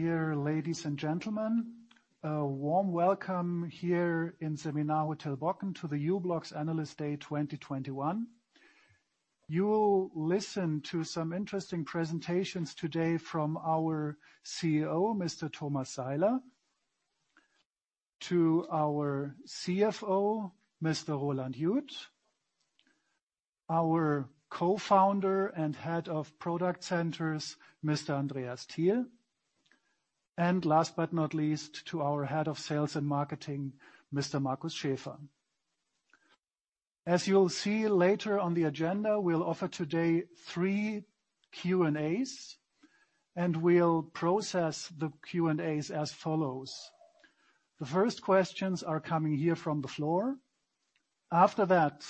Dear ladies and gentlemen, a warm welcome here in Seminarhotel Bocken to the u-blox Analyst Day 2021. You will listen to some interesting presentations today from our CEO, Mr. Thomas Seiler, to our CFO, Mr. Roland Jud, our co-founder and head of product centers, Mr. Andreas Thiel, and last but not least, to our head of sales and marketing, Mr. Markus Schaefer. As you'll see later on the agenda, we'll offer today 3 Q&As, and we'll process the Q&As as follows. The first questions are coming here from the floor. After that,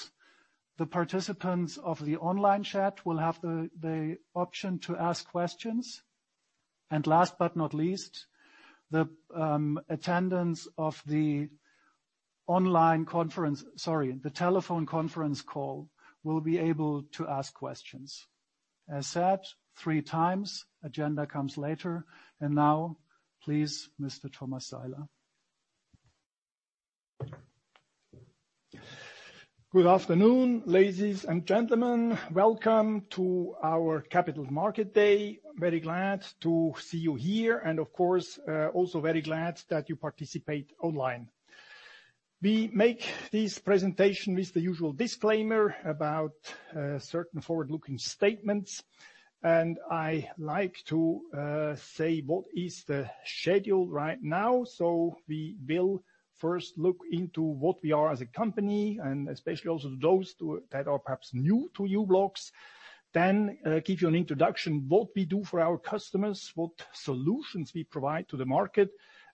the participants of the online chat will have the option to ask questions. Last but not least, the attendants of the telephone conference call will be able to ask questions. As said, 3x. Agenda comes later. Now, please, Mr. Thomas Seiler. Good afternoon, ladies and gentlemen. Welcome to our Capital Market Day. Very glad to see you here and, of course, also very glad that you participate online. We make this presentation with the usual disclaimer about certain forward-looking statements, and I like to say what is the schedule right now. We will first look into what we are as a company, and especially also to those that are perhaps new to u-blox. Then, give you an introduction, what we do for our customers, what solutions we provide to the market,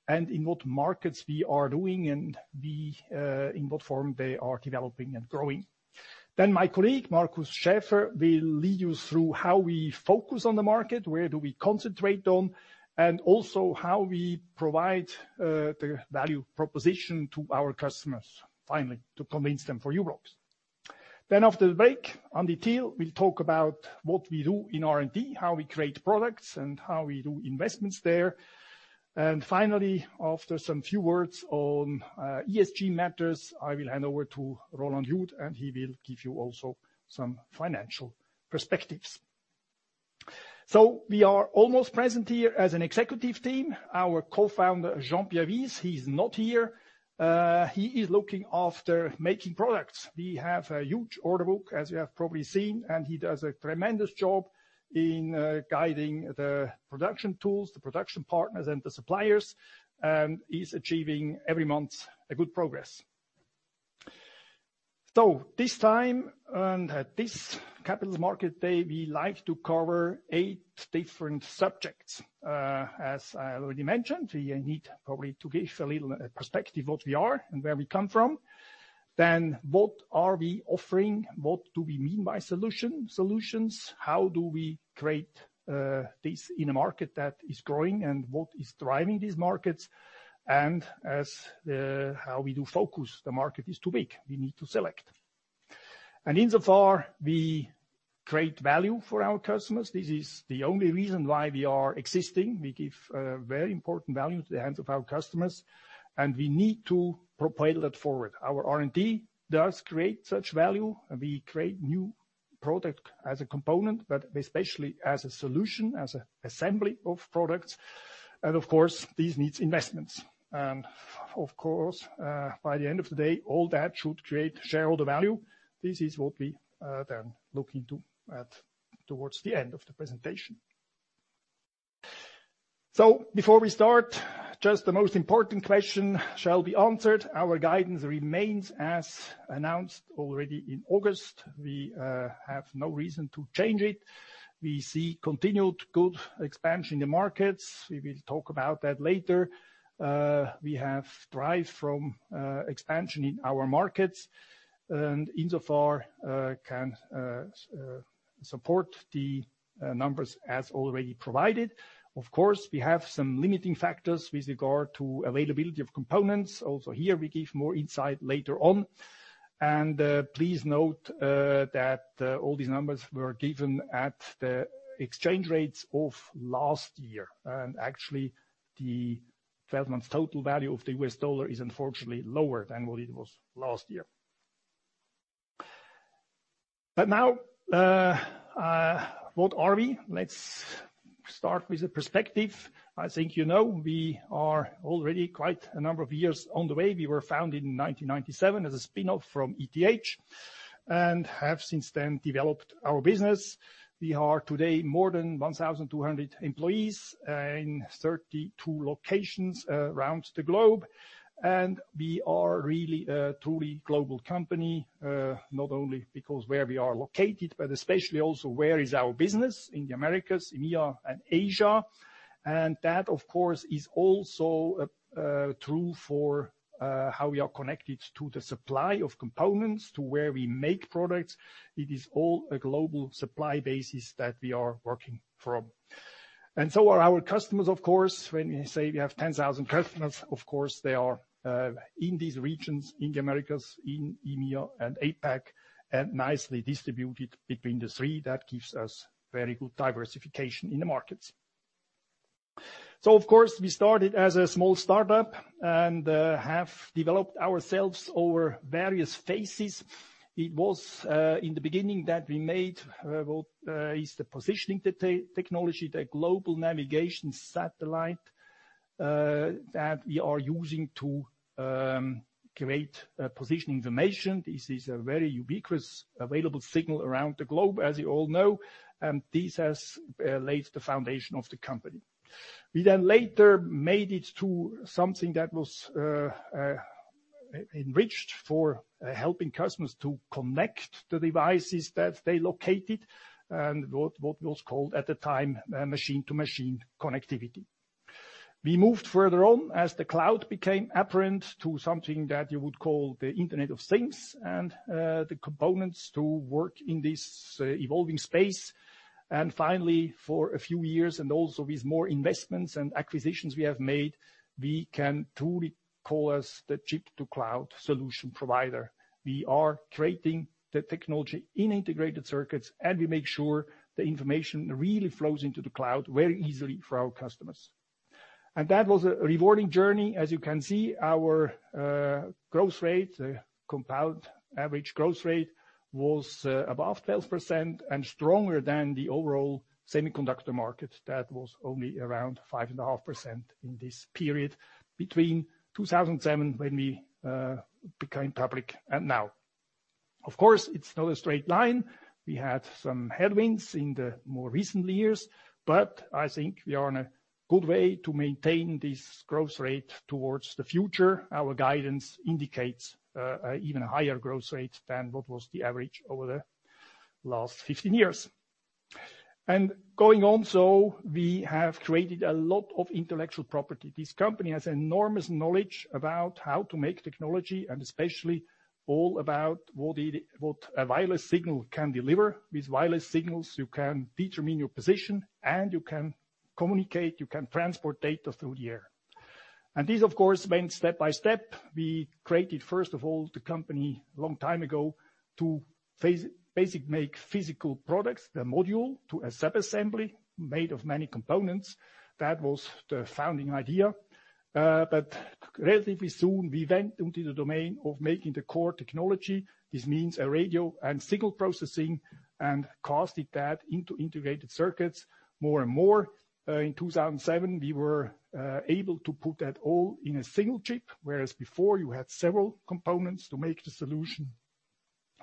and in what markets we are doing, in what form they are developing and growing. My colleague, Markus Schaefer, will lead you through how we focus on the market, where do we concentrate on, and also how we provide the value proposition to our customers, finally, to convince them for u-blox. After the break, Andy Thiel will talk about what we do in R&D, how we create products, and how we do investments there. Finally, after some few words on ESG matters, I will hand over to Roland Jud, and he will give you also some financial perspectives. We are almost present here as an executive team. Our co-founder, Jean-Pierre Wyss, he's not here. He is looking after making products. We have a huge order book, as you have probably seen, and he does a tremendous job in guiding the production tools, the production partners and the suppliers, and he's achieving every month a good progress. This time and at this Capital Market Day, we like to cover 8 different subjects. As I already mentioned, we need probably to give a little perspective what we are and where we come from. Then what are we offering? What do we mean by solution, solutions? How do we create this in a market that is growing? What is driving these markets? As how we do focus, the market is too big. We need to select. Insofar we create value for our customers. This is the only reason why we are existing. We give very important value to the hands of our customers, and we need to propel that forward. Our R&D does create such value. We create new product as a component, but especially as a solution, as an assembly of products. Of course, this needs investments. Of course, by the end of the day, all that should create shareholder value. This is what we then look into at, towards the end of the presentation. Before we start, just the most important question shall be answered. Our guidance remains as announced already in August. We have no reason to change it. We see continued good expansion in the markets. We will talk about that later. We have drive from expansion in our markets, and insofar can support the numbers as already provided. Of course, we have some limiting factors with regard to availability of components. Also here, we give more insight later on. Please note that all these numbers were given at the exchange rates of last year. Actually, the 12 months total value of the US dollar is unfortunately lower than what it was last year. Now, what are we? Let's start with a perspective. I think you know, we are already quite a number of years on the way. We were founded in 1997 as a spin-off from ETH, and have since then developed our business. We are today more than 1,200 employees in 32 locations around the globe. We are really a truly global company, not only because where we are located, but especially also where is our business in the Americas, EMEA and Asia. That, of course, is also true for how we are connected to the supply of components to where we make products. It is all a global supply basis that we are working from. Our customers are, of course. When we say we have 10,000 customers, of course, they are in these regions, in the Americas, in EMEA and APAC, and nicely distributed between the 3. That gives us very good diversification in the markets. Of course, we started as a small startup and have developed ourselves over various phases. It was in the beginning that we made what is the positioning technology, the global navigation satellite that we are using to create positioning information. This is a very ubiquitous available signal around the globe, as you all know, and this has laid the foundation of the company. We then later made it to something that was enriched for helping customers to connect the devices that they located and what was called at the time machine-to-machine connectivity. We moved further on as the cloud became apparent to something that you would call the Internet of Things and, the components to work in this evolving space. Finally, for a few years, and also with more investments and acquisitions we have made, we can truly call us the chip-to-cloud solution provider. We are creating the technology in integrated circuits, and we make sure the information really flows into the cloud very easily for our customers. That was a rewarding journey. As you can see, our growth rate, compound average growth rate was above 12% and stronger than the overall semiconductor market. That was only around 5.5% in this period between 2007 when we became public and now. Of course, it's not a straight line. We had some headwinds in the more recent years, but I think we are on a good way to maintain this growth rate towards the future. Our guidance indicates even higher growth rate than what was the average over the last 15 years. Going on, we have created a lot of intellectual property. This company has enormous knowledge about how to make technology and especially all about what a wireless signal can deliver. With wireless signals, you can determine your position and you can communicate, you can transport data through the air. This of course went step by step. We created, first of all, the company a long time ago to make physical products, the module to a sub-assembly made of many components. That was the founding idea. Relatively soon, we went into the domain of making the core technology. This means a radio and signal processing and casted that into integrated circuits more and more. In 2007, we were able to put that all in a single chip, whereas before you had several components to make the solution.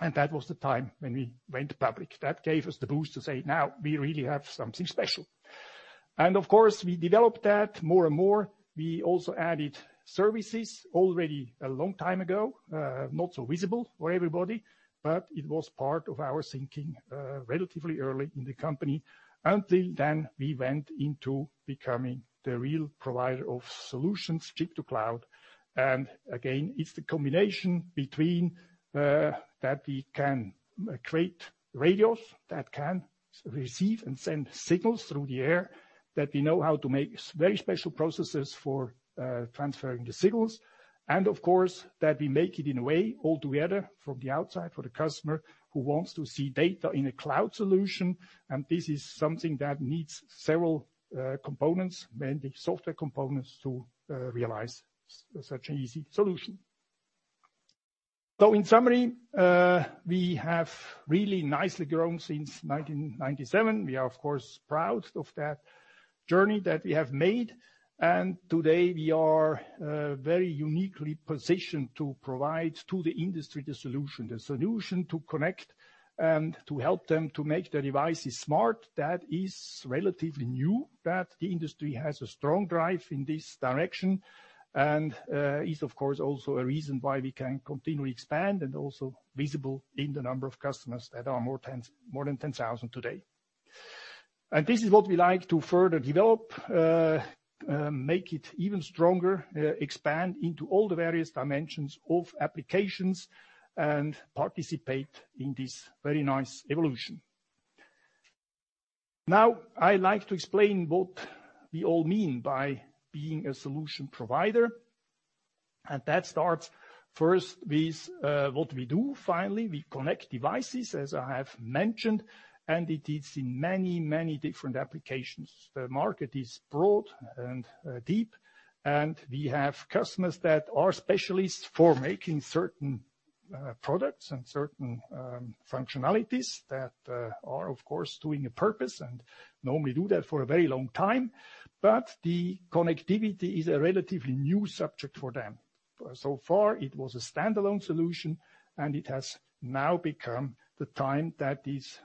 That was the time when we went public. That gave us the boost to say, "Now we really have something special." Of course, we developed that more and more. We also added services already a long time ago, not so visible for everybody, but it was part of our thinking, relatively early in the company. Until then, we went into becoming the real provider of solutions, chip to cloud. Again, it's the combination between that we can create radios that can receive and send signals through the air, that we know how to make very special processes for transferring the signals, and of course, that we make it in a way altogether from the outside for the customer who wants to see data in a cloud solution. This is something that needs several components, mainly software components, to realize such an easy solution. In summary, we have really nicely grown since 1997. We are, of course, proud of that journey that we have made. Today we are very uniquely positioned to provide to the industry the solution. The solution to connect and to help them to make their devices smart. That is relatively new, that the industry has a strong drive in this direction and, is of course, also a reason why we can continually expand and also visible in the number of customers that are more than 10,000 today. This is what we like to further develop, make it even stronger, expand into all the various dimensions of applications and participate in this very nice evolution. Now, I like to explain what we all mean by being a solution provider. That starts first with, what we do. Finally, we connect devices, as I have mentioned, and it is in many, many different applications. The market is broad and deep, and we have customers that are specialists for making certain products and certain functionalities that are of course doing a purpose and normally do that for a very long time. The connectivity is a relatively new subject for them. So far, it was a standalone solution, and it has now become the time that these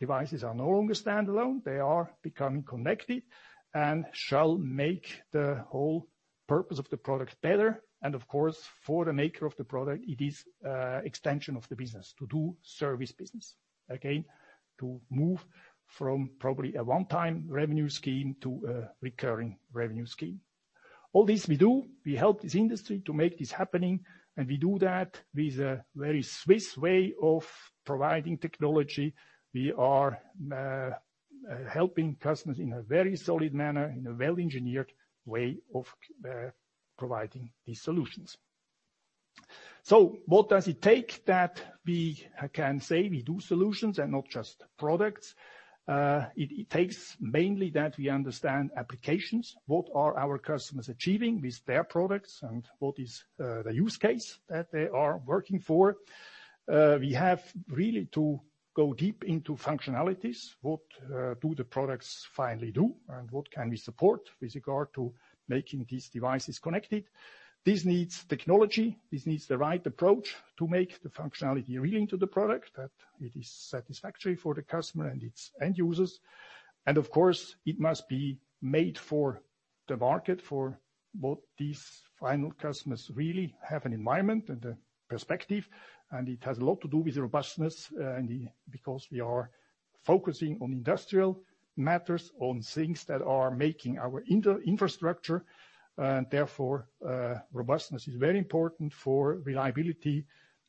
devices are no longer standalone. They are becoming connected and shall make the whole purpose of the product better. Of course, for the maker of the product, it is extension of the business to do service business. Again, to move from probably a one-time revenue scheme to a recurring revenue scheme. All this we do, we help this industry to make this happening, and we do that with a very Swiss way of providing technology. We are helping customers in a very solid manner, in a well-engineered way of providing these solutions. What does it take that we can say we do solutions and not just products? It takes mainly that we understand applications. What are our customers achieving with their products, and what is the use case that they are working for? We have really to go deep into functionalities. What do the products finally do, and what can we support with regard to making these devices connected? This needs technology. This needs the right approach to make the functionality relevant to the product that it is satisfactory for the customer and its end users. Of course, it must be made for the market for what these final customers really have an environment and a perspective. It has a lot to do with robustness, and because we are focusing on industrial matters, on things that are making our infrastructure, therefore, robustness is very important for reliability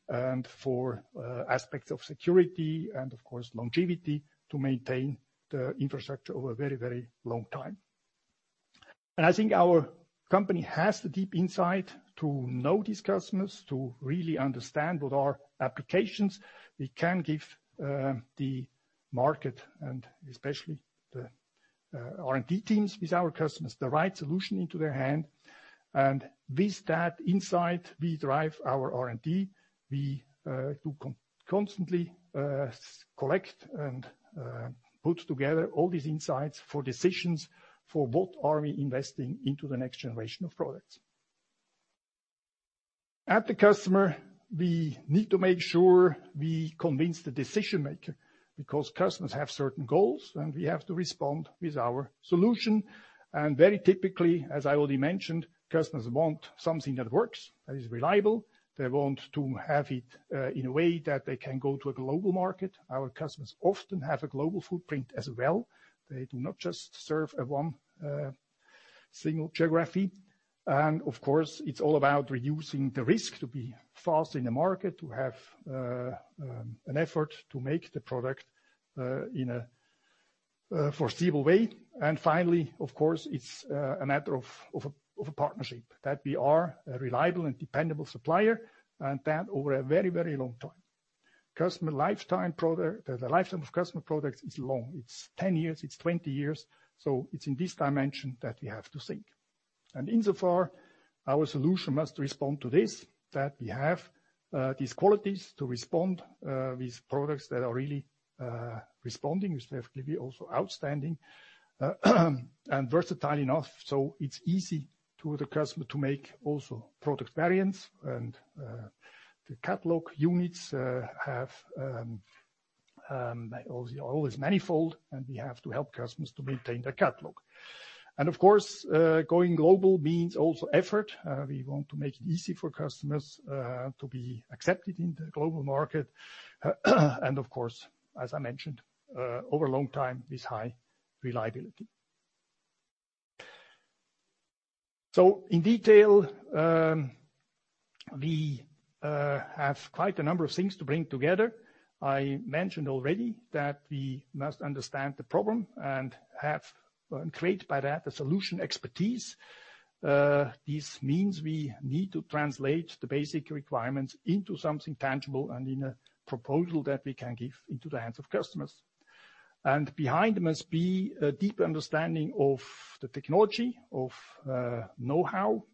and for aspects of security and of course, longevity to maintain the infrastructure over a very, very long time. I think our company has the deep insight to know these customers, to really understand what are applications we can give the market and especially the R&D teams with our customers, the right solution into their hand. With that insight, we drive our R&D. We do constantly collect and put together all these insights for decisions for what are we investing into the next generation of products. At the customer, we need to make sure we convince the decision maker, because customers have certain goals, and we have to respond with our solution. Very typically, as I already mentioned, customers want something that works, that is reliable. They want to have it in a way that they can go to a global market. Our customers often have a global footprint as well. They do not just serve a 1 single geography. Of course, it's all about reducing the risk to be fast in the market, to have an effort to make the product in a foreseeable way. Finally, of course, it's a matter of a partnership, that we are a reliable and dependable supplier, and that over a very, very long time. The lifetime of customer products is long. It's 10 years. It's 20 years. It's in this dimension that we have to think. Insofar, our solution must respond to this, that we have these qualities to respond with products that are really responding respectively, also outstanding, and versatile enough, so it's easy to the customer to make also product variants. The catalog units have all this manifold, and we have to help customers to maintain their catalog. Of course, going global means also effort. We want to make it easy for customers to be accepted in the global market. Of course, as I mentioned, over a long time, with high reliability. In detail, we have quite a number of things to bring together. I mentioned already that we must understand the problem and have and create by that the solution expertise. This means we need to translate the basic requirements into something tangible and in a proposal that we can give into the hands of customers. Behind must be a deep understanding of the technology of know-how.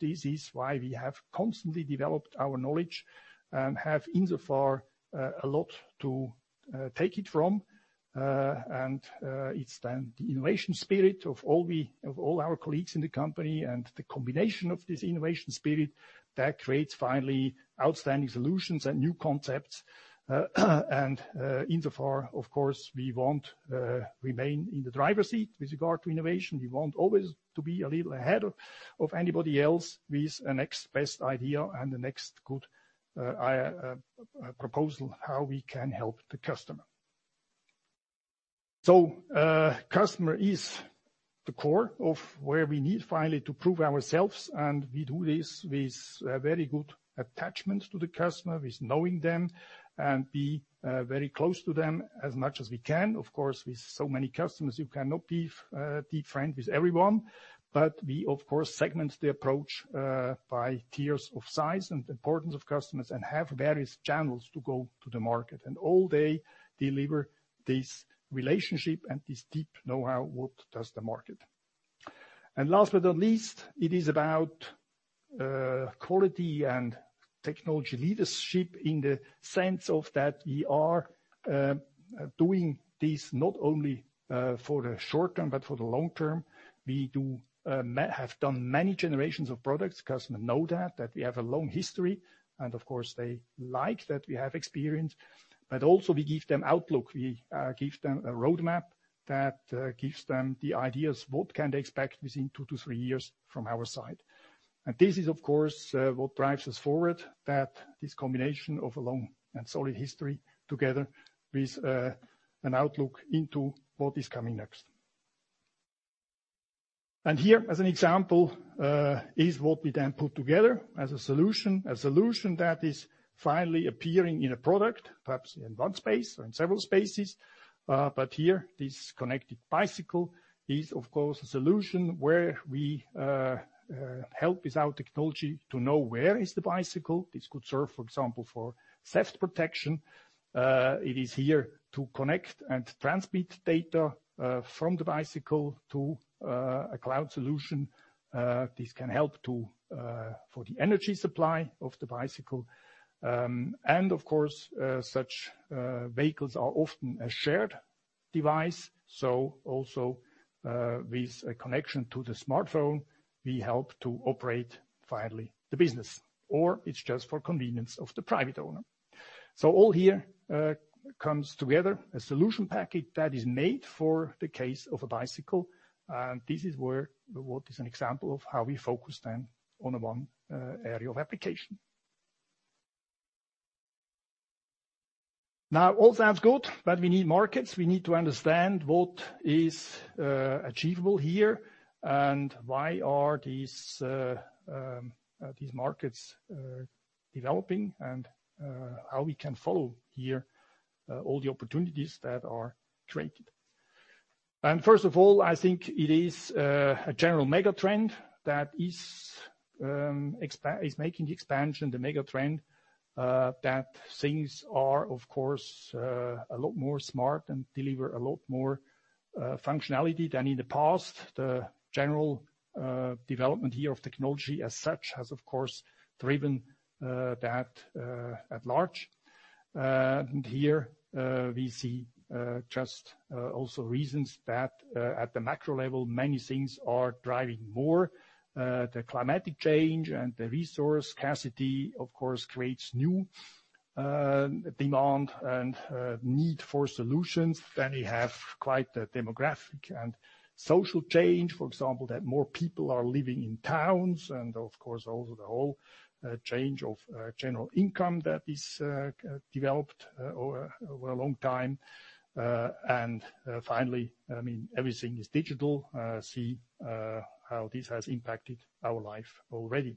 This is why we have constantly developed our knowledge and have insofar a lot to take it from. It's then the innovation spirit of all our colleagues in the company and the combination of this innovation spirit that creates finally outstanding solutions and new concepts. Insofar, of course, we want to remain in the driver's seat with regard to innovation. We want always to be a little ahead of anybody else with the next best idea and the next good proposal, how we can help the customer. Customer is the core of where we need finally to prove ourselves, and we do this with a very good attachment to the customer, with knowing them and be very close to them as much as we can. Of course, with so many customers, you cannot be a deep friend with everyone. We of course segment the approach by tiers of size and importance of customers and have various channels to go to the market. All day deliver this relationship and this deep know-how, what does the market. Last but not least, it is about quality and technology leadership in the sense of that we are doing this not only for the short term but for the long term. We have done many generations of products. Customers know that we have a long history. Of course, they like that we have experience. But also we give them outlook. We give them a roadmap that gives them the ideas what can they expect within 2 to 3 years from our side. This is, of course, what drives us forward, that this combination of a long and solid history together with an outlook into what is coming next. Here as an example is what we then put together as a solution. A solution that is finally appearing in a product, perhaps in 1 space or in several spaces. Here, this connected bicycle is of course a solution where we help with our technology to know where is the bicycle. This could serve, for example, for theft protection. It is here to connect and transmit data from the bicycle to a cloud solution. This can help to for the energy supply of the bicycle. Of course such vehicles are often a shared device. Also, with a connection to the smartphone, we help to operate finally the business, or it's just for convenience of the private owner. All here comes together a solution package that is made for the case of a bicycle. This is where, what is an example of how we focus then on the 1 area of application. Now, all sounds good, but we need markets. We need to understand what is achievable here and why are these markets developing and how we can follow here all the opportunities that are created. First of all, I think it is a general mega trend that is making the expansion, the mega trend, that things are of course a lot more smart and deliver a lot more functionality than in the past. The general development here of technology as such has of course driven that at large. here we see just also reasons that at the macro level, many things are driving more the climate change and the resource scarcity of course creates new demand and need for solutions. We have quite the demographic and social change, for example, that more people are living in towns and of course also the whole change of general income that is developed over a long time. Finally, I mean, everything is digital. See how this has impacted our life already.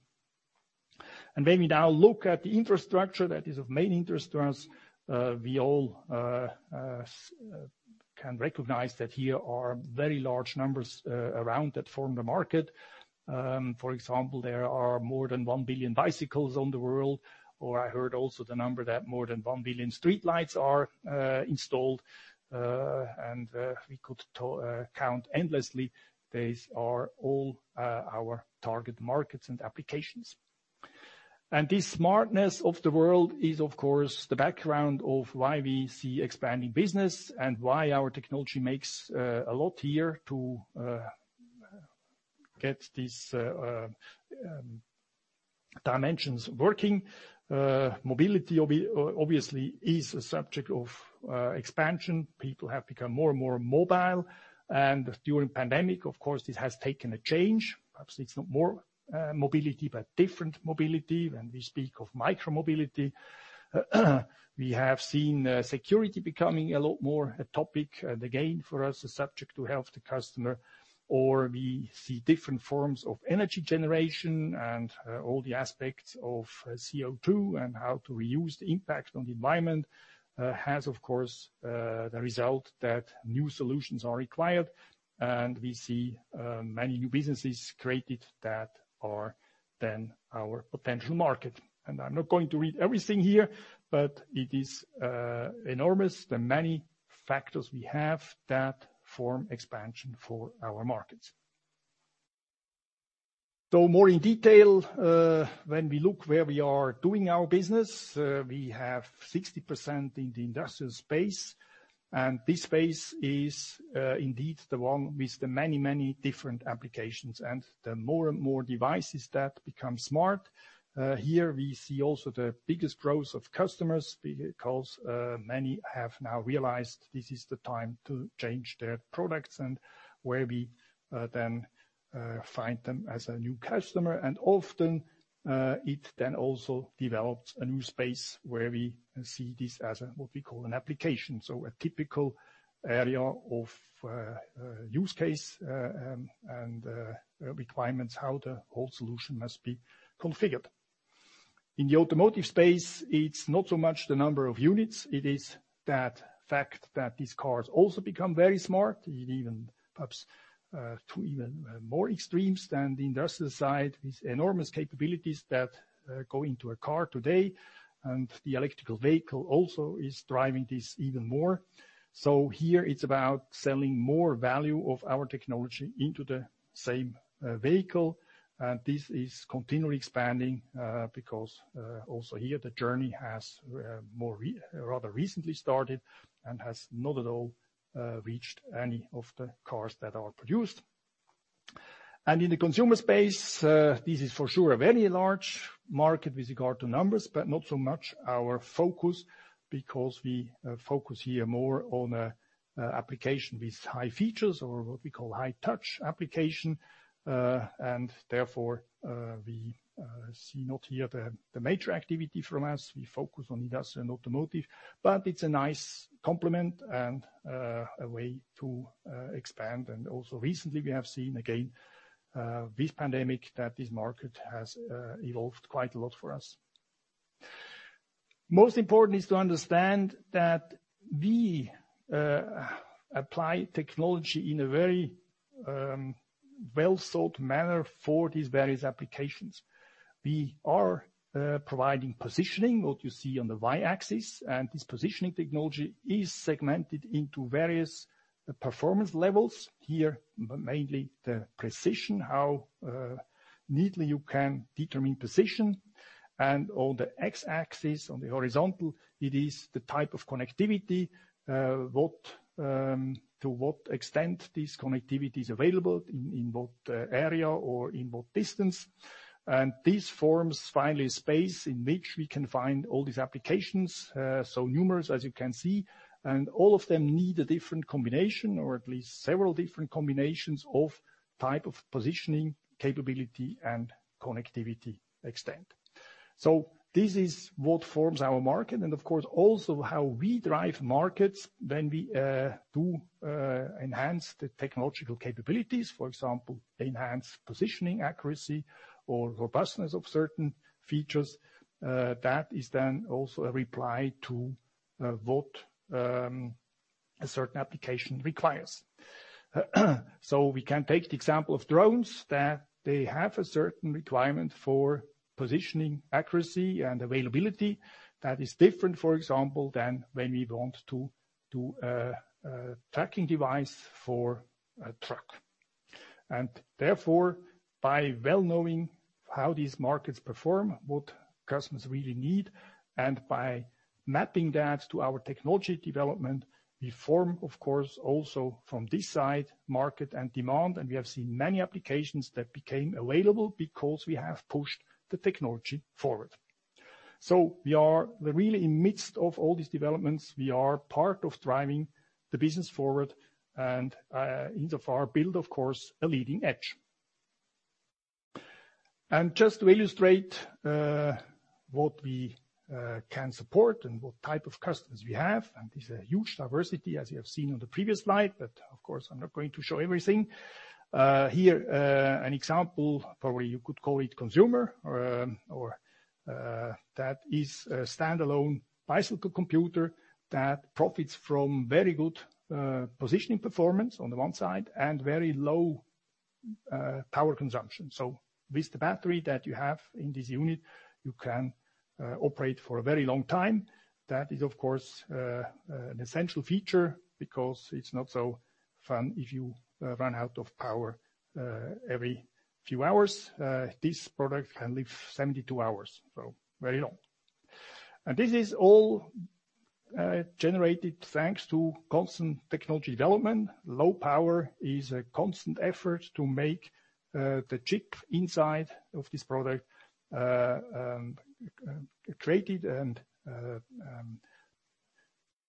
When we now look at the infrastructure that is of main interest to us, we all can recognize that here are very large numbers around that form the market. For example, there are more than 1 billion bicycles in the world, or I heard also the number that more than 1 billion streetlights are installed. We could count endlessly. These are all our target markets and applications. This smartness of the world is of course the background of why we see expanding business and why our technology makes a lot here to get these dimensions working. Mobility obviously is a subject of expansion. People have become more and more mobile. During the pandemic, of course, this has taken a change. Perhaps it's not more mobility, but different mobility when we speak of micro-mobility. We have seen security becoming a lot more a topic and again, for us, a subject to help the customer or we see different forms of energy generation and all the aspects of CO₂ and how to reduce the impact on the environment has of course the result that new solutions are required. We see many new businesses created that are then our potential market. I'm not going to read everything here, but it is enormous, the many factors we have that form expansion for our markets. More in detail, when we look where we are doing our business, we have 60% in the industrial space, and this space is indeed the one with the many, many different applications and the more and more devices that become smart. Here we see also the biggest growth of customers because many have now realized this is the time to change their products and where we then find them as a new customer. Often it then also develops a new space where we see this as a what we call an application. A typical area of use case and requirements, how the whole solution must be configured. In the automotive space, it's not so much the number of units. It is that fact that these cars also become very smart, it even perhaps to even more extremes than the industrial side, these enormous capabilities that go into a car today. The electric vehicle also is driving this even more. Here it's about selling more value of our technology into the same vehicle. This is continually expanding, because also here the journey has rather recently started and has not at all reached any of the cars that are produced. In the consumer space, this is for sure a very large market with regard to numbers, but not so much our focus because we focus here more on application with high features or what we call high touch application. Therefore, we see not here the major activity from us. We focus on industrial and automotive. But it's a nice complement and a way to expand. Also recently we have seen, again, with pandemic that this market has evolved quite a lot for us. Most important is to understand that we apply technology in a very well thought manner for these various applications. We are providing positioning, what you see on the Y-axis, and this positioning technology is segmented into various performance levels. Here, mainly the precision, how neatly you can determine position and on the X-axis, on the horizontal, it is the type of connectivity, what to what extent this connectivity is available in what area or in what distance. This forms finally a space in which we can find all these applications, so numerous as you can see, and all of them need a different combination or at least several different combinations of type of positioning capability and connectivity extent. This is what forms our market and of course, also how we drive markets when we do enhance the technological capabilities. For example, enhance positioning accuracy or robustness of certain features, that is then also a reply to, what, a certain application requires. We can take the example of drones, that they have a certain requirement for positioning accuracy and availability that is different, for example, than when we want to do a tracking device for a truck. Therefore, by well knowing how these markets perform, what customers really need, and by mapping that to our technology development, we form, of course, also from this side, market and demand. We have seen many applications that became available because we have pushed the technology forward. We are really in midst of all these developments. We are part of driving the business forward and, insofar build of course a leading edge. Just to illustrate what we can support and what type of customers we have, and this is a huge diversity as you have seen on the previous slide, but of course, I'm not going to show everything. Here, an example, probably you could call it consumer or that is a standalone bicycle computer that profits from very good positioning performance on the one side and very low power consumption. With the battery that you have in this unit, you can operate for a very long time. That is, of course, an essential feature because it's not so fun if you run out of power every few hours. This product can live 72 hours, so very long. This is all generated thanks to constant technology development. Low power is a constant effort to make the chip inside of this product created and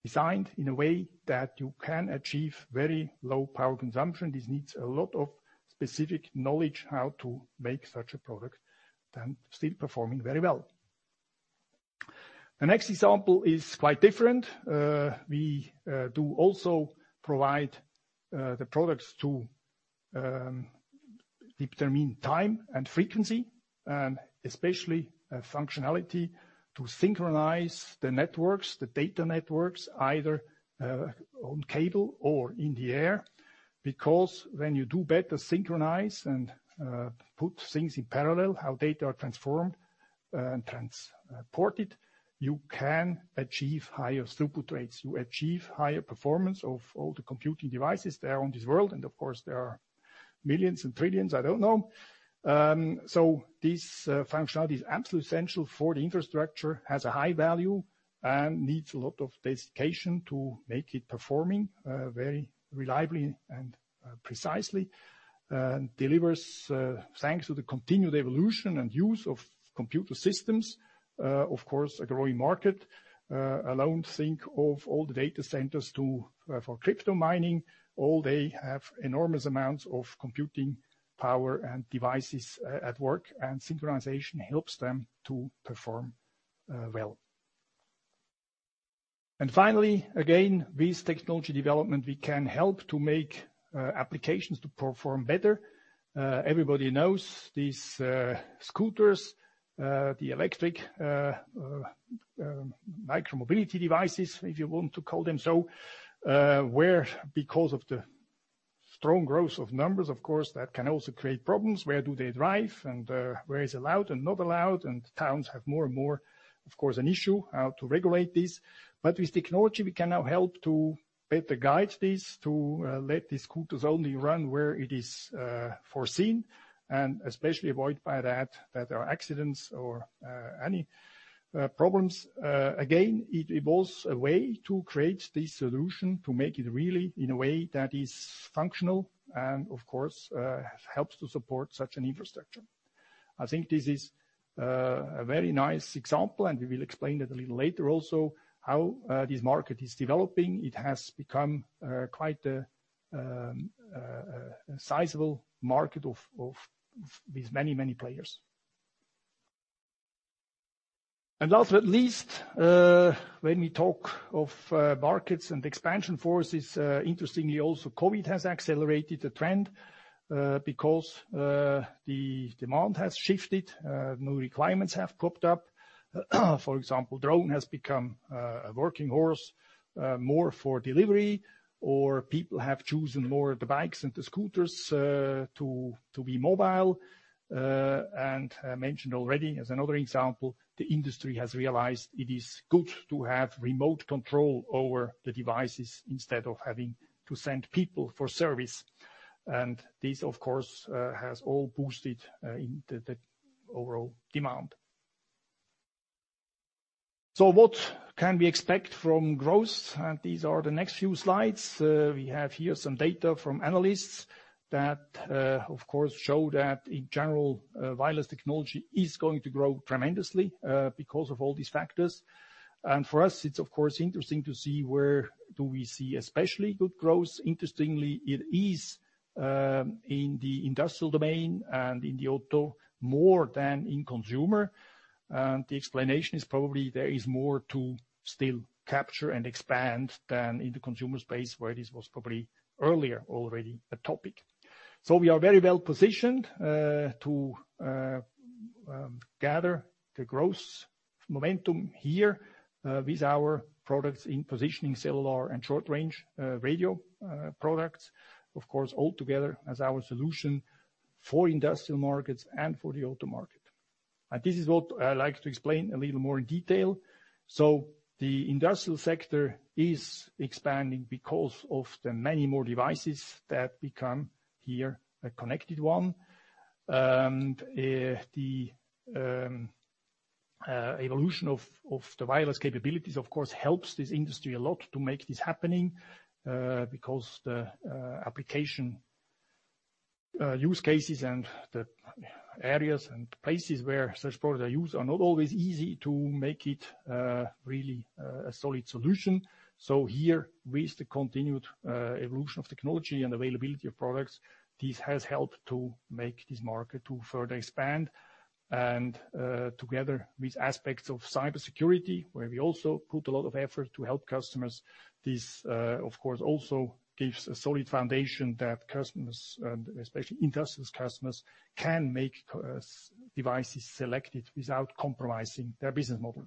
designed in a way that you can achieve very low power consumption. This needs a lot of specific knowledge how to make such a product and still performing very well. The next example is quite different. We do also provide the products to determine time and frequency, and especially a functionality to synchronize the networks, the data networks, either on cable or in the air. Because when you do better synchronize and put things in parallel, how data are transformed and transported, you can achieve higher throughput rates. You achieve higher performance of all the computing devices there are in this world. Of course, there are millions and trillions, I don't know. This functionality is absolutely essential for the infrastructure, has a high value and needs a lot of dedication to make it performing very reliably and precisely. It delivers, thanks to the continued evolution and use of computer systems, of course, a growing market. Alone, think of all the data centers for crypto mining. All they have enormous amounts of computing power and devices at work, and synchronization helps them to perform well. Finally, again, with technology development, we can help to make applications to perform better. Everybody knows these scooters, the electric micro mobility devices, if you want to call them so. Where because of the strong growth of numbers, of course, that can also create problems. Where do they drive and where is allowed and not allowed? Towns have more and more, of course, an issue how to regulate this. With technology, we can now help to better guide this, to let these scooters only run where it is foreseen, and especially avoid by that there are accidents or any problems. Again, it evolves a way to create this solution, to make it really in a way that is functional and of course, helps to support such an infrastructure. I think this is a very nice example, and we will explain it a little later also how this market is developing. It has become quite a sizeable market of these many players. Last but not least, when we talk of markets and expansion forces, interestingly also COVID has accelerated the trend, because the demand has shifted, new requirements have popped up. For example, drone has become a working horse more for delivery, or people have chosen more the bikes and the scooters to be mobile. I mentioned already as another example, the industry has realized it is good to have remote control over the devices instead of having to send people for service. This, of course, has all boosted in the overall demand. What can we expect from growth? These are the next few slides. We have here some data from analysts that, of course, show that in general, wireless technology is going to grow tremendously, because of all these factors. For us, it's of course interesting to see where do we see especially good growth. Interestingly, it is in the industrial domain and in the auto more than in consumer. The explanation is probably there is more to still capture and expand than in the consumer space, where this was probably earlier already a topic. We are very well positioned to gather the growth momentum here with our products in positioning, cellular and short-range radio products. Of course, all together as our solution for industrial markets and for the auto market. This is what I like to explain a little more in detail. The industrial sector is expanding because of the many more devices that become here a connected one. The evolution of the wireless capabilities of course helps this industry a lot to make this happening, because the application use cases and the areas and places where such products are used are not always easy to make it really a solid solution. Here with the continued evolution of technology and availability of products, this has helped to make this market to further expand and together with aspects of cybersecurity, where we also put a lot of effort to help customers. This of course also gives a solid foundation that customers, and especially industrial customers, can make devices selected without compromising their business model.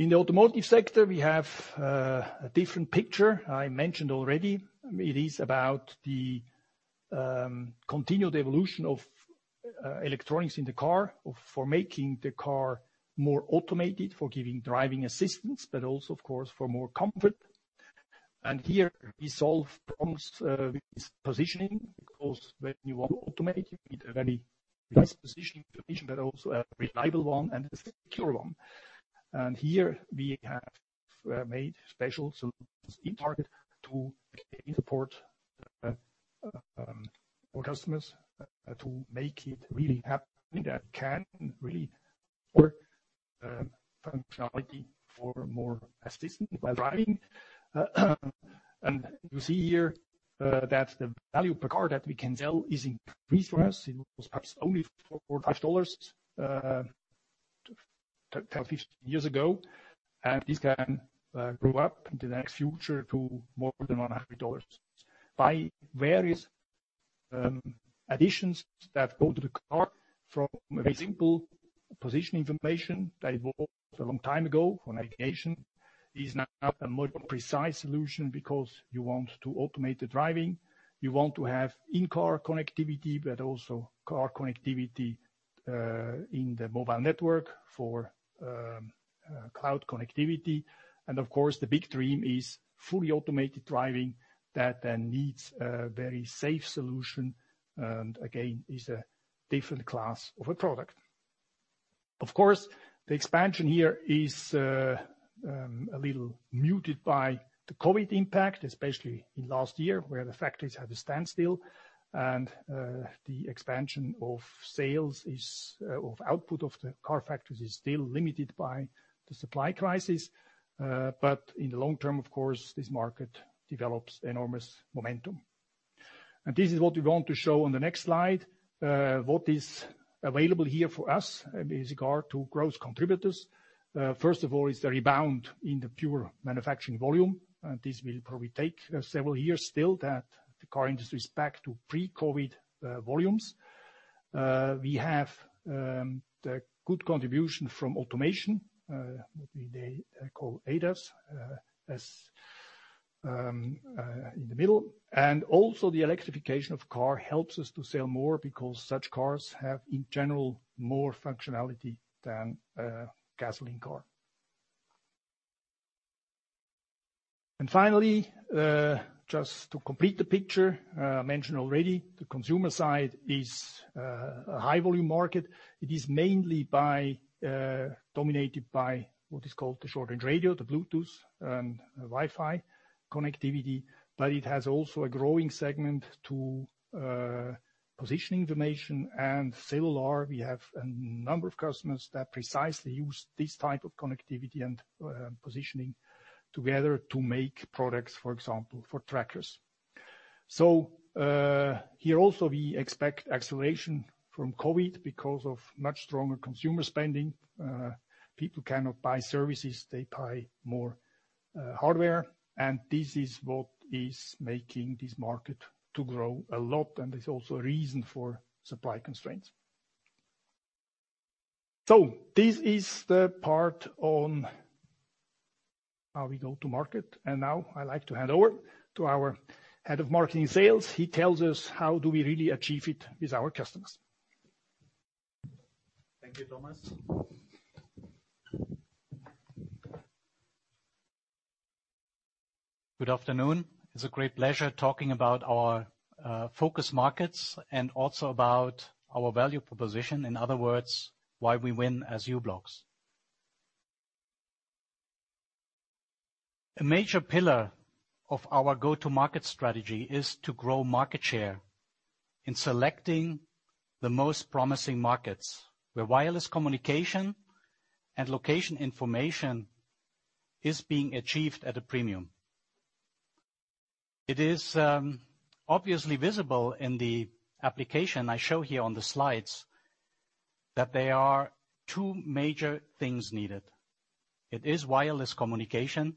In the automotive sector, we have a different picture. I mentioned already it is about the continued evolution of electronics in the car for making the car more automated, for giving driving assistance, but also of course for more comfort. Here we solve problems with positioning, because when you want to automate, you need a very nice positioning information, but also a reliable one and a secure one. Here we have made special solutions intended to support our customers to make it really happening that can really work functionality for more assistance while driving. You see here that the value per car that we can sell is increased for us. It was perhaps only $4 or $5 10 to 15 years ago. This can grow up in the next future to more than $100. By various additions that go to the car from a very simple position information that evolved a long time ago for navigation is now a more precise solution because you want to automate the driving. You want to have in-car connectivity, but also car connectivity in the mobile network for cloud connectivity. Of course, the big dream is fully automated driving that then needs a very safe solution, and again, is a different class of a product. Of course, the expansion here is a little muted by the COVID impact, especially in last year, where the factories had a standstill and the expansion of output of the car factories is still limited by the supply crisis. In the long term of course, this market develops enormous momentum. This is what we want to show on the next slide. What is available here for us in regard to growth contributors. First of all is the rebound in the pure manufacturing volume. This will probably take several years still that the car industry is back to pre-COVID volumes. We have the good contribution from automation, what we then call ADAS, as in the middle. Also the electrification of car helps us to sell more because such cars have in general more functionality than a gasoline car. Finally, just to complete the picture, I mentioned already the consumer side is a high volume market. It is mainly dominated by what is called the short-range radio, the Bluetooth and Wi-Fi connectivity. It has also a growing segment to positioning information and cellular. We have a number of customers that precisely use this type of connectivity and positioning together to make products, for example, for trackers. Here also we expect acceleration from COVID because of much stronger consumer spending. People cannot buy services, they buy more hardware. This is what is making this market to grow a lot, and is also a reason for supply constraints. This is the part on how we go to market, and now I like to hand over to our head of marketing sales. He tells us how do we really achieve it with our customers. Thank you, Thomas. Good afternoon. It's a great pleasure talking about our focus markets and also about our value proposition. In other words, why we win as u-blox. A major pillar of our go-to-market strategy is to grow market share in selecting the most promising markets, where wireless communication and location information is being achieved at a premium. It is obviously visible in the application I show here on the slides that there are 2 major things needed. It is wireless communication,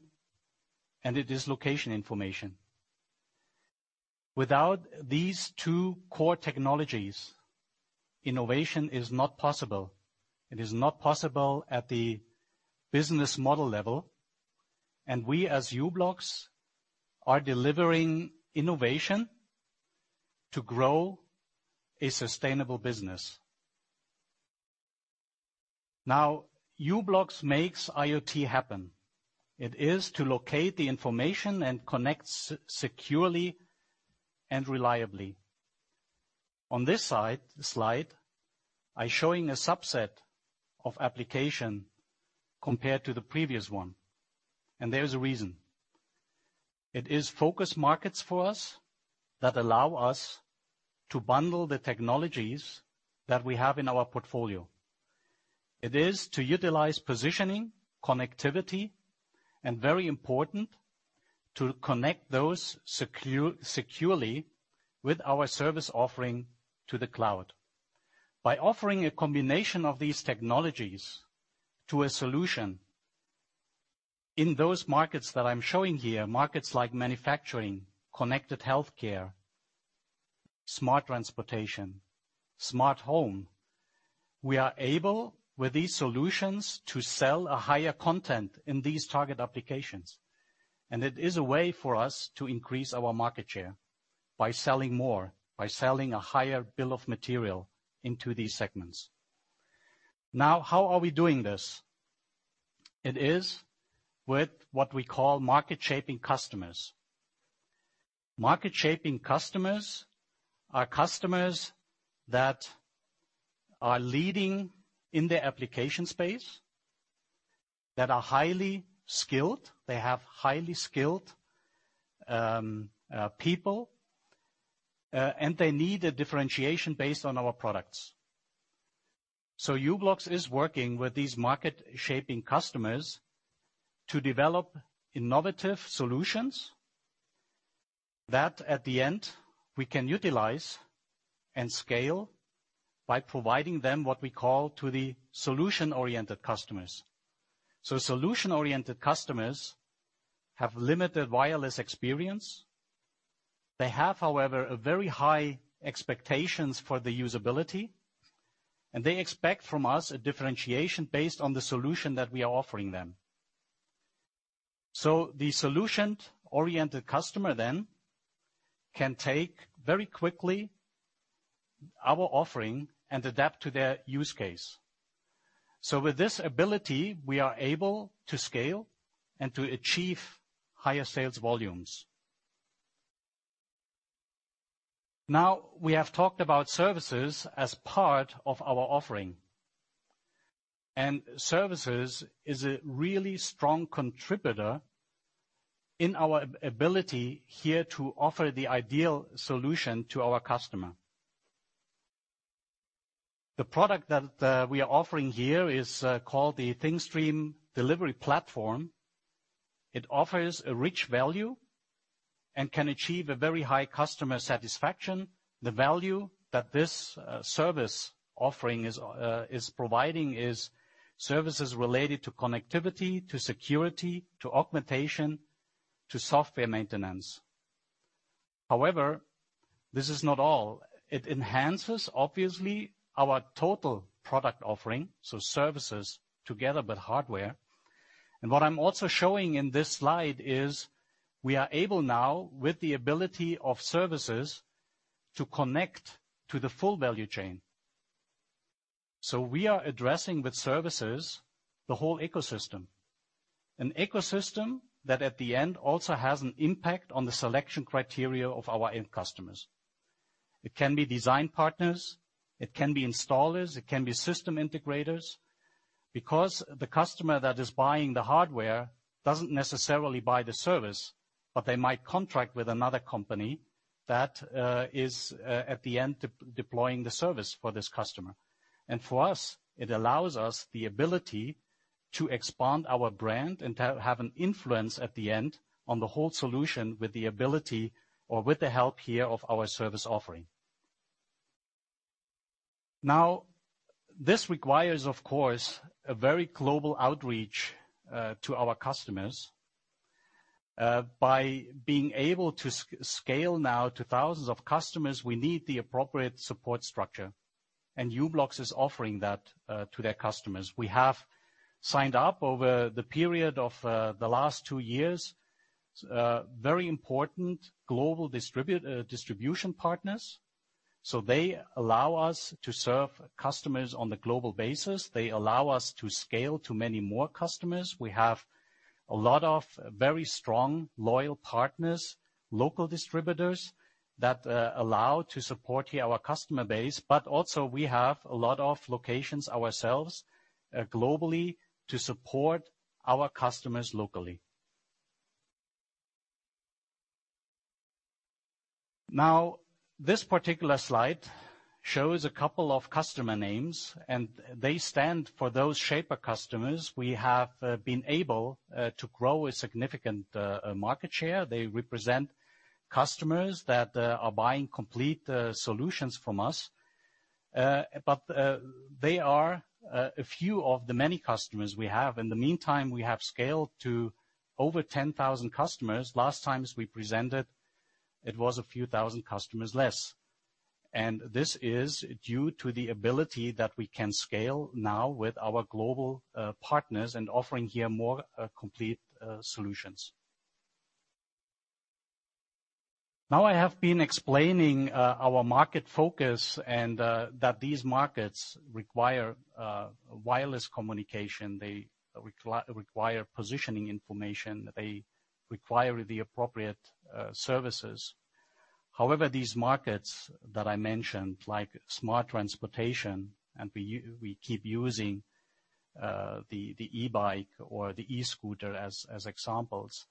and it is location information. Without these 2 core technologies, innovation is not possible. It is not possible at the business model level, and we, as u-blox, are delivering innovation to grow a sustainable business. Now, u-blox makes IoT happen. It is to locate the information and connect securely and reliably. On this slide, I'm showing a subset of applications compared to the previous one, and there's a reason. It is focus markets for us that allow us to bundle the technologies that we have in our portfolio. It is to utilize positioning, connectivity, and very important, to connect those securely with our service offering to the cloud. By offering a combination of these technologies to a solution in those markets that I'm showing here, markets like manufacturing, connected healthcare, smart transportation, smart home, we are able, with these solutions, to sell a higher content in these target applications. It is a way for us to increase our market share by selling more, by selling a higher bill of material into these segments. Now, how are we doing this? It is with what we call market-shaping customers. Market-shaping customers are customers that are leading in their application space, that are highly skilled, they have highly skilled people, and they need a differentiation based on our products. u-blox is working with these market-shaping customers to develop innovative solutions that, at the end, we can utilize and scale by providing them what we call the solution-oriented customers. Solution-oriented customers have limited wireless experience. They have, however, a very high expectations for the usability, and they expect from us a differentiation based on the solution that we are offering them. The solution-oriented customer then can take very quickly our offering and adapt to their use case. With this ability, we are able to scale and to achieve higher sales volumes. Now, we have talked about services as part of our offering. Services is a really strong contributor in our ability here to offer the ideal solution to our customer. The product that we are offering here is called the Thingstream Delivery Platform. It offers a rich value and can achieve a very high customer satisfaction. The value that this service offering is providing is services related to connectivity, to security, to augmentation, to software maintenance. However, this is not all. It enhances, obviously, our total product offering, so services together with hardware. What I'm also showing in this slide is we are able now, with the ability of services, to connect to the full value chain. We are addressing, with services, the whole ecosystem. An ecosystem that at the end also has an impact on the selection criteria of our end customers. It can be design partners, it can be installers, it can be system integrators. Because the customer that is buying the hardware doesn't necessarily buy the service, but they might contract with another company that is at the end deploying the service for this customer. For us, it allows us the ability to expand our brand and to have an influence at the end on the whole solution with the ability or with the help here of our service offering. Now, this requires, of course, a very global outreach to our customers by being able to scale now to thousands of customers. We need the appropriate support structure, and u-blox is offering that to their customers. We have signed up over the period of the last 2 years, very important global distribution partners. They allow us to serve customers on a global basis. They allow us to scale to many more customers. We have a lot of very strong loyal partners, local distributors that allow to support here our customer base. We have a lot of locations ourselves, globally to support our customers locally. Now this particular slide shows a couple of customer names, and they stand for those shaper customers we have been able to grow a significant market share. They represent customers that are buying complete solutions from us. They are a few of the many customers we have. In the meantime, we have scaled to over 10,000 customers. Last time we presented it was a few thousand customers less. This is due to the ability that we can scale now with our global partners and offering here more complete solutions. Now, I have been explaining our market focus and that these markets require wireless communication. They require positioning information. They require the appropriate services. However, these markets that I mentioned, like smart transportation, we keep using the e-bike or the e-scooter as examples.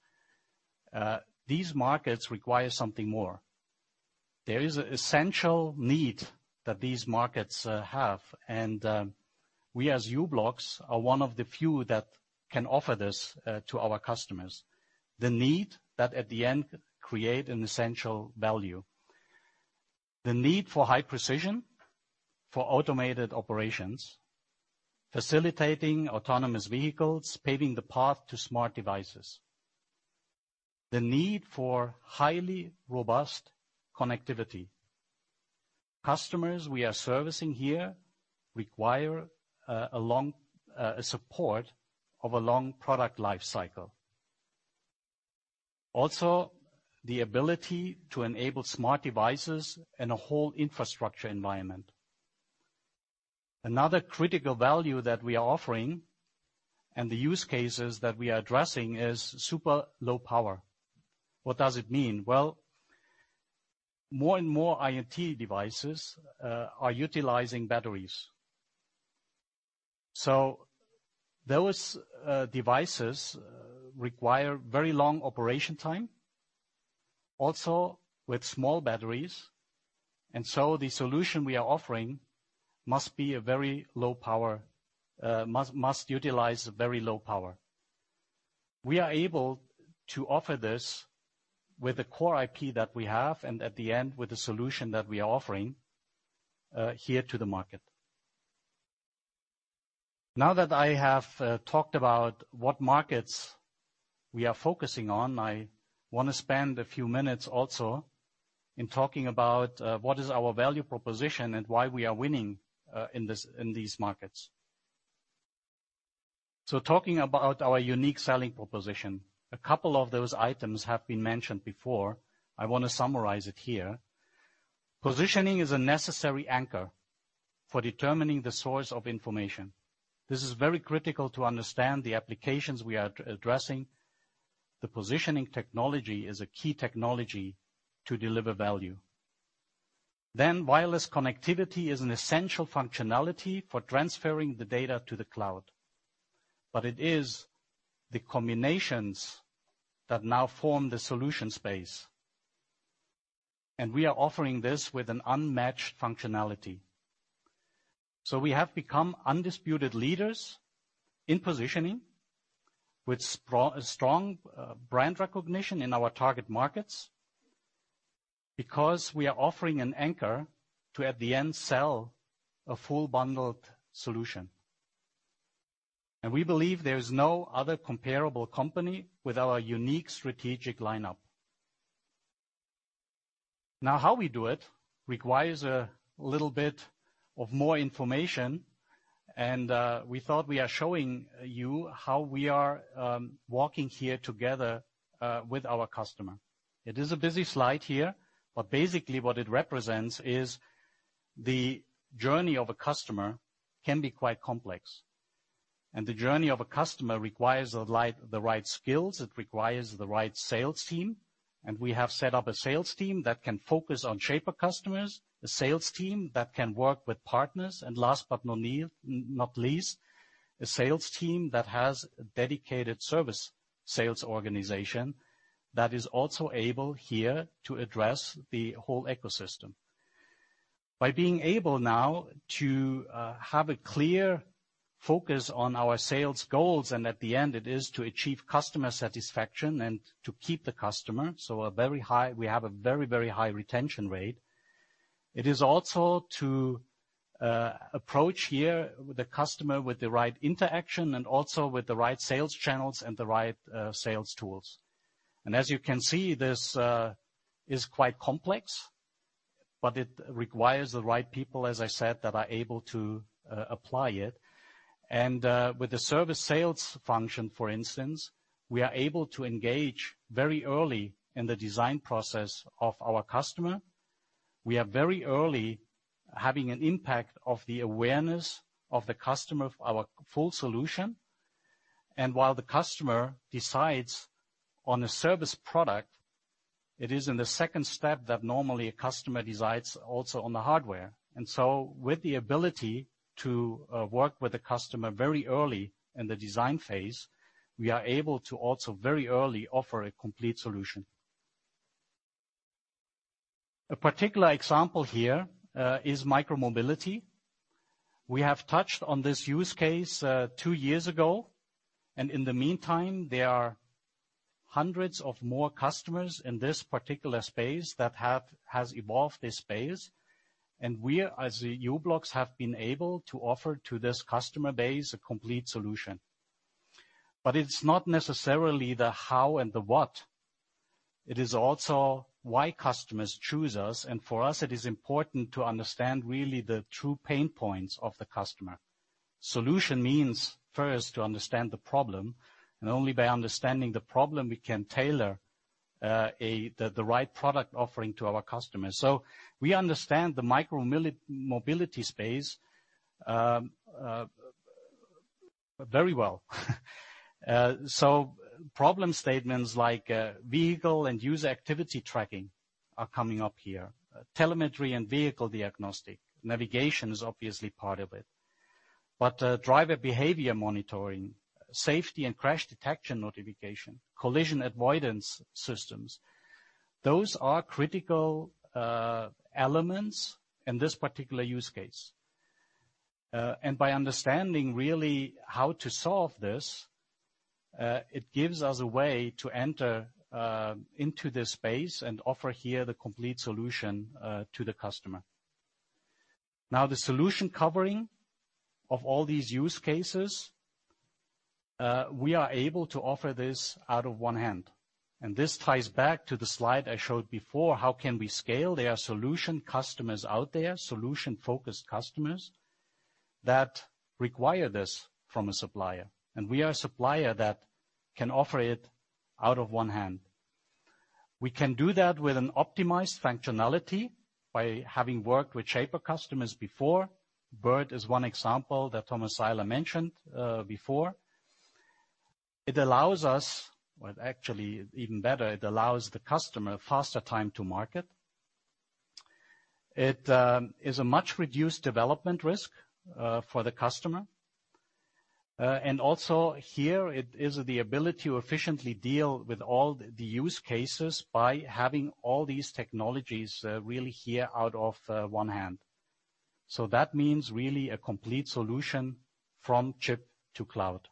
These markets require something more. There is an essential need that these markets have. We as u-blox are one of the few that can offer this to our customers. The need that at the end create an essential value, the need for high precision, for automated operations, facilitating autonomous vehicles, paving the path to smart devices, the need for highly robust connectivity. Customers we are servicing here require a long support of a long product life cycle and the ability to enable smart devices and a whole infrastructure environment. Another critical value that we are offering and the use cases that we are addressing is super low power. What does it mean? Well, more and more IoT devices are utilizing batteries. Those devices require very long operation time, also with small batteries. The solution we are offering must utilize very low power. We are able to offer this with the core IP that we have and at the end with the solution that we are offering here to the market. Now that I have talked about what markets we are focusing on, I wanna spend a few minutes also in talking about what is our value proposition and why we are winning in these markets. Talking about our unique selling proposition, a couple of those items have been mentioned before. I want to summarize it here. Positioning is a necessary anchor for determining the source of information. This is very critical to understand the applications we are addressing. The positioning technology is a key technology to deliver value. Then wireless connectivity is an essential functionality for transferring the data to the cloud. But it is the combinations that now form the solution space, and we are offering this with an unmatched functionality. We have become undisputed leaders in positioning with strong brand recognition in our target markets because we are offering an anchor to, at the end, sell a full bundled solution. We believe there is no other comparable company with our unique strategic lineup. Now, how we do it requires a little bit of more information, and we thought we are showing you how we are working here together with our customer. It is a busy slide here, but basically what it represents is the journey of a customer can be quite complex. The journey of a customer requires the right skills, it requires the right sales team. We have set up a sales team that can focus on shaper customers, a sales team that can work with partners, and last but not least, a sales team that has a dedicated service sales organization. That is also able here to address the whole ecosystem. By being able now to have a clear focus on our sales goals, and at the end it is to achieve customer satisfaction and to keep the customer, so we have a very, very high retention rate. It is also to approach here the customer with the right interaction and also with the right sales channels and the right sales tools. As you can see, this is quite complex, but it requires the right people, as I said, that are able to apply it. With the service sales function, for instance, we are able to engage very early in the design process of our customer. We are very early having an impact of the awareness of the customer of our full solution. While the customer decides on a service product, it is in the second step that normally a customer decides also on the hardware. With the ability to work with the customer very early in the design phase, we are able to also very early offer a complete solution. A particular example here is micromobility. We have touched on this use case 2 years ago, and in the meantime, there are hundreds of more customers in this particular space that has evolved this space. We, as u-blox, have been able to offer to this customer base a complete solution. It's not necessarily the how and the what. It is also why customers choose us. For us, it is important to understand really the true pain points of the customer. Solution means first to understand the problem, and only by understanding the problem, we can tailor the right product offering to our customers. We understand the micromobility space very well. Problem statements like vehicle and user activity tracking are coming up here. Telemetry and vehicle diagnostic. Navigation is obviously part of it. Driver behavior monitoring, safety and crash detection notification, collision avoidance systems, those are critical elements in this particular use case. By understanding really how to solve this, it gives us a way to enter into this space and offer here the complete solution to the customer. Now, the solution covering of all these use cases, we are able to offer this out of one hand. This ties back to the slide I showed before, how can we scale? There are solution customers out there, solution-focused customers, that require this from a supplier, and we are a supplier that can offer it out of one hand. We can do that with an optimized functionality by having worked with shaper customers before. Bird is 1 example that Thomas Seiler mentioned before. Well, actually even better, it allows the customer faster time to market. It is a much reduced development risk for the customer. Also here it is the ability to efficiently deal with all the use cases by having all these technologies really here out of one hand. That means really a complete solution from chip to cloud.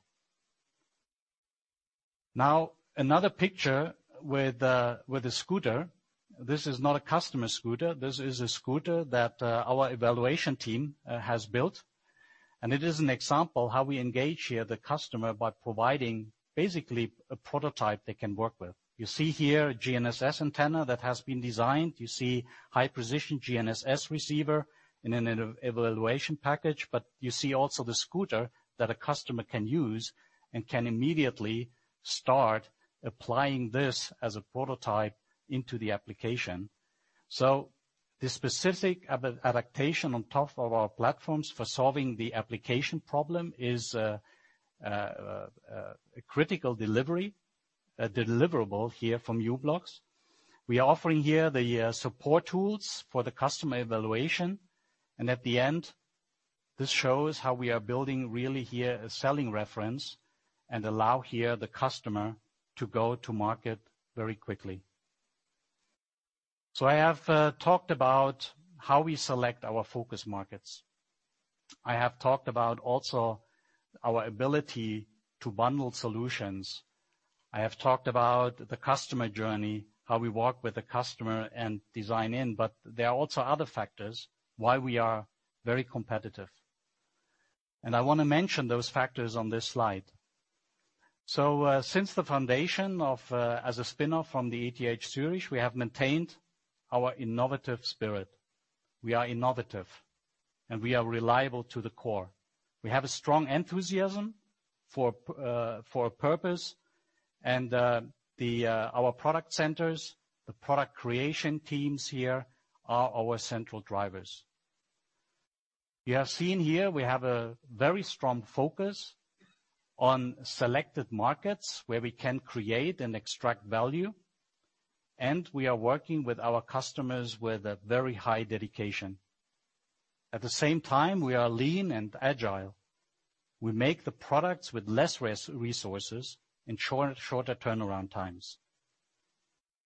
Now, another picture with a scooter. This is not a customer scooter. This is a scooter that our evaluation team has built. It is an example how we engage here the customer by providing basically a prototype they can work with. You see here GNSS antenna that has been designed. You see high-precision GNSS receiver in an evaluation package. But you see also the scooter that a customer can use and can immediately start applying this as a prototype into the application. The specific adaptation on top of our platforms for solving the application problem is a critical delivery, a deliverable here from u-blox. We are offering here the support tools for the customer evaluation. At the end, this shows how we are building really here a selling reference and allow here the customer to go to market very quickly. I have talked about how we select our focus markets. I have talked about also our ability to bundle solutions. I have talked about the customer journey, how we work with the customer and design in. There are also other factors why we are very competitive. I wanna mention those factors on this slide. Since the foundation of u-blox as a spin-off from ETH Zurich, we have maintained our innovative spirit. We are innovative, and we are reliable to the core. We have a strong enthusiasm for a purpose. Our product centers, the product creation teams here are our central drivers. You have seen here we have a very strong focus on selected markets where we can create and extract value, and we are working with our customers with a very high dedication. At the same time, we are lean and agile. We make the products with less resources in short, shorter turnaround times.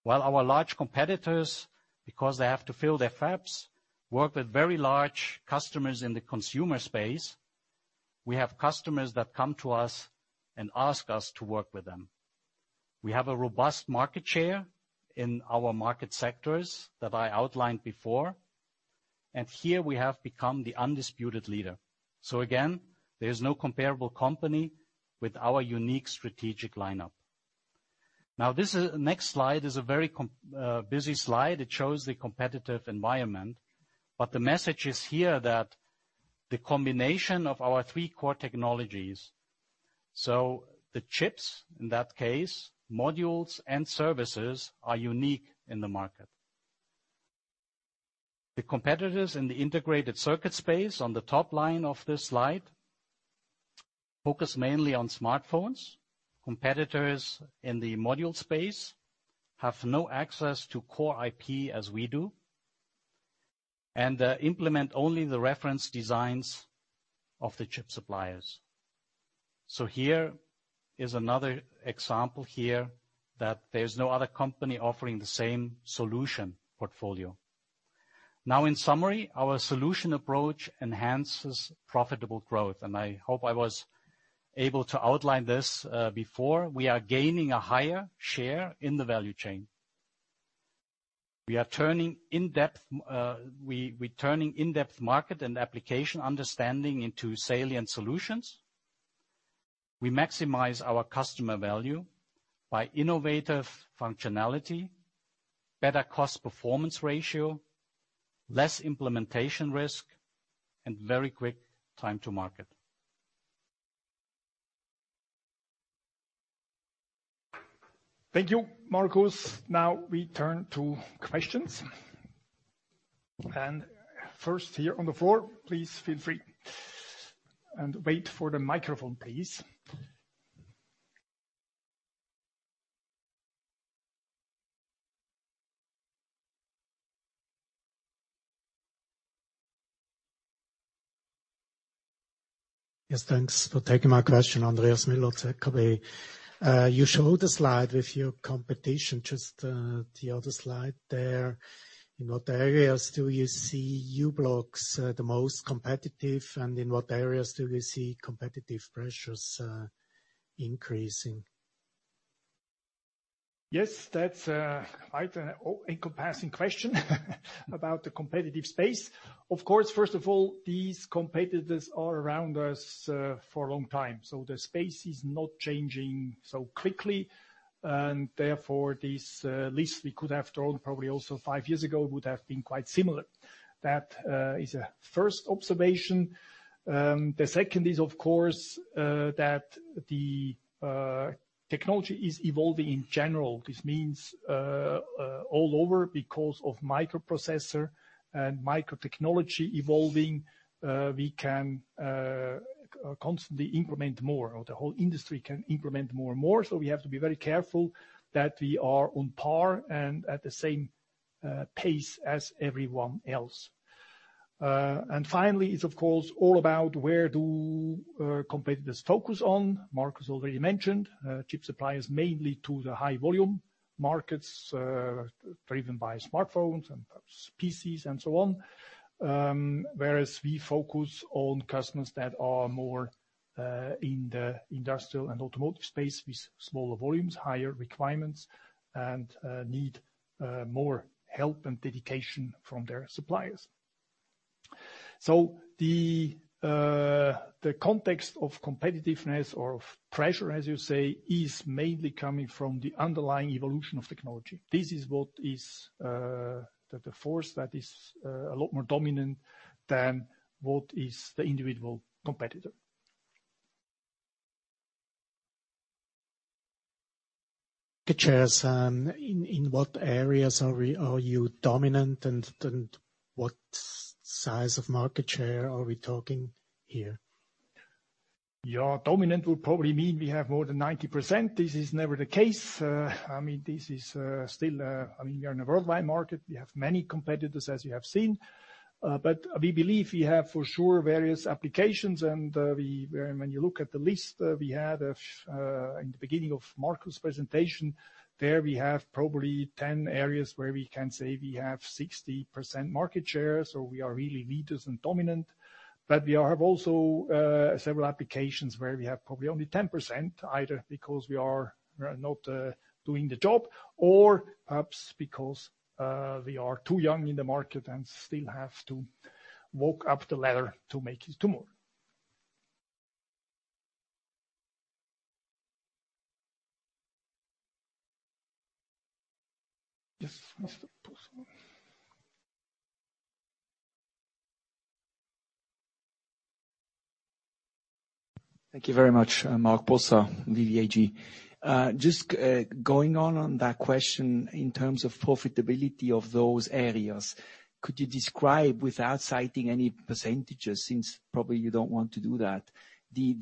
While our large competitors, because they have to fill their fabs, work with very large customers in the consumer space, we have customers that come to us and ask us to work with them. We have a robust market share in our market sectors that I outlined before, and here we have become the undisputed leader. Again, there is no comparable company with our unique strategic lineup. Now this next slide is a very busy slide. It shows the competitive environment. The message is here that the combination of our 3 core technologies, so the chips in that case, modules and services, are unique in the market. The competitors in the integrated circuit space on the top line of this slide focus mainly on smartphones. Competitors in the module space have no access to core IP as we do and implement only the reference designs of the chip suppliers. Here is another example here that there's no other company offering the same solution portfolio. Now in summary, our solution approach enhances profitable growth, and I hope I was able to outline this before. We are gaining a higher share in the value chain. We are turning in-depth market and application understanding into salient solutions. We maximize our customer value by innovative functionality, better cost performance ratio, less implementation risk and very quick time to market. Thank you, Markus. Now we turn to questions. First here on the floor, please feel free and wait for the microphone, please. Yes, thanks for taking my question, Andreas Müller with ZKB. You showed a slide with your competition, just the other slide there. In what areas do you see u-blox the most competitive and in what areas do you see competitive pressures increasing? Yes, that's quite an all-encompassing question about the competitive space. Of course, first of all, these competitors are around us for a long time. The space is not changing so quickly and therefore this list we could have drawn probably also 5 years ago would have been quite similar. That is a first observation. The second is of course that the technology is evolving in general. This means, all over because of microprocessor and microtechnology evolving, we can constantly implement more or the whole industry can implement more and more. We have to be very careful that we are on par and at the same pace as everyone else. Finally it's of course all about where do competitors focus on. Markus already mentioned chip suppliers mainly to the high volume markets, driven by smartphones and perhaps PCs and so on. Whereas we focus on customers that are more in the industrial and automotive space with smaller volumes, higher requirements, and need more help and dedication from their suppliers. The context of competitiveness or of pressure, as you say, is mainly coming from the underlying evolution of technology. This is what is the force that is a lot more dominant than what is the individual competitor. The shares in what areas are you dominant and what size of market share are we talking here? Dominant would probably mean we have more than 90%. This is never the case. I mean this is still, I mean we are in a worldwide market. We have many competitors as you have seen. We believe we have for sure various applications and, when you look at the list, we had of, in the beginning of Markus presentation, there we have probably 10 areas where we can say we have 60% market share. So we are really leaders and dominant. We have also several applications where we have probably only 10%, either because we are not doing the job or perhaps because we are too young in the market and still have to walk up the ladder to make it to more. Yes, Mr. Possa. Thank you very much. Marc Possa, VVAG. Just going on that question in terms of profitability of those areas, could you describe without citing any percentages, since probably you don't want to do that, the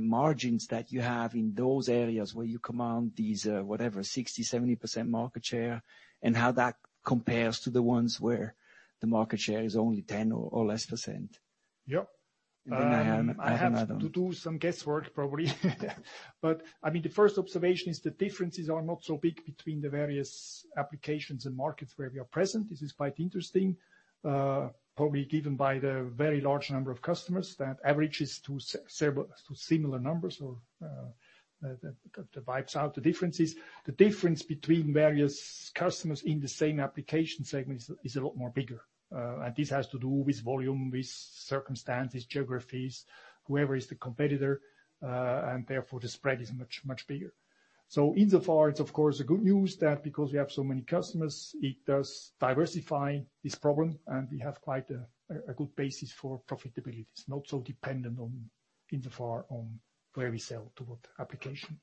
margins that you have in those areas where you command these whatever 60% to 70% market share and how that compares to the ones where the market share is only 10% or less? Yep. I have another one. I have to do some guesswork probably. I mean, the first observation is the differences are not so big between the various applications and markets where we are present. This is quite interesting, probably given by the very large number of customers that averages to several to similar numbers or, that wipes out the differences. The difference between various customers in the same application segment is a lot more bigger. This has to do with volume, with circumstances, geographies, whoever is the competitor, and therefore the spread is much bigger. Insofar, it's of course good news that because we have so many customers, it does diversify this problem. We have quite a good basis for profitability. It's not so dependent on insofar on where we sell toward application.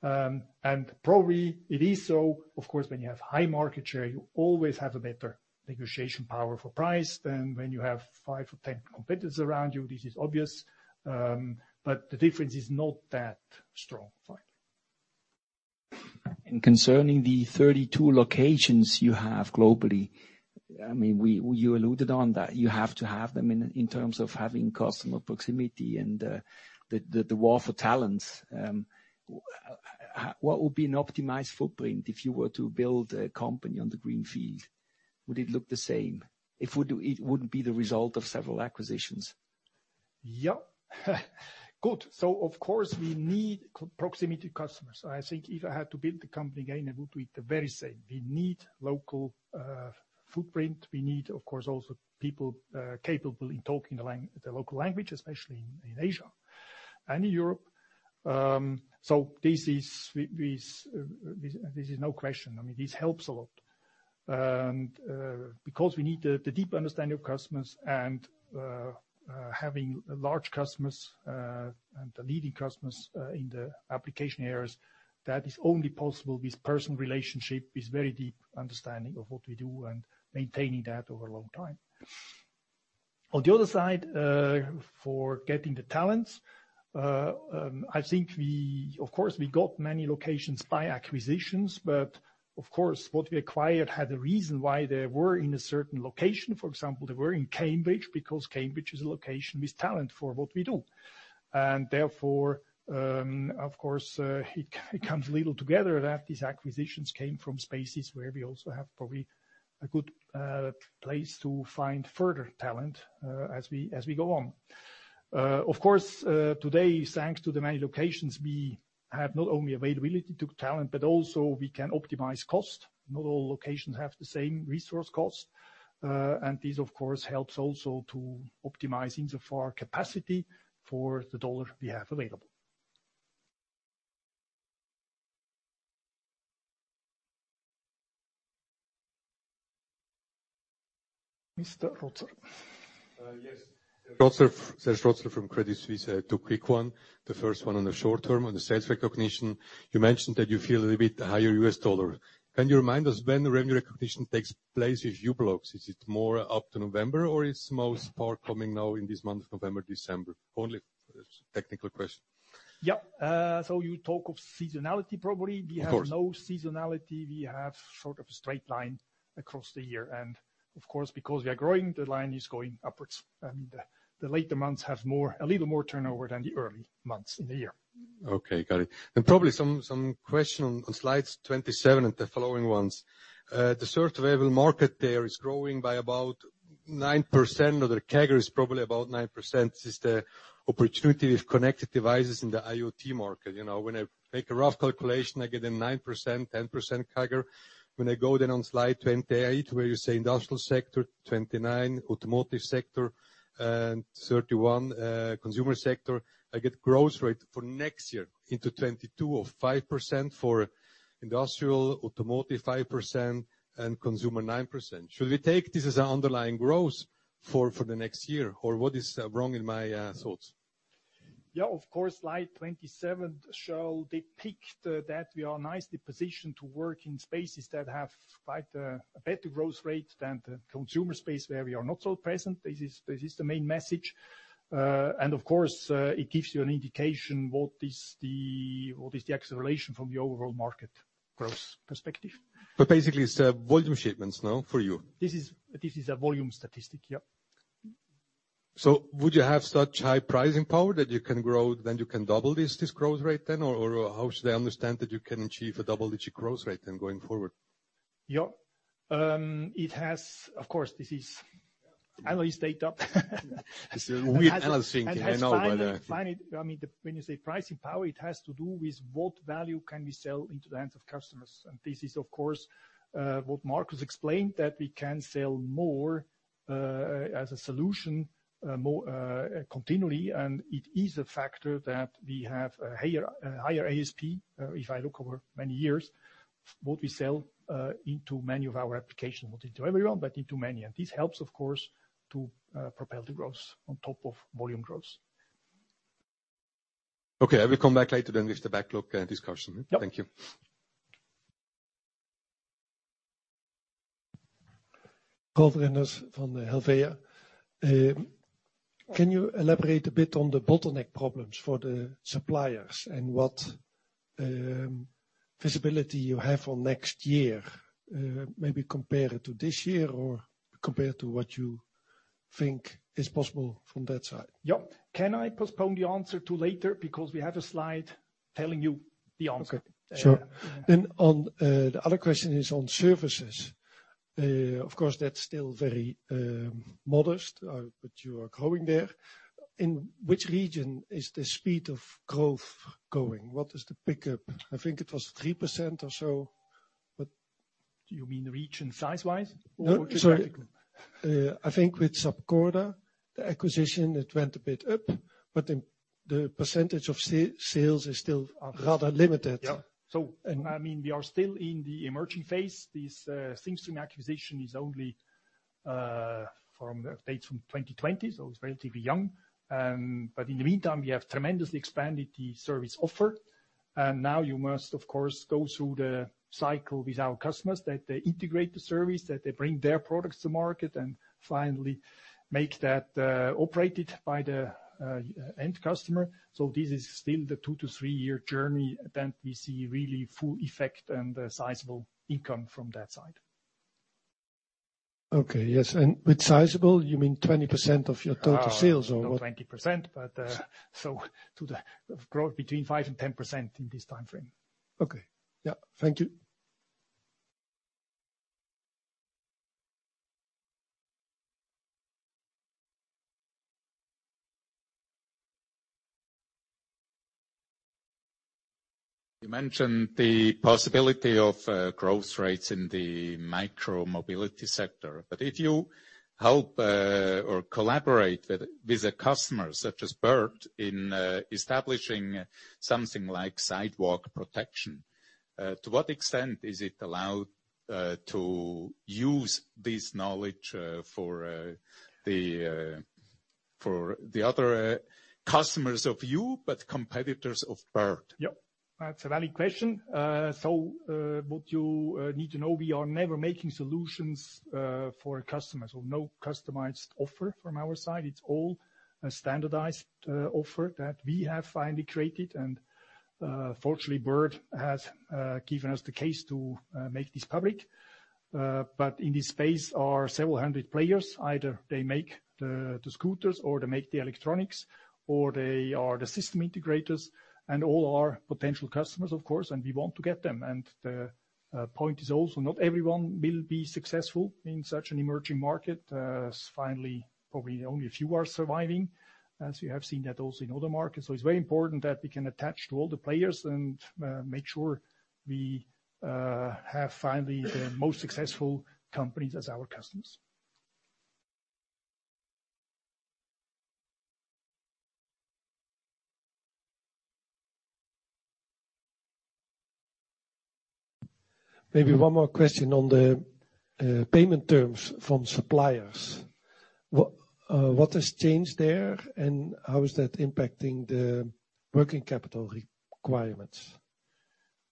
Probably it is so of course, when you have high market share, you always have a better negotiation power for price than when you have 5 or 10 competitors around you. This is obvious, but the difference is not that strong. Concerning the 32 locations you have globally, I mean, you alluded on that you have to have them in terms of having customer proximity and the war for talents. What would be an optimized footprint if you were to build a company on the green field? Would it look the same? It wouldn't be the result of several acquisitions. Yep. Good. Of course we need proximity to customers. I think if I had to build the company again, it would be the very same. We need local footprint. We need, of course, also people capable in talking the local language, especially in Asia and in Europe. This is no question. I mean, this helps a lot. Because we need the deep understanding of customers and having large customers and the leading customers in the application areas, that is only possible with personal relationship, with very deep understanding of what we do and maintaining that over a long time. On the other side, for getting the talent, I think we of course got many locations by acquisitions, but of course, what we acquired had a reason why they were in a certain location. For example, they were in Cambridge because Cambridge is a location with talent for what we do. Therefore, of course, it comes a little together that these acquisitions came from spaces where we also have probably a good place to find further talent, as we go on. Of course, today, thanks to the many locations, we have not only availability to talent, but also we can optimize cost. Not all locations have the same resource cost. This of course helps also to optimizing our capacity for the dollar we have available. Mr. Rotzer. Serge Rotzer from Credit Suisse. 2 quick ones. The first one on the short term on the sales recognition. You mentioned that you feel a little bit higher US dollar. Can you remind us when the revenue recognition takes place with u-blox? Is it more up to November or is most part coming now in this month of November, December? It's only a technical question. Yep. You talk of seasonality probably. Of course. We have no seasonality. We have sort of a straight line across the year. Of course, because we are growing, the line is going upwards and the later months have a little more turnover than the early months in the year. Okay. Got it. Probably some question on slides 27 and the following ones. The third available market there is growing by about 9%, or the CAGR is probably about 9%. Is the opportunity with connected devices in the IoT market. You know, when I make a rough calculation, I get a 9%, 10% CAGR. When I go then on slide 28 where you say industrial sector, 29 automotive sector, and 31, consumer sector, I get growth rate for next year into 2022 of 5% for industrial, automotive 5%, and consumer 9%. Should we take this as an underlying growth for the next year? Or what is wrong in my thoughts? Yeah, of course. Slide 27 shows that we are nicely positioned to work in spaces that have quite a better growth rate than the consumer space where we are not so present. This is the main message. Of course, it gives you an indication what is the acceleration from the overall market growth perspective. Basically it's volume shipments now for you. This is a volume statistic, yep. Would you have such high pricing power that you can grow, then you can double this growth rate then? Or how should I understand that you can achieve a double-digit growth rate then going forward? Yeah. It has, of course, this is analyst data. It's a weird analyst thing, I know, but It has finally. I mean, when you say pricing power, it has to do with what value can we sell into the hands of customers. This is of course what Markus explained, that we can sell more as a solution more continually. It is a factor that we have a higher ASP if I look over many years what we sell into many of our applications. Not into every one, but into many. This helps of course to propel the growth on top of volume growth. Okay. I will come back later then with the backlog discussion. Yep. Thank you. Wolf Rendels from Helvea. Can you elaborate a bit on the bottleneck problems for the suppliers and visibility you have for next year, maybe compare it to this year or compare it to what you think is possible from that side? Yeah. Can I postpone the answer to later because we have a slide telling you the answer? Okay. Sure. Yeah. On the other question is on services. Of course, that's still very modest, but you are growing there. In which region is the speed of growth going? What is the pickup? I think it was 3% or so, but Do you mean region size-wise? No, sorry. Geographically? I think with Sapcorda, the acquisition, it went a bit up, but then the percentage of sales is still rather limited. Yeah. So- I mean, we are still in the emerging phase. This Thingstream acquisition is only dates from 2020, so it's relatively young. In the meantime, we have tremendously expanded the service offer. Now you must, of course, go through the cycle with our customers that they integrate the service, that they bring their products to market, and finally make that operated by the end customer. This is still the 2 to 3-year journey, then we see really full effect and a sizable income from that side. Okay. Yes. With sizable, you mean 20% of your total sales, or what? Not 20%, but growth between 5% to 10% in this timeframe. Okay. Yeah. Thank you. You mentioned the possibility of growth rates in the micromobility sector. If you help or collaborate with a customer such as Bird in establishing something like sidewalk detection, to what extent is it allowed to use this knowledge for the other customers of you, but competitors of Bird? Yeah. That's a valid question. So, what you need to know, we are never making solutions for a customer, so no customized offer from our side. It's all a standardized offer that we have finally created. Fortunately, Bird has given us the case to make this public. But in this space are several hundred players. Either they make the scooters or they make the electronics, or they are the system integrators, and all are potential customers, of course, and we want to get them. The point is also not everyone will be successful in such an emerging market. Finally, probably only a few are surviving, as you have seen that also in other markets. It's very important that we can attach to all the players and make sure we have finally the most successful companies as our customers. Maybe 1 more question on the payment terms from suppliers. What has changed there, and how is that impacting the working capital requirements?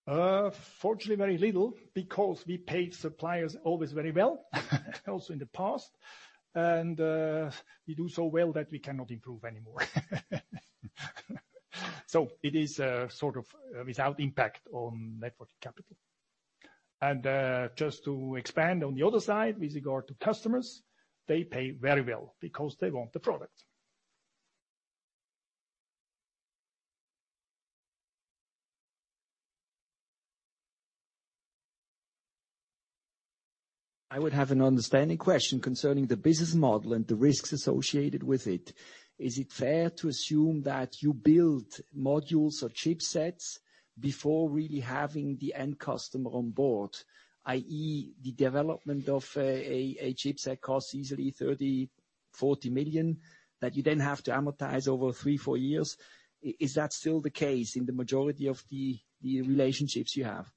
Fortunately, very little because we paid suppliers always very well, also in the past. We do so well that we cannot improve anymore. It is sort of without impact on net working capital. Just to expand on the other side, with regard to customers, they pay very well because they want the product. I would have an understanding question concerning the business model and the risks associated with it. Is it fair to assume that you build modules or chipsets before really having the end customer on board, i.e., the development of a chipset costs easily 30 million-40 million that you then have to amortize over 3, 4 years. Is that still the case in the majority of the relationships you have?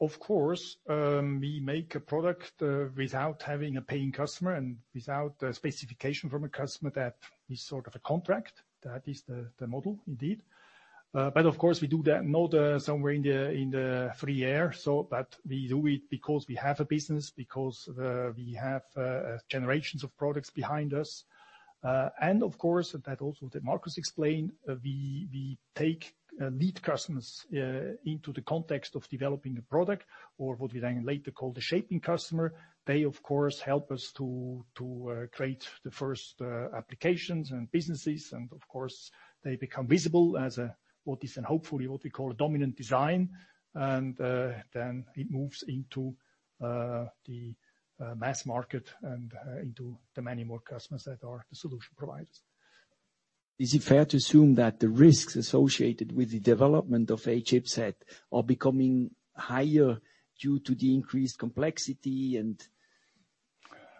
Of course, we make a product without having a paying customer and without a specification from a customer that is sort of a contract. That is the model indeed. But of course, we do that not somewhere in the free air. But we do it because we have a business, because we have generations of products behind us. And of course, that also Markus explained, we take lead customers into the context of developing a product or what we then later call the shaping customer. They, of course, help us to create the first applications and businesses, and of course, they become visible as what is then hopefully what we call a dominant design. It moves into the mass market and into the many more customers that are the solution providers. Is it fair to assume that the risks associated with the development of a chipset are becoming higher due to the increased complexity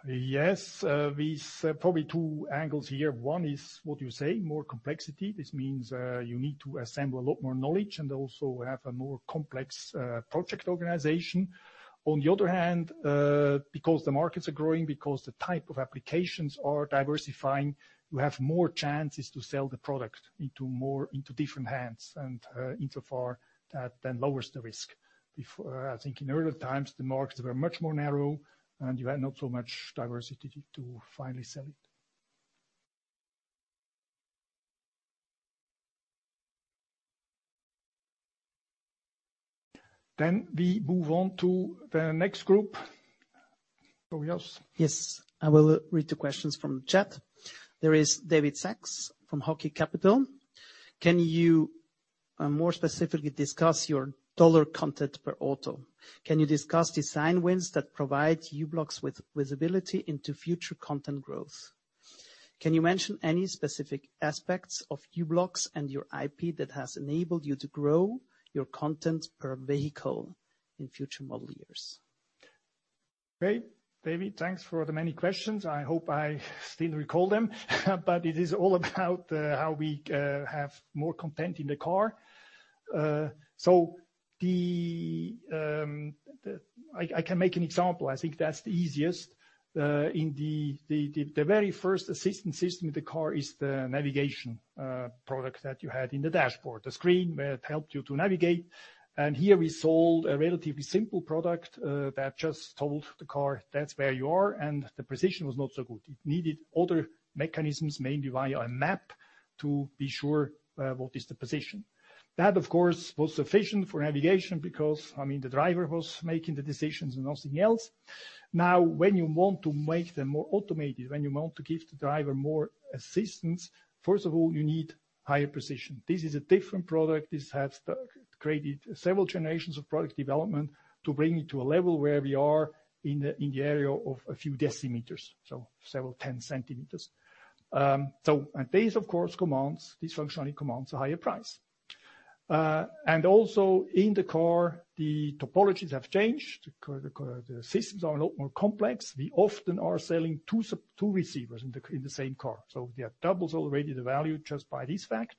and? Yes. With probably 2 angles here. 1 is what you say, more complexity. This means, you need to assemble a lot more knowledge and also have a more complex, project organization. On the other hand, because the markets are growing, because the type of applications are diversifying, you have more chances to sell the product into different hands. Insofar, that then lowers the risk. I think in earlier times, the markets were much more narrow, and you had not so much diversity to finally sell it. We move on to the next group. Tobias? Yes. I will read the questions from chat. There is David Sachs from Hocky Capital. Can you more specifically discuss your dollar content per auto? Can you discuss design wins that provide u-blox with visibility into future content growth? Can you mention any specific aspects of u-blox and your IP that has enabled you to grow your content per vehicle in future model years? Great. David, thanks for the many questions. I hope I still recall them, but it is all about how we have more content in the car. I can make an example. I think that's the easiest. In the very first assistant system in the car is the navigation product that you had in the dashboard. The screen where it helped you to navigate. Here we sold a relatively simple product that just told the car that's where you are, and the precision was not so good. It needed other mechanisms, mainly via a map, to be sure what is the position. That, of course, was sufficient for navigation because, I mean, the driver was making the decisions and nothing else. Now, when you want to make them more automated, when you want to give the driver more assistance, first of all, you need higher precision. This is a different product. This has created several generations of product development to bring it to a level where we are in the area of a few decimeters, so several tens of centemeters. This of course functionally commands a higher price. And also in the car, the topologies have changed. The car systems are a lot more complex. We often are selling 2 receivers in the same car. So they are double the value already just by this fact.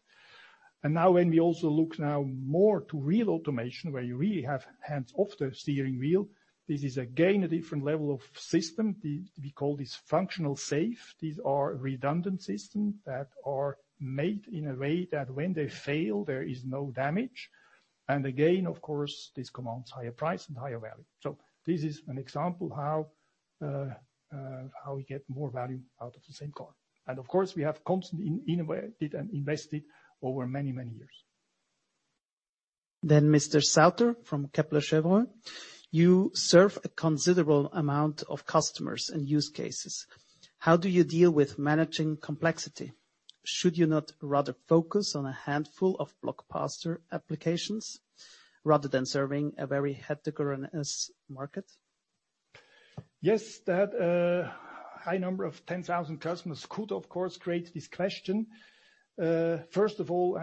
Now when we also look more to real automation, where you really have hands off the steering wheel, this is again a different level of system. We call this functional safety. These are redundant systems that are made in a way that when they fail, there is no damage. Again, of course, this commands higher price and higher value. This is an example how we get more value out of the same car. Of course, we have constantly innovated and invested over many, many years. Mr. Sauter from Kepler Cheuvreux. You serve a considerable amount of customers and use cases. How do you deal with managing complexity? Should you not rather focus on a handful of blockbuster applications rather than serving a very heterogeneous market? Yes. That high number of 10,000 customers could of course create this question. First of all,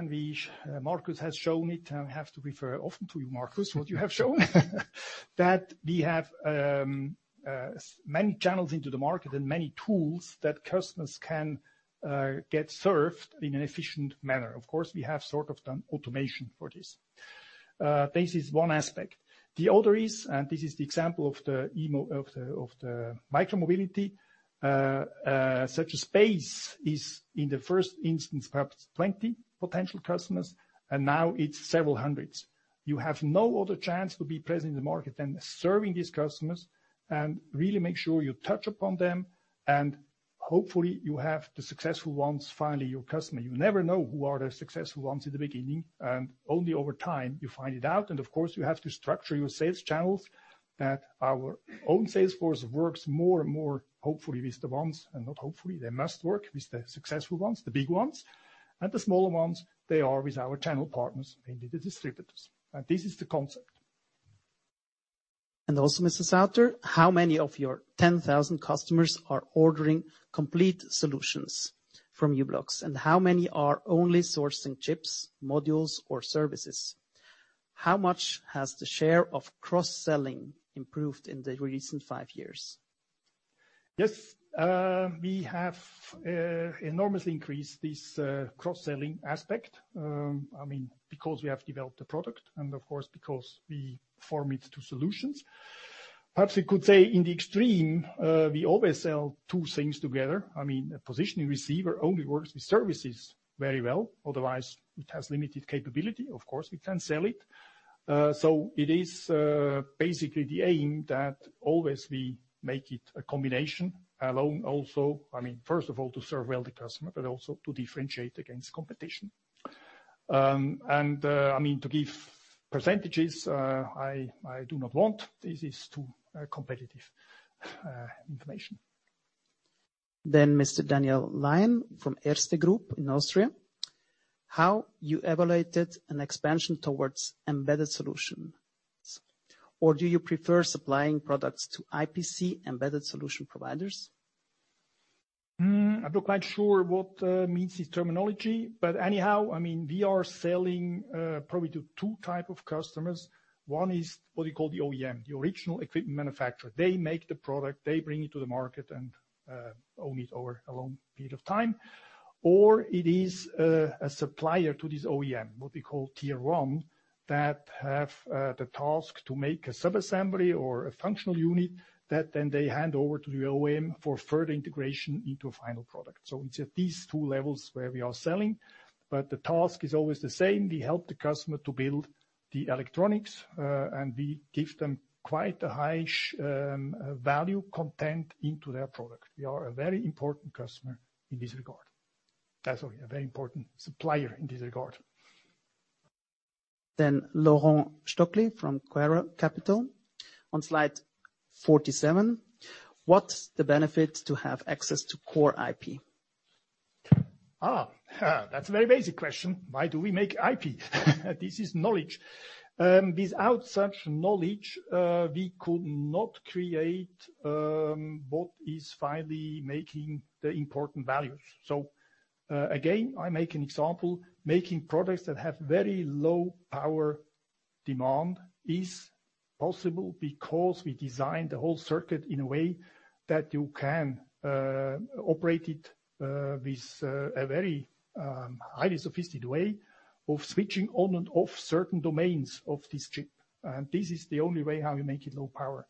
Marcus has shown it, and I have to refer often to you, Marcus, what you have shown. That we have many channels into the market and many tools that customers can get served in an efficient manner. Of course, we have sort of done automation for this. This is 1 aspect. The other is, and this is the example of the micromobility such a space is in the first instance, perhaps 20 potential customers, and now it's several hundreds. You have no other chance to be present in the market than serving these customers and really make sure you touch upon them, and hopefully you have the successful ones, finally your customer. You never know who are the successful ones in the beginning, and only over time you find it out. Of course, you have to structure your sales channels that our own sales force works more and more, hopefully with the ones, and not hopefully, they must work with the successful ones, the big ones. The smaller ones, they are with our channel partners, mainly the distributors. This is the concept. Also, Mr. Sauter, how many of your 10,000 customers are ordering complete solutions from u-blox? How many are only sourcing chips, modules or services? How much has the share of cross-selling improved in the recent 5 years? Yes. We have enormously increased this cross-selling aspect. I mean, because we have developed the product and of course, because we form it to solutions. Perhaps we could say in the extreme, we always sell 2 things together. I mean, a positioning receiver only works with services very well, otherwise it has limited capability. Of course, we can sell it. So it is basically the aim that always we make it a combination alone also. I mean, first of all, to serve well the customer, but also to differentiate against competition. I mean, to give percentages, I do not want. This is too competitive information. Mr. Daniel Lion from Erste Group in Austria. How you evaluated an expansion towards embedded solutions? Or do you prefer supplying products to IPC embedded solution providers? I'm not quite sure what means this terminology, but anyhow, I mean, we are selling probably to 2 type of customers. 1 is what you call the OEM, the original equipment manufacturer. They make the product, they bring it to the market, and own it over a long period of time. It is a supplier to this OEM, what we call Tier 1, that have the task to make a sub-assembly or a functional unit that then they hand over to the OEM for further integration into a final product. It's at these 2 levels where we are selling. The task is always the same. We help the customer to build the electronics, and we give them quite a high value content into their product. We are a very important customer in this regard. Sorry, a very important supplier in this regard. Laurent Stöckli from Quaero Capital. On slide 47, what's the benefit to have access to core IP? That's a very basic question. Why do we make IP? This is knowledge. Without such knowledge, we could not create what is finally making the important values. I make an example. Making products that have very low power demand is possible because we designed the whole circuit in a way that you can operate it with a very highly sophisticated way of switching on and off certain domains of this chip. This is the only way how you make it low power.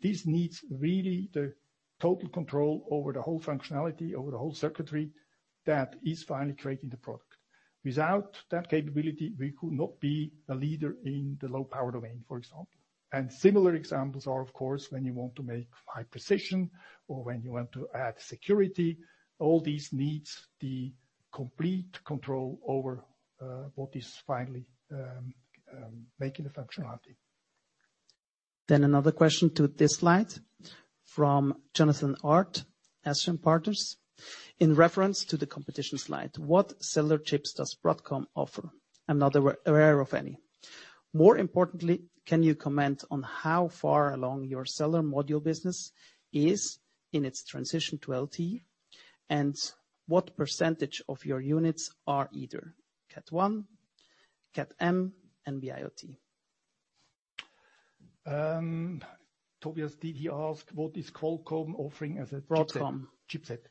This needs really the total control over the whole functionality, over the whole circuitry that is finally creating the product. Without that capability, we could not be a leader in the low power domain, for example. Similar examples are, of course, when you want to make high precision or when you want to add security. All these needs the complete control over what is finally making the functionality. Another question to this slide from Jonathan Art, Ascan Partners. In reference to the competition slide, what cellular chips does Broadcom offer? I'm not aware of any. More importantly, can you comment on how far along your cellular module business is in its transition to LTE, and what percentage of your units are either Cat 1, Cat M and NB-IoT? Tobias, did he ask what is Qualcomm offering as a chipset? Broadcom. Chipset.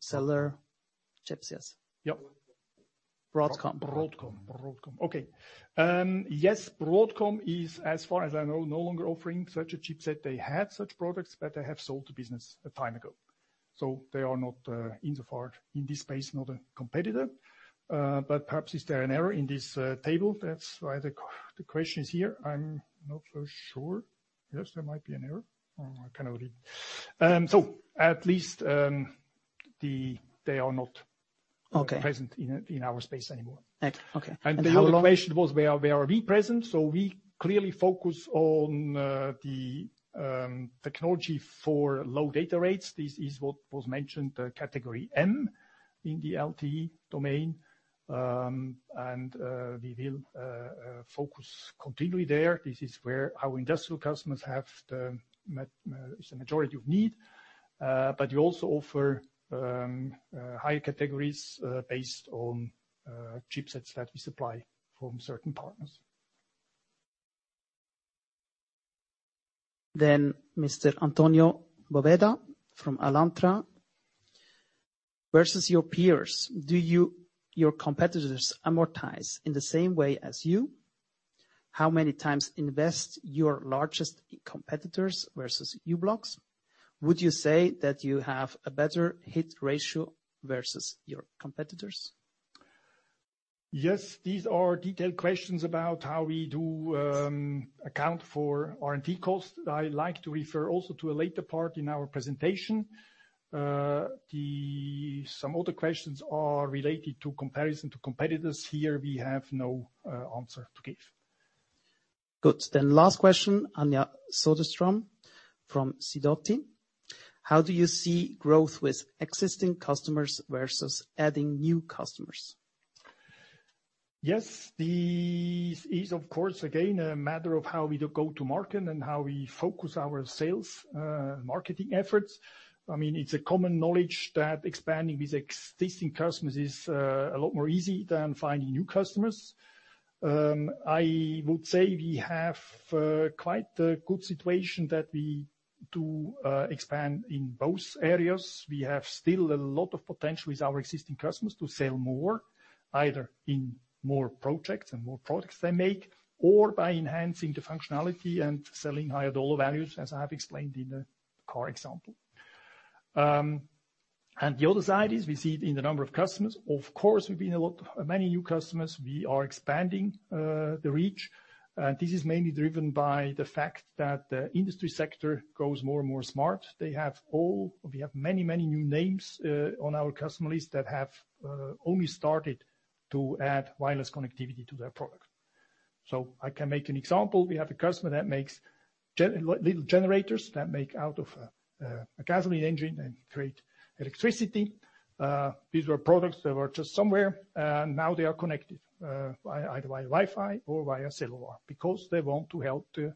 Cellular chips, yes. Yep. Broadcom. Broadcom. Okay. Yes, Broadcom is, as far as I know, no longer offering such a chipset. They had such products, but they have sold the business a time ago. They are not insofar in this space, not a competitor. Perhaps there is an error in this table? That's why the question is here. I'm not so sure. Yes, there might be an error. I cannot read. At least they are not- Okay. present in our space anymore. Okay. How long- The other question was where are we present? We clearly focus on the technology for low data rates. This is what was mentioned, Cat M in the LTE domain. We will focus continually there. This is where our industrial customers have the majority of need. We also offer higher categories based on chipsets that we supply from certain partners. Mr. Antonio Poveda from Alantra. Versus your peers, do your competitors amortize in the same way as you? How many times do your largest competitors invest versus u-blox? Would you say that you have a better hit ratio versus your competitors? Yes. These are detailed questions about how we do account for R&D costs. I like to refer also to a later part in our presentation. Some other questions are related to comparison to competitors. Here we have no answer to give. Good. Last question, Anja Soderstrom from Sidoti. How do you see growth with existing customers versus adding new customers? Yes. This is of course, again, a matter of how we go to market and how we focus our sales, marketing efforts. I mean, it's common knowledge that expanding with existing customers is a lot more easy than finding new customers. I would say we have quite a good situation that we do expand in both areas. We have still a lot of potential with our existing customers to sell more, either in more projects and more products they make, or by enhancing the functionality and selling higher dollar values, as I have explained in the car example. The other side is we see it in the number of customers. Of course, we have many new customers. We are expanding the reach. This is mainly driven by the fact that the industry sector grows more and more smart. We have many new names on our customer list that have only started to add wireless connectivity to their product. I can make an example. We have a customer that makes little generators that make out of a gasoline engine and create electricity. These were products that were just somewhere, and now they are connected by either via Wi-Fi or via cellular, because they want to help the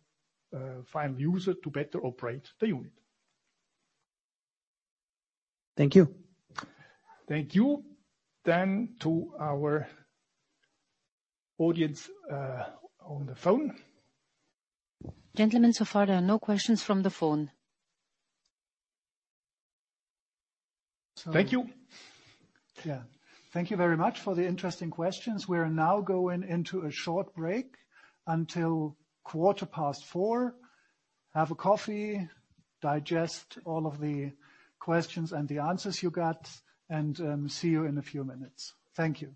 final user to better operate the unit. Thank you. Thank you. To our audience, on the phone. Gentlemen, so far there are no questions from the phone. Thank you. Yeah. Thank you very much for the interesting questions. We are now going into a short break until 4:15 P.M. Have a coffee, digest all of the questions and the answers you got, and see you in a few minutes. Thank you.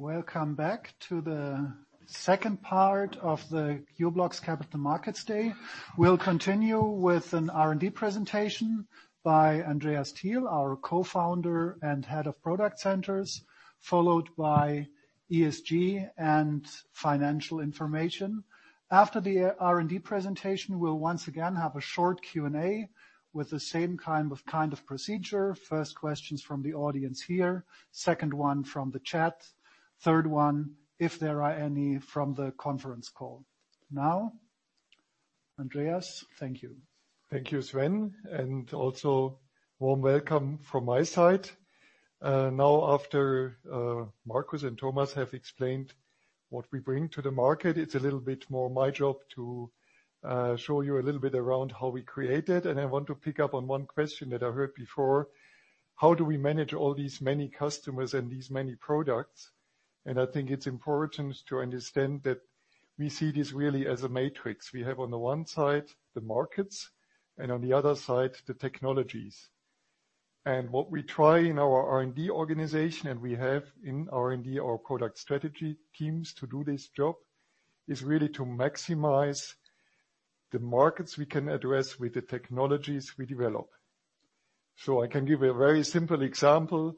Welcome back to the second part of the u-blox Capital Markets Day. We'll continue with an R&D presentation by Andreas Thiel, our Co-Founder and Head of Product Centers, followed by ESG and financial information. After the R&D presentation, we'll once again have a short Q&A with the same kind of procedure. First questions from the audience here, second one from the chat, third one, if there are any, from the conference call. Now, Andreas. Thank you. Thank you, Sven, and also warm welcome from my side. Now after Markus and Thomas have explained what we bring to the market, it's a little bit more my job to show you a little bit around how we create it. I want to pick up on 1 question that I heard before, "How do we manage all these many customers and these many products?" I think it's important to understand that we see this really as a matrix. We have on the one side, the markets, and on the other side, the technologies. What we try in our R&D organization, and we have in R&D, our product strategy teams to do this job, is really to maximize the markets we can address with the technologies we develop. I can give a very simple example.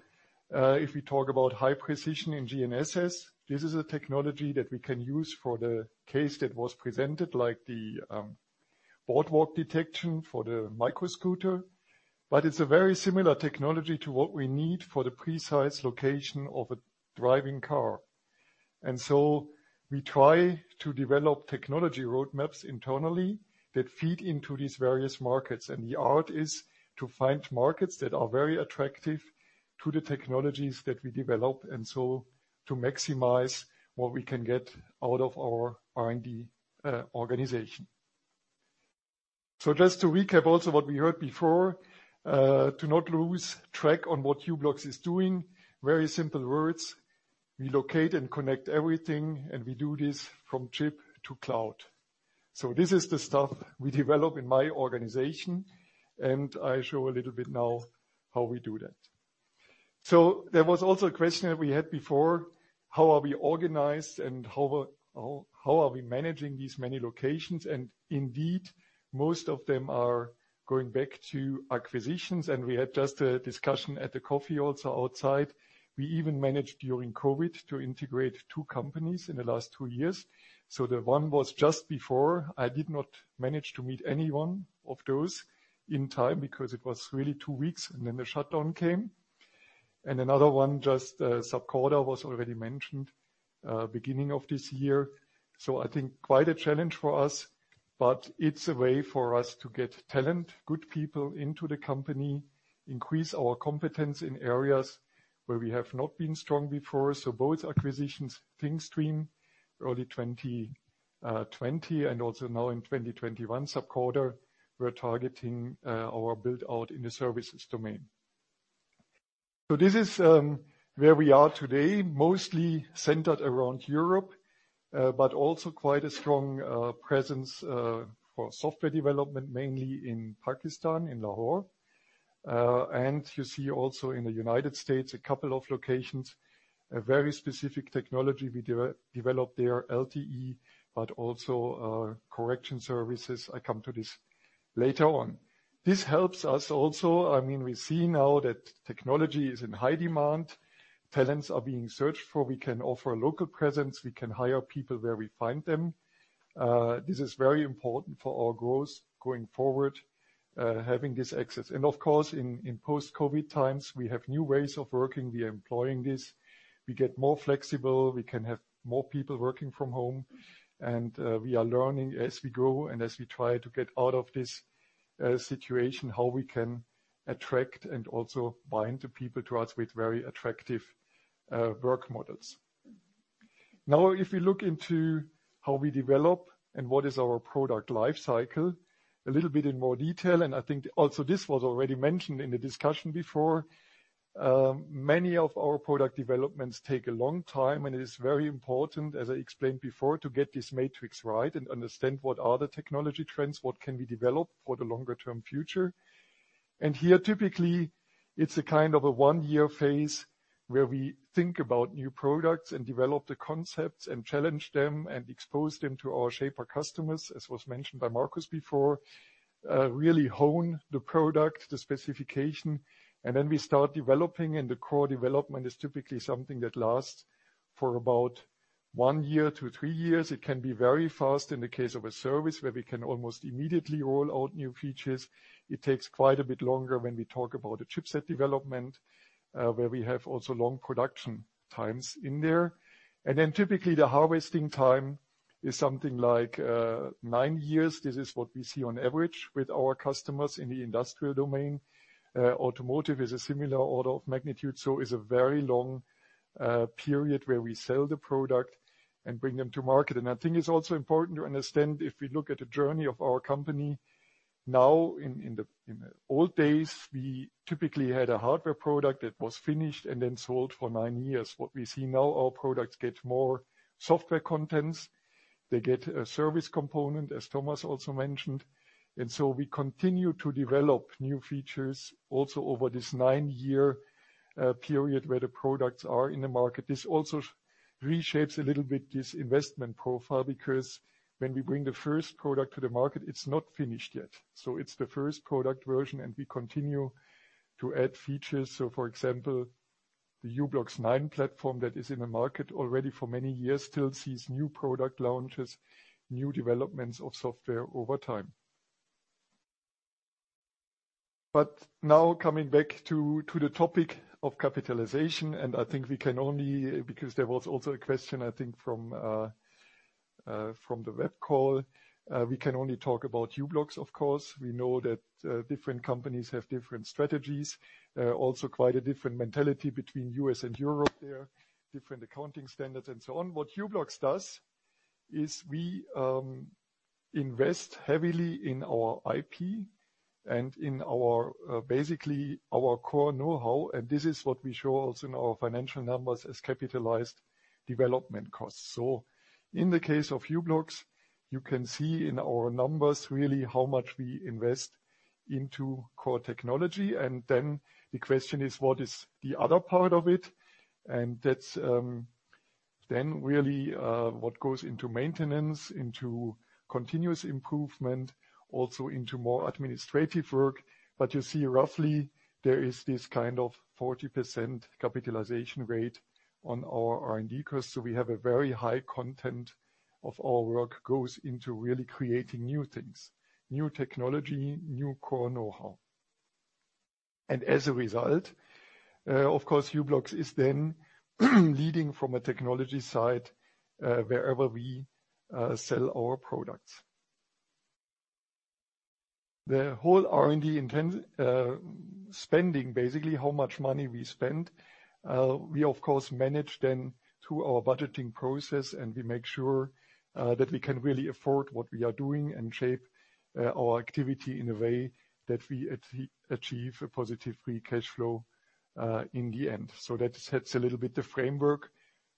If we talk about high precision in GNSS, this is a technology that we can use for the case that was presented, like the sidewalk detection for the micro scooter, but it's a very similar technology to what we need for the precise location of a driving car. We try to develop technology roadmaps internally that feed into these various markets. The art is to find markets that are very attractive to the technologies that we develop, and so to maximize what we can get out of our R&D organization. Just to recap also what we heard before, to not lose track on what u-blox is doing, very simple words, we locate and connect everything, and we do this from chip to cloud. This is the stuff we develop in my organization, and I show a little bit now how we do that. There was also a question that we had before, "How are we organized and how are we managing these many locations?" Indeed, most of them are going back to acquisitions, and we had just a discussion at the coffee also outside. We even managed during COVID to integrate 2 companies in the last 2 years. The one was just before. I did not manage to meet anyone of those in time because it was really 2 weeks and then the shutdown came. Another one, just, Sapcorda was already mentioned, beginning of this year. I think quite a challenge for us, but it's a way for us to get talent, good people into the company, increase our competence in areas where we have not been strong before. Both acquisitions, Thingstream, early 2020 and also now in 2021, Sapcorda, we're targeting our build-out in the services domain. This is where we are today, mostly centered around Europe, but also quite a strong presence for software development, mainly in Pakistan, in Lahore. And you see also in the United States, a couple of locations, a very specific technology we developed there, LTE, but also correction services. I come to this later on. This helps us also. I mean, we see now that technology is in high demand. Talents are being searched for. We can offer local presence. We can hire people where we find them. This is very important for our growth going forward, having this access. Of course, in post-COVID times, we have new ways of working. We are employing this. We get more flexible. We can have more people working from home. We are learning as we go and as we try to get out of this situation, how we can attract and also bind the people to us with very attractive work models. Now if we look into how we develop and what is our product life cycle a little bit in more detail, and I think also this was already mentioned in the discussion before, many of our product developments take a long time, and it is very important, as I explained before, to get this matrix right and understand what are the technology trends, what can we develop for the longer term future. Here, typically, it's a kind of a 1-year phase where we think about new products and develop the concepts and challenge them and expose them to our shaper customers, as was mentioned by Markus before, really hone the product, the specification, and then we start developing. The core development is typically something that lasts for about 1 year to 3 years. It can be very fast in the case of a service where we can almost immediately roll out new features. It takes quite a bit longer when we talk about a chipset development, where we have also long production times in there. Typically the harvesting time is something like 9 years. This is what we see on average with our customers in the industrial domain. Automotive is a similar order of magnitude, so is a very long period where we sell the product and bring them to market. I think it's also important to understand if we look at the journey of our company. Now, in the old days, we typically had a hardware product that was finished and then sold for 9 years. What we see now, our products get more software contents. They get a service component, as Thomas also mentioned. We continue to develop new features also over this 9-year period where the products are in the market. This also reshapes a little bit this investment profile, because when we bring the first product to the market, it's not finished yet. It's the first product version, and we continue to add features. For example, the u-blox 9 platform that is in the market already for many years, still sees new product launches, new developments of software over time. Now coming back to the topic of capitalization, because there was also a question, I think from the web call, we can only talk about u-blox, of course. We know that different companies have different strategies, also quite a different mentality between U.S. and Europe. There are different accounting standards and so on. What u-blox does is we invest heavily in our IP and in our basically our core know-how, and this is what we show also in our financial numbers as capitalized development costs. In the case of u-blox, you can see in our numbers really how much we invest into core technology. Then the question is, what is the other part of it? That's then really what goes into maintenance, into continuous improvement, also into more administrative work. You see roughly there is this kind of 40% capitalization rate on our R&D costs. We have a very high content of our work goes into really creating new things, new technology, new core know-how. As a result, of course, u-blox is then leading from a technology side, wherever we sell our products. The whole R&D spending, basically how much money we spend, we of course manage then through our budgeting process, and we make sure that we can really afford what we are doing and shape our activity in a way that we achieve a positive free cash flow in the end. That sets a little bit the framework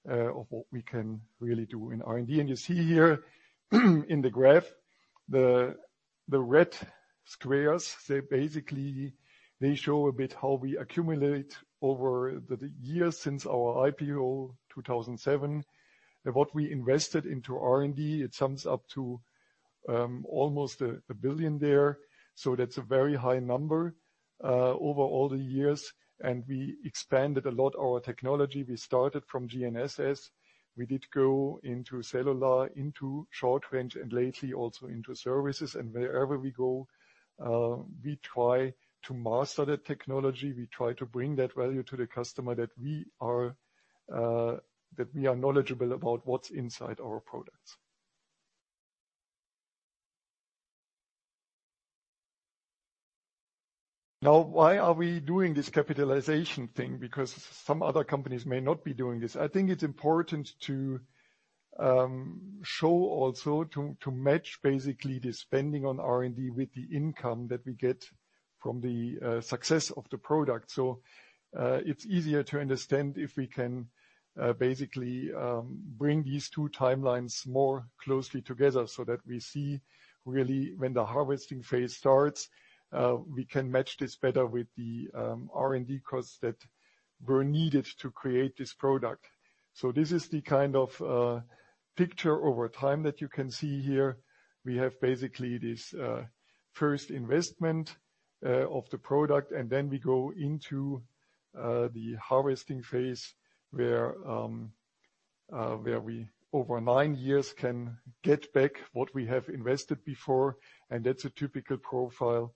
of what we can really do in R&D. You see here in the graph, the red squares, they basically show a bit how we accumulate over the years since our IPO, 2007. What we invested into R&D, it sums up to almost 1 billion there. That's a very high number over all the years. We expanded a lot our technology. We started from GNSS. We did go into cellular, into short range, and lately also into services. Wherever we go, we try to master the technology. We try to bring that value to the customer that we are knowledgeable about what's inside our products. Now why are we doing this capitalization thing? Because some other companies may not be doing this. I think it's important to show also to match basically the spending on R&D with the income that we get from the success of the product. It's easier to understand if we can basically bring these 2 timelines more closely together so that we see really when the harvesting phase starts, we can match this better with the R&D costs that were needed to create this product. This is the kind of picture over time that you can see here. We have basically this first investment of the product, and then we go into the harvesting phase where we over 9 years can get back what we have invested before, and that's a typical profile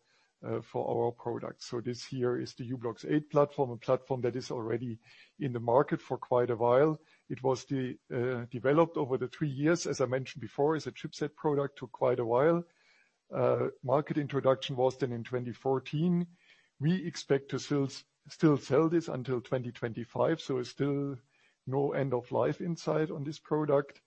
for our product. This here is the u-blox 8 platform, a platform that is already in the market for quite a while. It was developed over the 3 years, as I mentioned before, as a chipset product, took quite a while. Market introduction was then in 2014. We expect to still sell this until 2025, so it's still no end of life in sight on this product.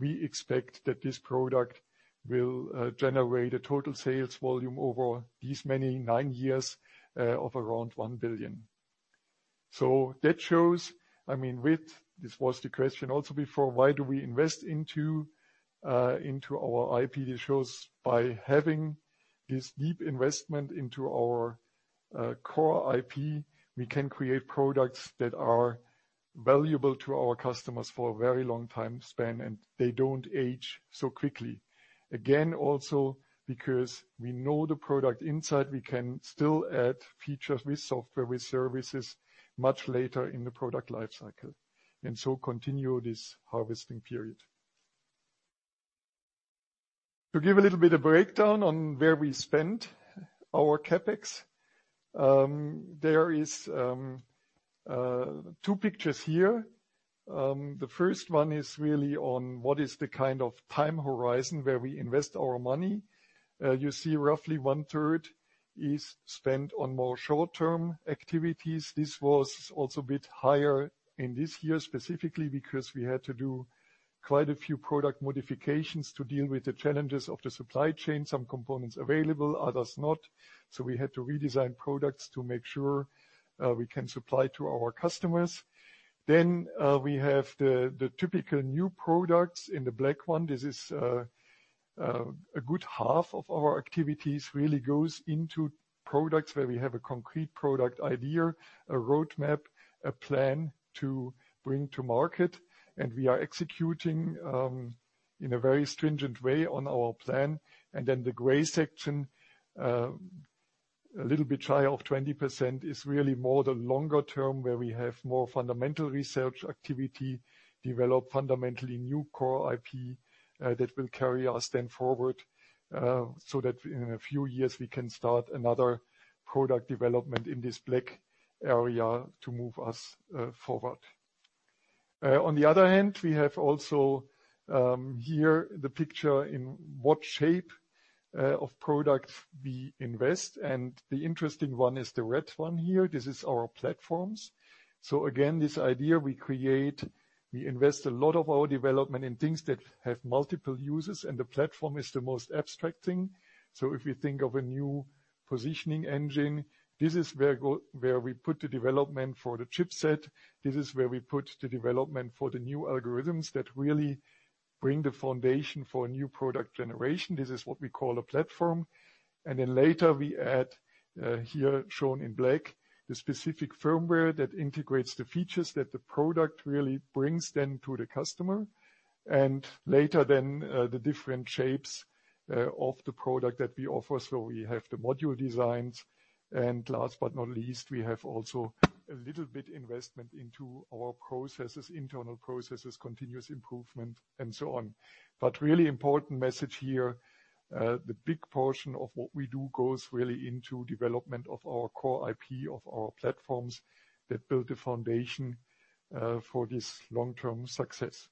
We expect that this product will generate a total sales volume over the next 9 years of around 1 billion. That shows, I mean, this was the question also before, why do we invest into our IP? This shows by having this deep investment into our core IP, we can create products that are valuable to our customers for a very long time span, and they don't age so quickly. Again, also because we know the product inside, we can still add features with software, with services much later in the product life cycle, and continue this harvesting period. To give a little bit of breakdown on where we spend our CapEx, there is 2 pictures here. The first one is really on what is the kind of time horizon where we invest our money. You see roughly 1/3 is spent on more short-term activities. This was also a bit higher in this year specifically because we had to do quite a few product modifications to deal with the challenges of the supply chain, some components available, others not. We had to redesign products to make sure we can supply to our customers. We have the typical new products in the black one. This is a good half of our activities really goes into products where we have a concrete product idea, a roadmap, a plan to bring to market, and we are executing in a very stringent way on our plan. The gray section a little bit high of 20% is really more the longer term where we have more fundamental research activity, develop fundamentally new core IP that will carry us then forward so that in a few years we can start another product development in this black area to move us forward. On the other hand, we have also here the picture in what shape of product we invest. The interesting one is the red one here. This is our platforms. This idea we create, we invest a lot of our development in things that have multiple uses, and the platform is the most abstract thing. If you think of a new positioning engine, this is where we put the development for the chipset. This is where we put the development for the new algorithms that really bring the foundation for a new product generation. This is what we call a platform. Later we add, here shown in black, the specific firmware that integrates the features that the product really brings then to the customer. Later, the different shapes of the product that we offer. We have the module designs, and last but not least, we have also a little bit investment into our processes, internal processes, continuous improvement, and so on. Really important message here, the big portion of what we do goes really into development of our core IP, of our platforms that build the foundation for this long-term success.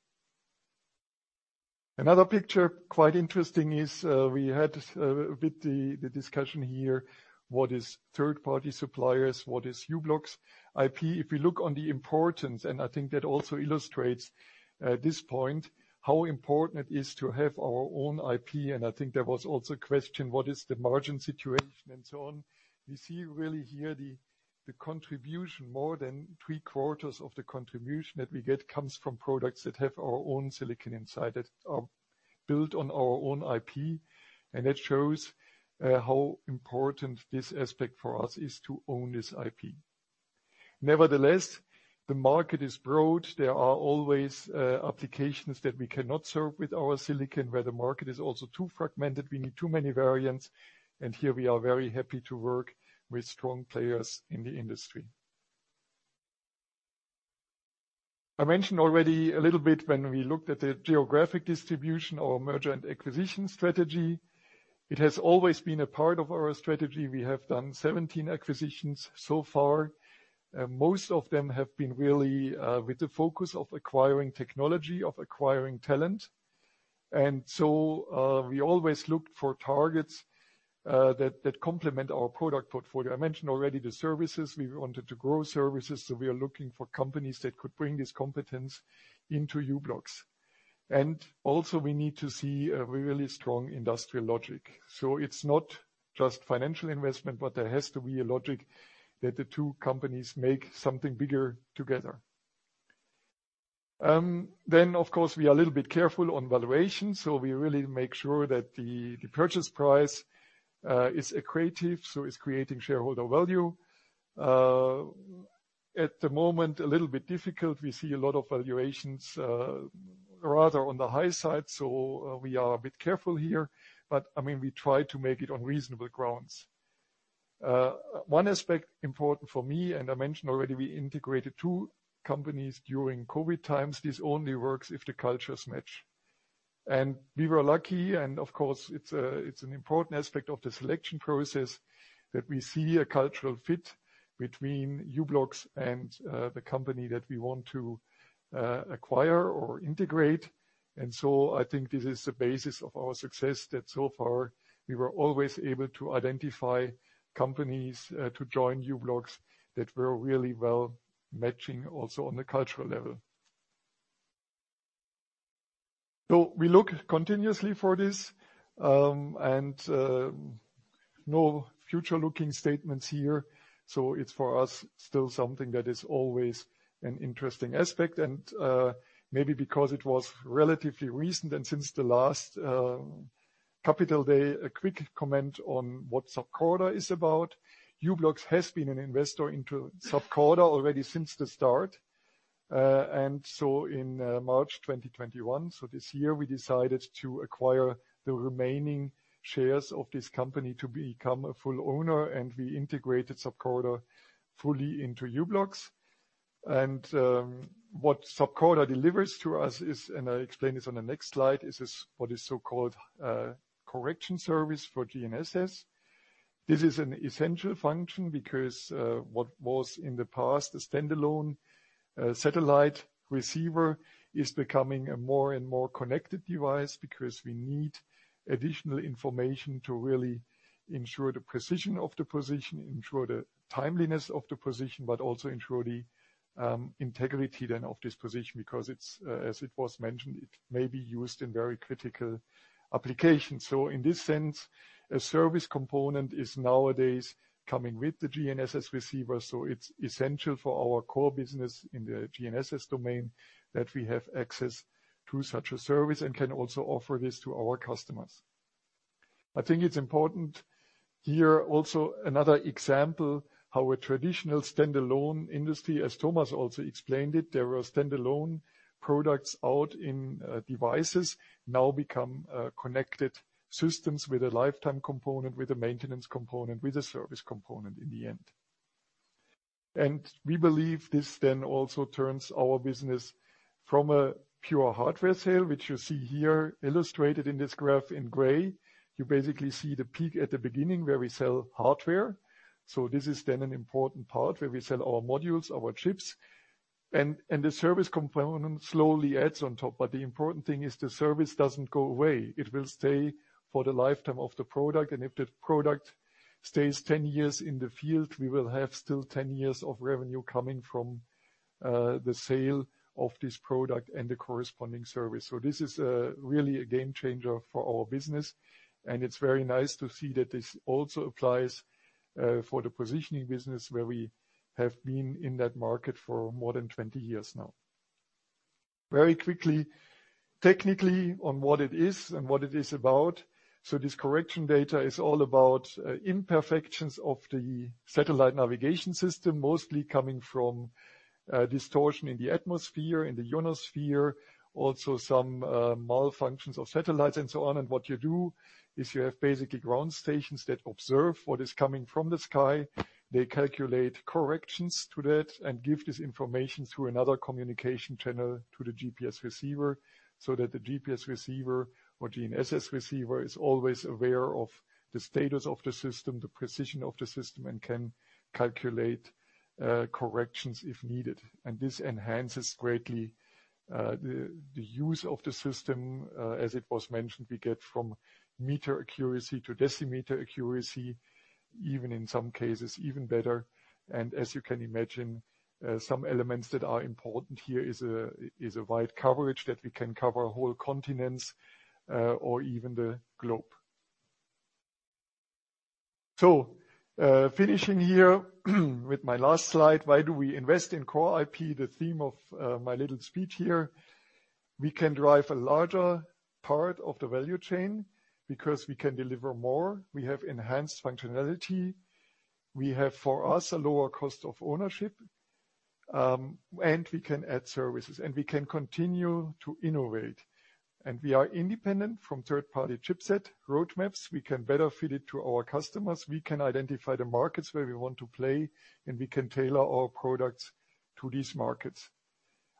Another picture, quite interesting, is we had a bit of the discussion here, what is third-party suppliers, what is u-blox IP. If you look on the importance, and I think that also illustrates this point, how important it is to have our own IP. I think there was also a question, what is the margin situation and so on. We see really here the contribution, more than 3-quarters of the contribution that we get comes from products that have our own silicon inside it, are built on our own IP. That shows how important this aspect for us is to own this IP. Nevertheless, the market is broad. There are always applications that we cannot serve with our silicon, where the market is also too fragmented, we need too many variants, and here we are very happy to work with strong players in the industry. I mentioned already a little bit when we looked at the geographic distribution, our merger and acquisition strategy. It has always been a part of our strategy. We have done 17 acquisitions so far. Most of them have been really with the focus of acquiring technology, of acquiring talent. We always look for targets that complement our product portfolio. I mentioned already the services. We wanted to grow services, so we are looking for companies that could bring this competence into u-blox. We also need to see a really strong industrial logic. It's not just financial investment, but there has to be a logic that the 2 companies make something bigger together. Then, of course, we are a little bit careful on valuation, so we really make sure that the purchase price is accretive, so it's creating shareholder value. At the moment, it's a little bit difficult. We see a lot of valuations rather on the high side. We are a bit careful here, but, I mean, we try to make it on reasonable grounds. 1 aspect important for me, and I mentioned already, we integrated 2 companies during COVID times. This only works if the cultures match. We were lucky, and of course, it's an important aspect of the selection process that we see a cultural fit between u-blox and the company that we want to acquire or integrate. I think this is the basis of our success that so far we were always able to identify companies to join u-blox that were really well matching also on the cultural level. We look continuously for this, no forward-looking statements here. It's for us still something that is always an interesting aspect. Maybe because it was relatively recent and since the last Capital Markets Day, a quick comment on what Sapcorda is about. U-blox has been an investor into Sapcorda already since the start. In March 2021, so this year, we decided to acquire the remaining shares of this company to become a full owner, and we integrated Sapcorda fully into u-blox. What Sapcorda delivers to us is, and I explain this on the next slide, is this, what is so-called, correction service for GNSS. This is an essential function because what was in the past a standalone satellite receiver is becoming a more and more connected device because we need additional information to really ensure the precision of the position, ensure the timeliness of the position, but also ensure the integrity then of this position, because it's, as it was mentioned, it may be used in very critical applications. In this sense, a service component is nowadays coming with the GNSS receiver. It's essential for our core business in the GNSS domain that we have access to such a service and can also offer this to our customers. I think it's important here also another example how a traditional standalone industry, as Thomas also explained it, there were standalone products out in devices now become connected systems with a lifetime component, with a maintenance component, with a service component in the end. We believe this then also turns our business from a pure hardware sale, which you see here illustrated in this graph in gray. You basically see the peak at the beginning where we sell hardware. This is then an important part, where we sell our modules, our chips, and the service component slowly adds on top. The important thing is the service doesn't go away. It will stay for the lifetime of the product, and if the product stays 10 years in the field, we will have still 10 years of revenue coming from the sale of this product and the corresponding service. This is really a game changer for our business, and it's very nice to see that this also applies for the positioning business, where we have been in that market for more than 20 years now. Very quickly, technically, on what it is and what it is about. This correction data is all about imperfections of the satellite navigation system, mostly coming from distortion in the atmosphere, in the ionosphere, also some malfunctions of satellites and so on. What you do is you have basically ground stations that observe what is coming from the sky. They calculate corrections to that and give this information through another communication channel to the GPS receiver, so that the GPS receiver or GNSS receiver is always aware of the status of the system, the precision of the system, and can calculate corrections if needed. This enhances greatly the use of the system. As it was mentioned, we get from meter accuracy to decimeter accuracy, even in some cases even better. As you can imagine, some elements that are important here is a wide coverage that we can cover whole continents, or even the globe. Finishing here with my last slide. Why do we invest in core IP? The theme of my little speech here. We can drive a larger part of the value chain because we can deliver more. We have enhanced functionality. We have, for us, a lower cost of ownership, and we can add services, and we can continue to innovate. We are independent from third-party chipset roadmaps. We can better fit it to our customers. We can identify the markets where we want to play, and we can tailor our products to these markets.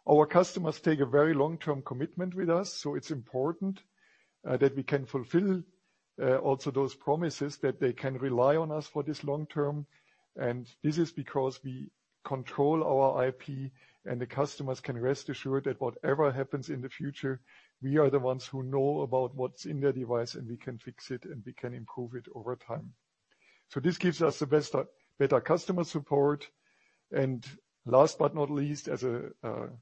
Our customers take a very long-term commitment with us, so it's important that we can fulfill also those promises that they can rely on us for this long term. This is because we control our IP, and the customers can rest assured that whatever happens in the future, we are the ones who know about what's in their device, and we can fix it, and we can improve it over time. This gives us better customer support. Last but not least, as a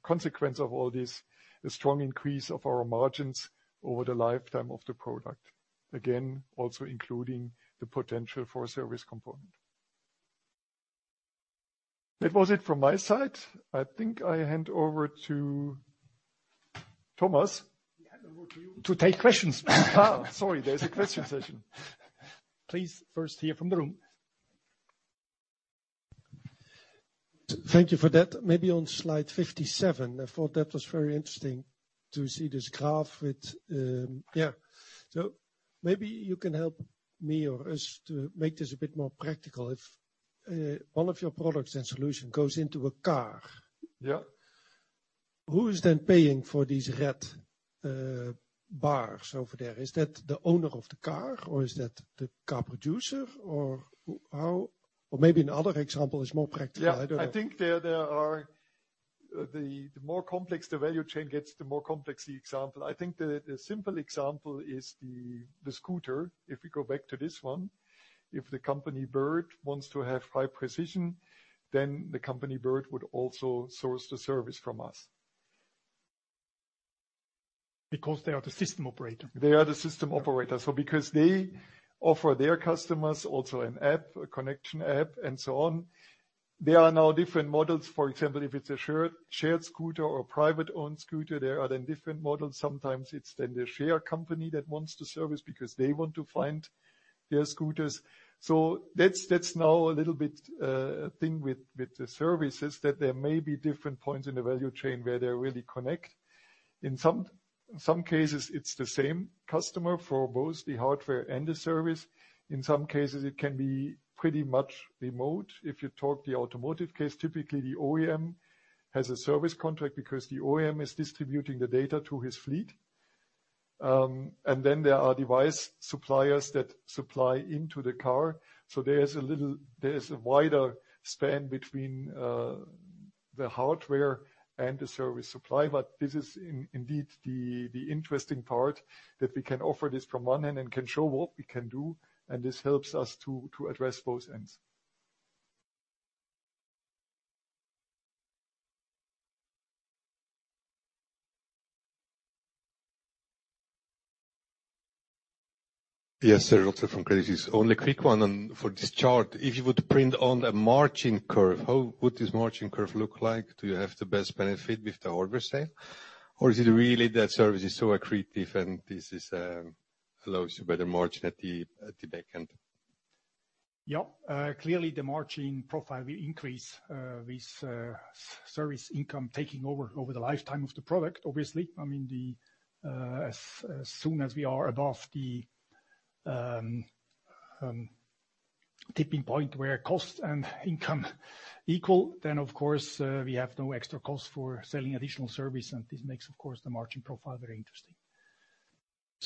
consequence of all this, a strong increase of our margins over the lifetime of the product. Again, also including the potential for a service component. That was it from my side. I think I hand over to Thomas. Yeah, over to you. To take questions. Sorry. There's a question session. Please, first hear from the room. Thank you for that. Maybe on slide 57, I thought that was very interesting to see this graph with. Yeah. Maybe you can help me or us to make this a bit more practical. If one of your products and solution goes into a car- Yeah. Who is then paying for these red bars over there? Is that the owner of the car, or is that the car producer, or how? Maybe another example is more practical, I don't know. Yeah. I think there are. The more complex the value chain gets, the more complex the example. I think the simple example is the scooter. If we go back to this one. If the company Bird wants to have high precision, then the company Bird would also source the service from us. Because they are the system operator. They are the system operator. Because they offer their customers also an app, a connection app and so on, there are now different models. For example, if it's a shared scooter or a privately owned scooter, there are then different models. Sometimes it's then the sharing company that wants the service because they want to find their scooters. That's now a little bit thing with the services, that there may be different points in the value chain where they really connect. In some cases, it's the same customer for both the hardware and the service. In some cases, it can be pretty much remote. If you talk about the automotive case, typically the OEM has a service contract because the OEM is distributing the data to his fleet. There are device suppliers that supply into the car. There's a wider span between the hardware and the service supply. This is indeed the interesting part, that we can offer this from one end and can show what we can do, and this helps us to address both ends. Yes, Serge Rotzer from Credit Suisse. Only a quick one on for this chart. If you were to plot on a margin curve, how would this margin curve look like? Do you have the best benefit with the hardware sale? Or is it really that service is so accretive, and this allows you better margin at the back end? Yeah. Clearly the margin profile will increase with service income taking over the lifetime of the product, obviously. I mean, as soon as we are above the tipping point where costs and income equal, then of course we have no extra cost for selling additional service. This makes, of course, the margin profile very interesting.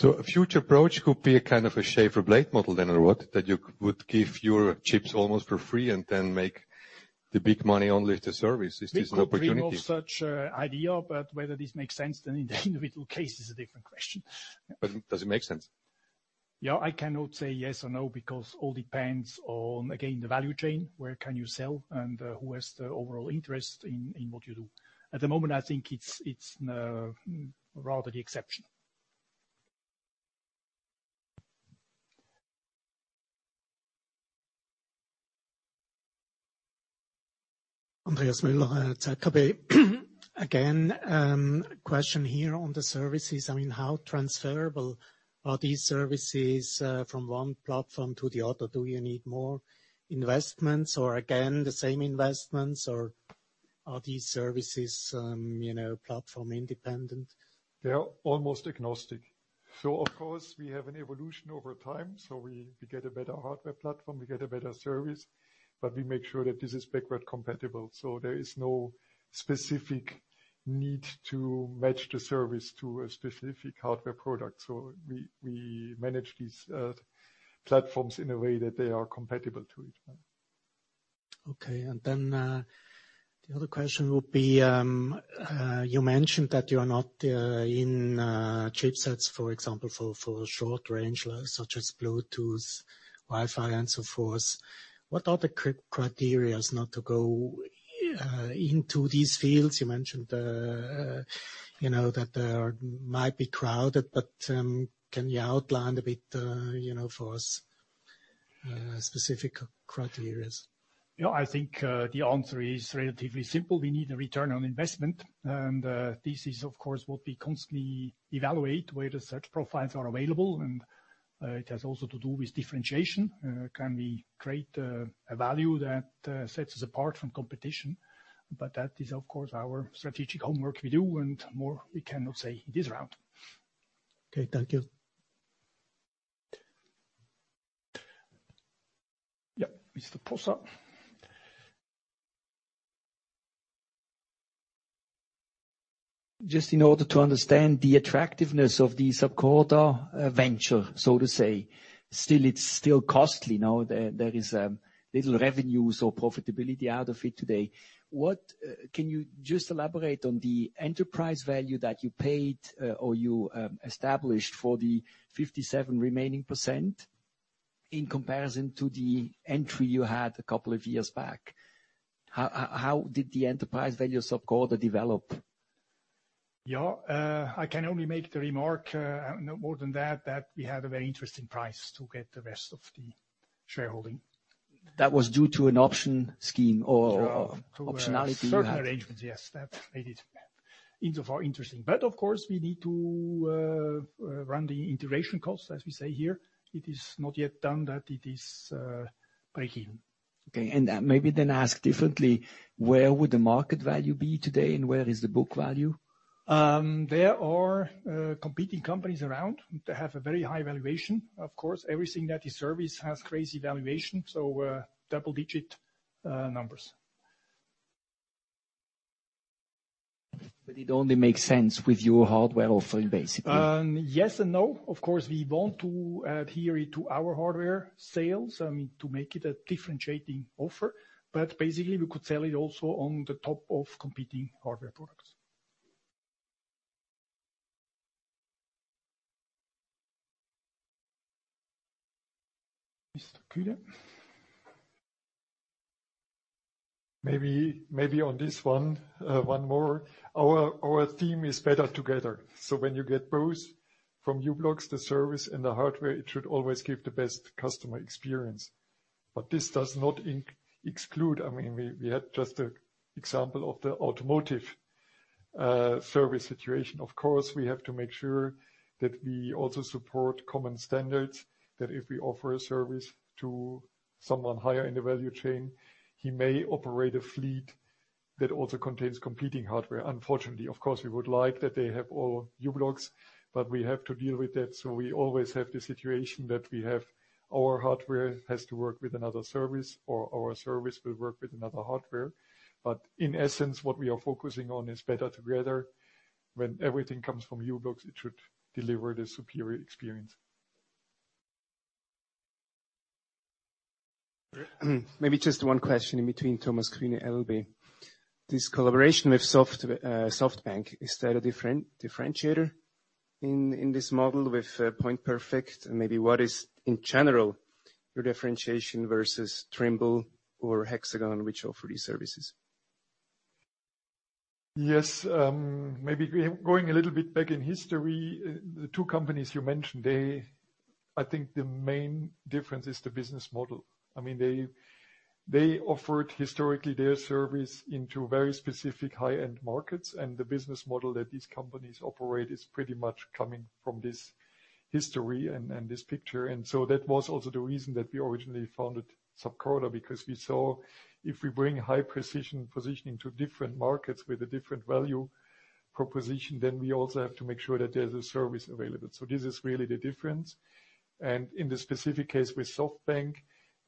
A future approach could be a kind of a razor blade model then or what? That you would give your chips almost for free and then make the big money only with the service. Is this an opportunity? We could dream of such idea, but whether this makes sense then in the individual case is a different question. Does it make sense? Yeah, I cannot say yes or no because all depends on, again, the value chain. Where can you sell, and who has the overall interest in what you do. At the moment, I think it's rather the exception. Andreas Müller, ZKB. Again, question here on the services. I mean, how transferable are these services from one platform to the other? Do you need more investments or again, the same investments? Or are these services platform-independent? They are almost agnostic. Of course we have an evolution over time, so we get a better hardware platform, we get a better service, but we make sure that this is backward compatible. There is no specific need to match the service to a specific hardware product. We manage these platforms in a way that they are compatible to it, yeah. Okay. The other question would be, you mentioned that you are not in chipsets, for example, for short range, such as Bluetooth, Wi-Fi and so forth. What are the criteria not to go into these fields? You mentioned, you know, that they might be crowded, but, can you outline a bit, you know, for us, specific criteria? Yeah. I think the answer is relatively simple. We need a return on investment. This is of course what we constantly evaluate, where such profiles are available. It has also to do with differentiation. Can we create a value that sets us apart from competition? That is of course our strategic homework we do and more we cannot say this round. Okay. Thank you. Yeah. Mr. Posa. Just in order to understand the attractiveness of the Sapcorda venture, so to say. Still, it's costly. Now there is little revenues or profitability out of it today. What can you just elaborate on the enterprise value that you paid, or you established for the 57% remaining in comparison to the entry you had a couple of years back? How did the enterprise value of Sapcorda develop? Yeah. I can only make the remark, no more than that we had a very interesting price to get the rest of the shareholding. That was due to an option scheme. To a- Optionality you had? Certain arrangements, yes. That made it insofar interesting. Of course we need to run the integration costs, as we say here. It is not yet done that it is breaking. Okay. Maybe then ask differently, where would the market value be today, and where is the book value? There are competing companies around. They have a very high valuation. Of course, everything that is service has crazy valuation, so double digit numbers. It only makes sense with your hardware offering, basically. Yes and no. Of course, we want to adhere it to our hardware sales, I mean, to make it a differentiating offer. Basically we could sell it also on top of competing hardware products. Mr. Kühne, maybe on this one more. Our theme is better together. When you get both from u-blox, the service and the hardware, it should always give the best customer experience. This does not exclude. I mean, we had just an example of the automotive service situation. Of course, we have to make sure that we also support common standards, that if we offer a service to someone higher in the value chain, he may operate a fleet that also contains competing hardware, unfortunately. Of course, we would like that they have all u-blox, but we have to deal with that. We always have the situation that we have. Our hardware has to work with another service, or our service will work with another hardware. In essence, what we are focusing on is better together. When everything comes from u-blox, it should deliver the superior experience. Maybe just 1 question in between Thomas, Karina Elbe. This collaboration with SoftBank, is that a differentiator in this model with PointPerfect? And maybe what is, in general, your differentiation versus Trimble or Hexagon, which offer these services? Yes. Maybe going a little bit back in history, the 2 companies you mentioned, they, I think the main difference is the business model. I mean, they offered historically their service into very specific high-end markets, and the business model that these companies operate is pretty much coming from this history and this picture. That was also the reason that we originally founded Sapcorda, because we saw if we bring high-precision positioning to different markets with a different value proposition, then we also have to make sure that there's a service available. This is really the difference. In the specific case with SoftBank,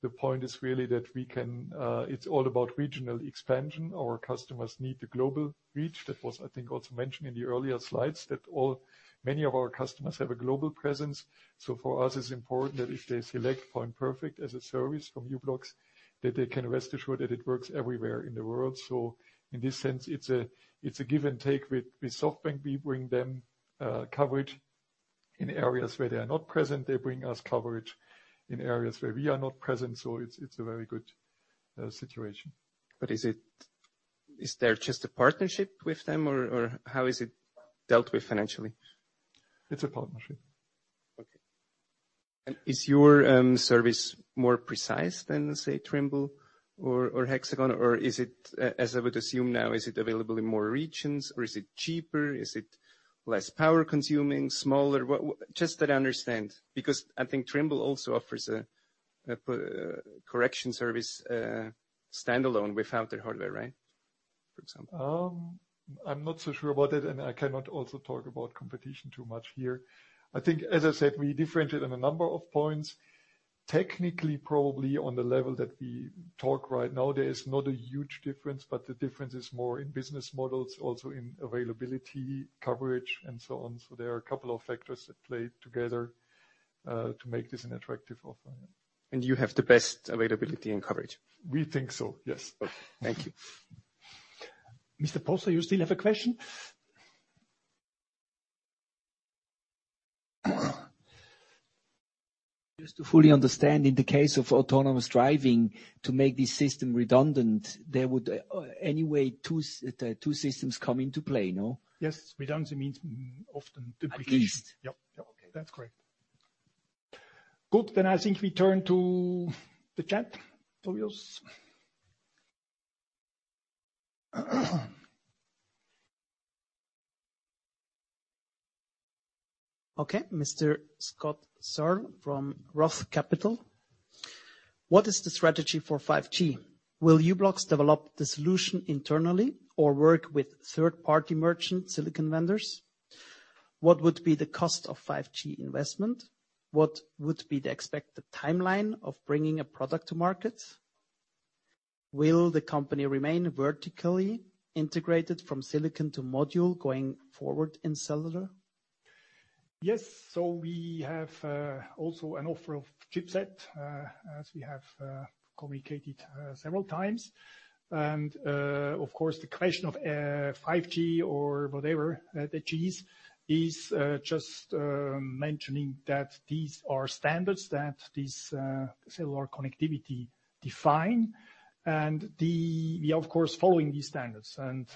the point is really that we can, it's all about regional expansion. Our customers need the global reach. That was, I think, also mentioned in the earlier slides, that many of our customers have a global presence. For us, it's important that if they select PointPerfect as a service from u-blox, that they can rest assured that it works everywhere in the world. In this sense, it's a give and take with SoftBank. We bring them coverage in areas where they are not present. They bring us coverage in areas where we are not present, so it's a very good situation. Is there just a partnership with them, or how is it dealt with financially? It's a partnership. Okay. Is your service more precise than, say, Trimble or Hexagon? Or is it, as I would assume now, available in more regions, or is it cheaper? Is it less power-consuming, smaller? Just that I understand. Because I think Trimble also offers a correction service, standalone without the hardware, right? For example. I'm not so sure about that, and I cannot also talk about competition too much here. I think, as I said, we differentiate on a number of points. Technically, probably on the level that we talk right now, there is not a huge difference, but the difference is more in business models, also in availability, coverage, and so on. There are a couple of factors that play together, to make this an attractive offer. You have the best availability and coverage? We think so, yes. Okay. Thank you. Mr. Possa, you still have a question? Just to fully understand, in the case of autonomous driving, to make this system redundant, there would anyway 2 systems come into play, no? Yes. Redundancy means often duplication. At least. Yep. Yep. Okay. That's correct. Good. I think we turn to the chat. Tobias? Okay, Mr. Scott Searle from ROTH Capital: What is the strategy for 5G? Will u-blox develop the solution internally or work with third-party merchant silicon vendors? What would be the cost of 5G investment? What would be the expected timeline of bringing a product to market? Will the company remain vertically integrated from silicon to module going forward in cellular? Yes. We have also an offer of chipset as we have communicated several times. Of course, the question of 5G or whatever the G is is just mentioning that these are standards that this cellular connectivity define. We're of course following these standards and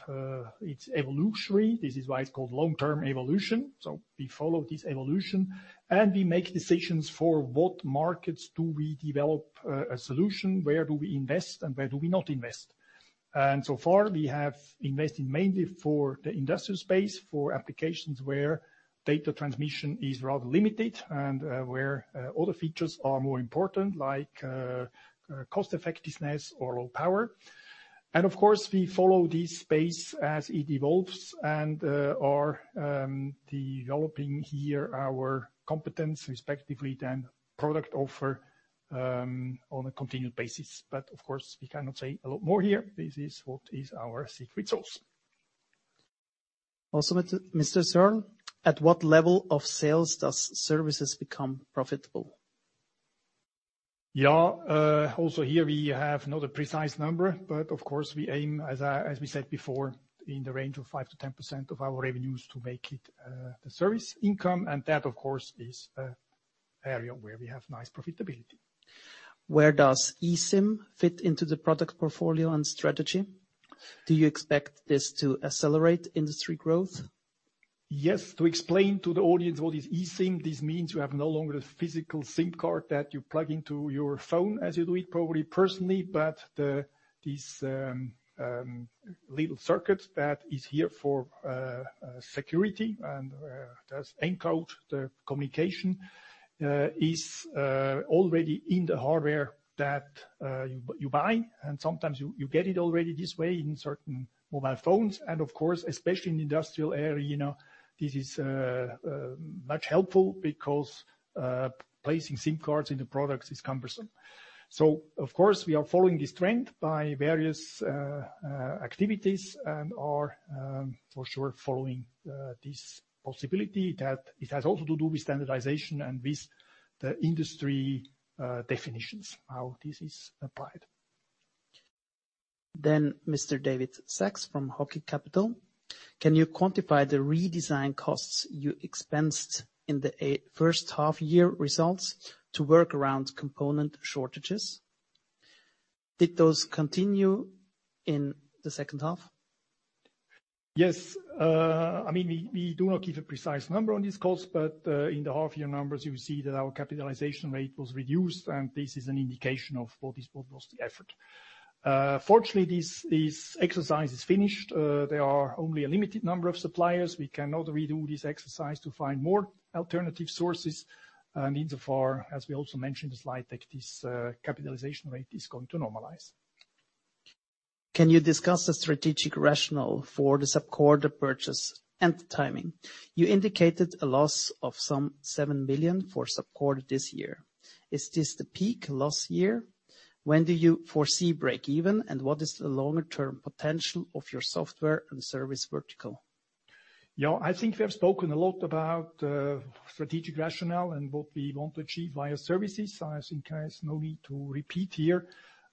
it's evolutionary. This is why it's called long-term evolution. We follow this evolution, and we make decisions for what markets do we develop a solution, where do we invest and where do we not invest. So far we have invested mainly for the industrial space, for applications where data transmission is rather limited and where other features are more important, like cost-effectiveness or low power. Of course, we follow this space as it evolves and are developing here our competence respectively then product offer on a continued basis. Of course, we cannot say a lot more here. This is what is our secret sauce. Mr. Searle, at what level of sales does services become profitable? Here we have not a precise number, but of course we aim, as we said before, in the range of 5% to 10% of our revenues to make it the service income. That of course is an area where we have nice profitability. Where does eSIM fit into the product portfolio and strategy? Do you expect this to accelerate industry growth? Yes. To explain to the audience what is eSIM, this means you have no longer the physical SIM card that you plug into your phone as you do it probably personally, but this little circuit that is here for security and does encode the communication is already in the hardware that you buy, and sometimes you get it already this way in certain mobile phones. Of course, especially in the industrial area, you know, this is much helpful because placing SIM cards in the products is cumbersome. Of course, we are following this trend by various activities and are for sure following this possibility that it has also to do with standardization and with the industry definitions, how this is applied. Mr. David Sachs from Hocky Capital. Can you quantify the redesign costs you expensed in the H1 year results to work around component shortages? Did those continue in the H2? Yes. I mean, we do not give a precise number on these costs, but in the half-year numbers, you will see that our capitalization rate was reduced, and this is an indication of what is proposed effort. Fortunately, this exercise is finished. There are only a limited number of suppliers. We cannot redo this exercise to find more alternative sources. In so far as we also mentioned in the slide deck, this capitalization rate is going to normalize. Can you discuss the strategic rationale for the Sapcorda purchase and the timing? You indicated a loss of some 7 million for Sapcorda this year. Is this the peak loss year? When do you foresee break even, and what is the longer term potential of your software and service vertical? Yeah. I think we have spoken a lot about strategic rationale and what we want to achieve via services. I think there is no need to repeat here.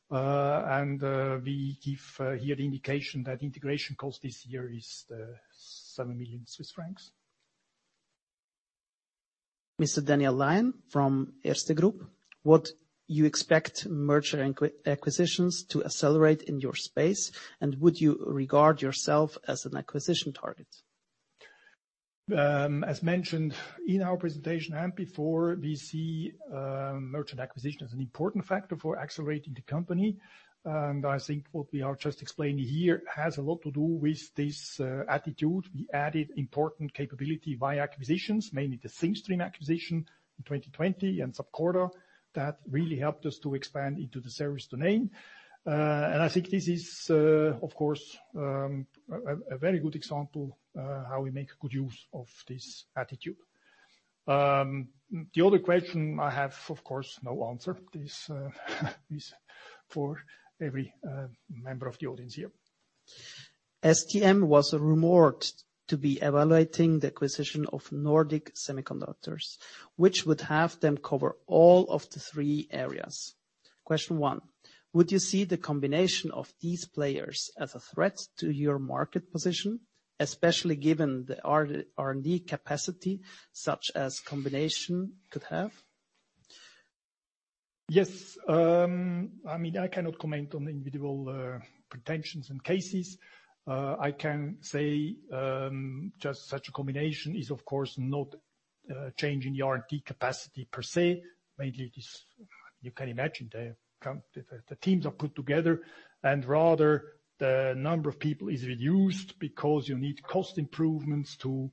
We give here the indication that integration cost this year is 7 million Swiss francs. Mr. Daniel Lion from Erste Group. Would you expect merger acquisitions to accelerate in your space, and would you regard yourself as an acquisition target? As mentioned in our presentation and before, we see M&A as an important factor for accelerating the company. I think what we are just explaining here has a lot to do with this attitude. We added important capability via acquisitions, mainly the Thingstream acquisition in 2020 and Sapcorda that really helped us to expand into the service domain. I think this is, of course, a very good example how we make good use of this attitude. The other question I have, of course, no answer. This for every member of the audience here. STMicroelectronics was rumored to be evaluating the acquisition of Nordic Semiconductor, which would have them cover all of the 3 areas. Question 1: Would you see the combination of these players as a threat to your market position, especially given the R&D capacity such a combination could have? Yes. I mean, I cannot comment on individual transactions and cases. I can say, just such a combination is, of course, not changing the R&D capacity per se. Mainly it is, you can imagine, the teams are put together, and rather the number of people is reduced because you need cost improvements to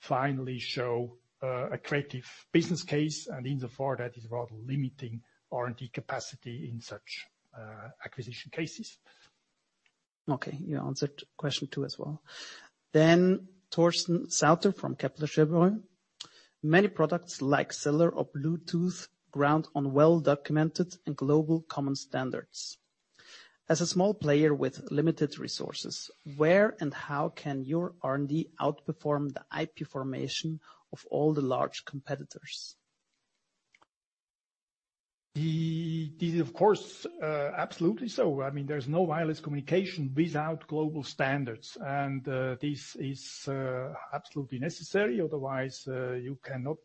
finally show a credible business case, and in so far, that is rather limiting R&D capacity in such acquisition cases. Okay. You answered question 2 as well. Torsten Sauter from Kepler Cheuvreux. Many products like cellular or Bluetooth are grounded on well-documented and globally common standards. As a small player with limited resources, where and how can your R&D outperform the IP formation of all the large competitors? Of course, absolutely so. I mean, there's no wireless communication without global standards, and this is absolutely necessary. Otherwise, you cannot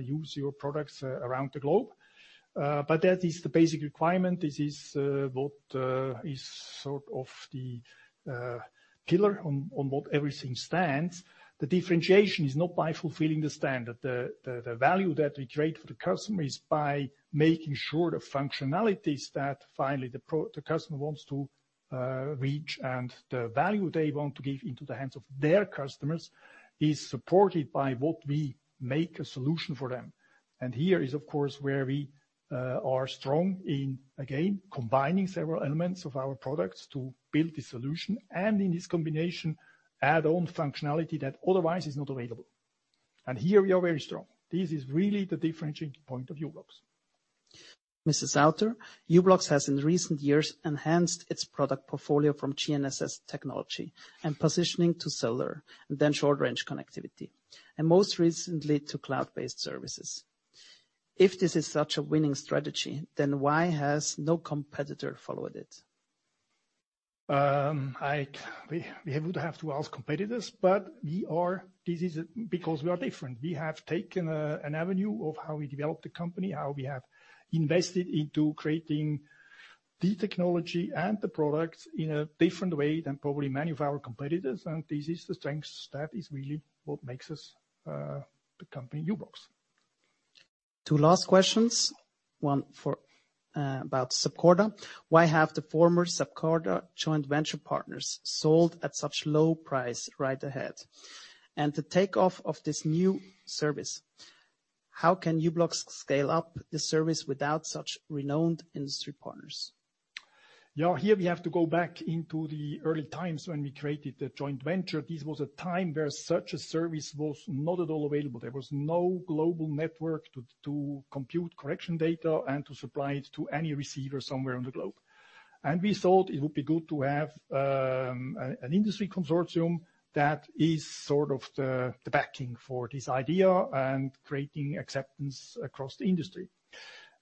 use your products around the globe. That is the basic requirement. This is what is sort of the pillar on what everything stands. The differentiation is not by fulfilling the standard. The value that we create for the customer is by making sure the functionalities that finally the customer wants to reach and the value they want to give into the hands of their customers is supported by what we make a solution for them. Here is, of course, where we are strong in, again, combining several elements of our products to build the solution, and in this combination, add on functionality that otherwise is not available. Here we are very strong. This is really the differentiating point of u-blox. Mr. Sauter, u-blox has in recent years enhanced its product portfolio from GNSS technology and positioning to cellular and then short-range connectivity, and most recently to cloud-based services. If this is such a winning strategy, then why has no competitor followed it? We would have to ask competitors, but we are different. We have taken an avenue of how we develop the company, how we have invested into creating the technology and the products in a different way than probably many of our competitors, and this is the strength that is really what makes us the company u-blox. 2 last questions, 1 for, about Sapcorda. Why have the former Sapcorda joint venture partners sold at such low price right away? The takeoff of this new service, how can u-blox scale up the service without such renowned industry partners? Yeah. Here we have to go back into the early times when we created the joint venture. This was a time where such a service was not at all available. There was no global network to compute correction data and to supply it to any receiver somewhere on the globe. We thought it would be good to have an industry consortium that is sort of the backing for this idea and creating acceptance across the industry.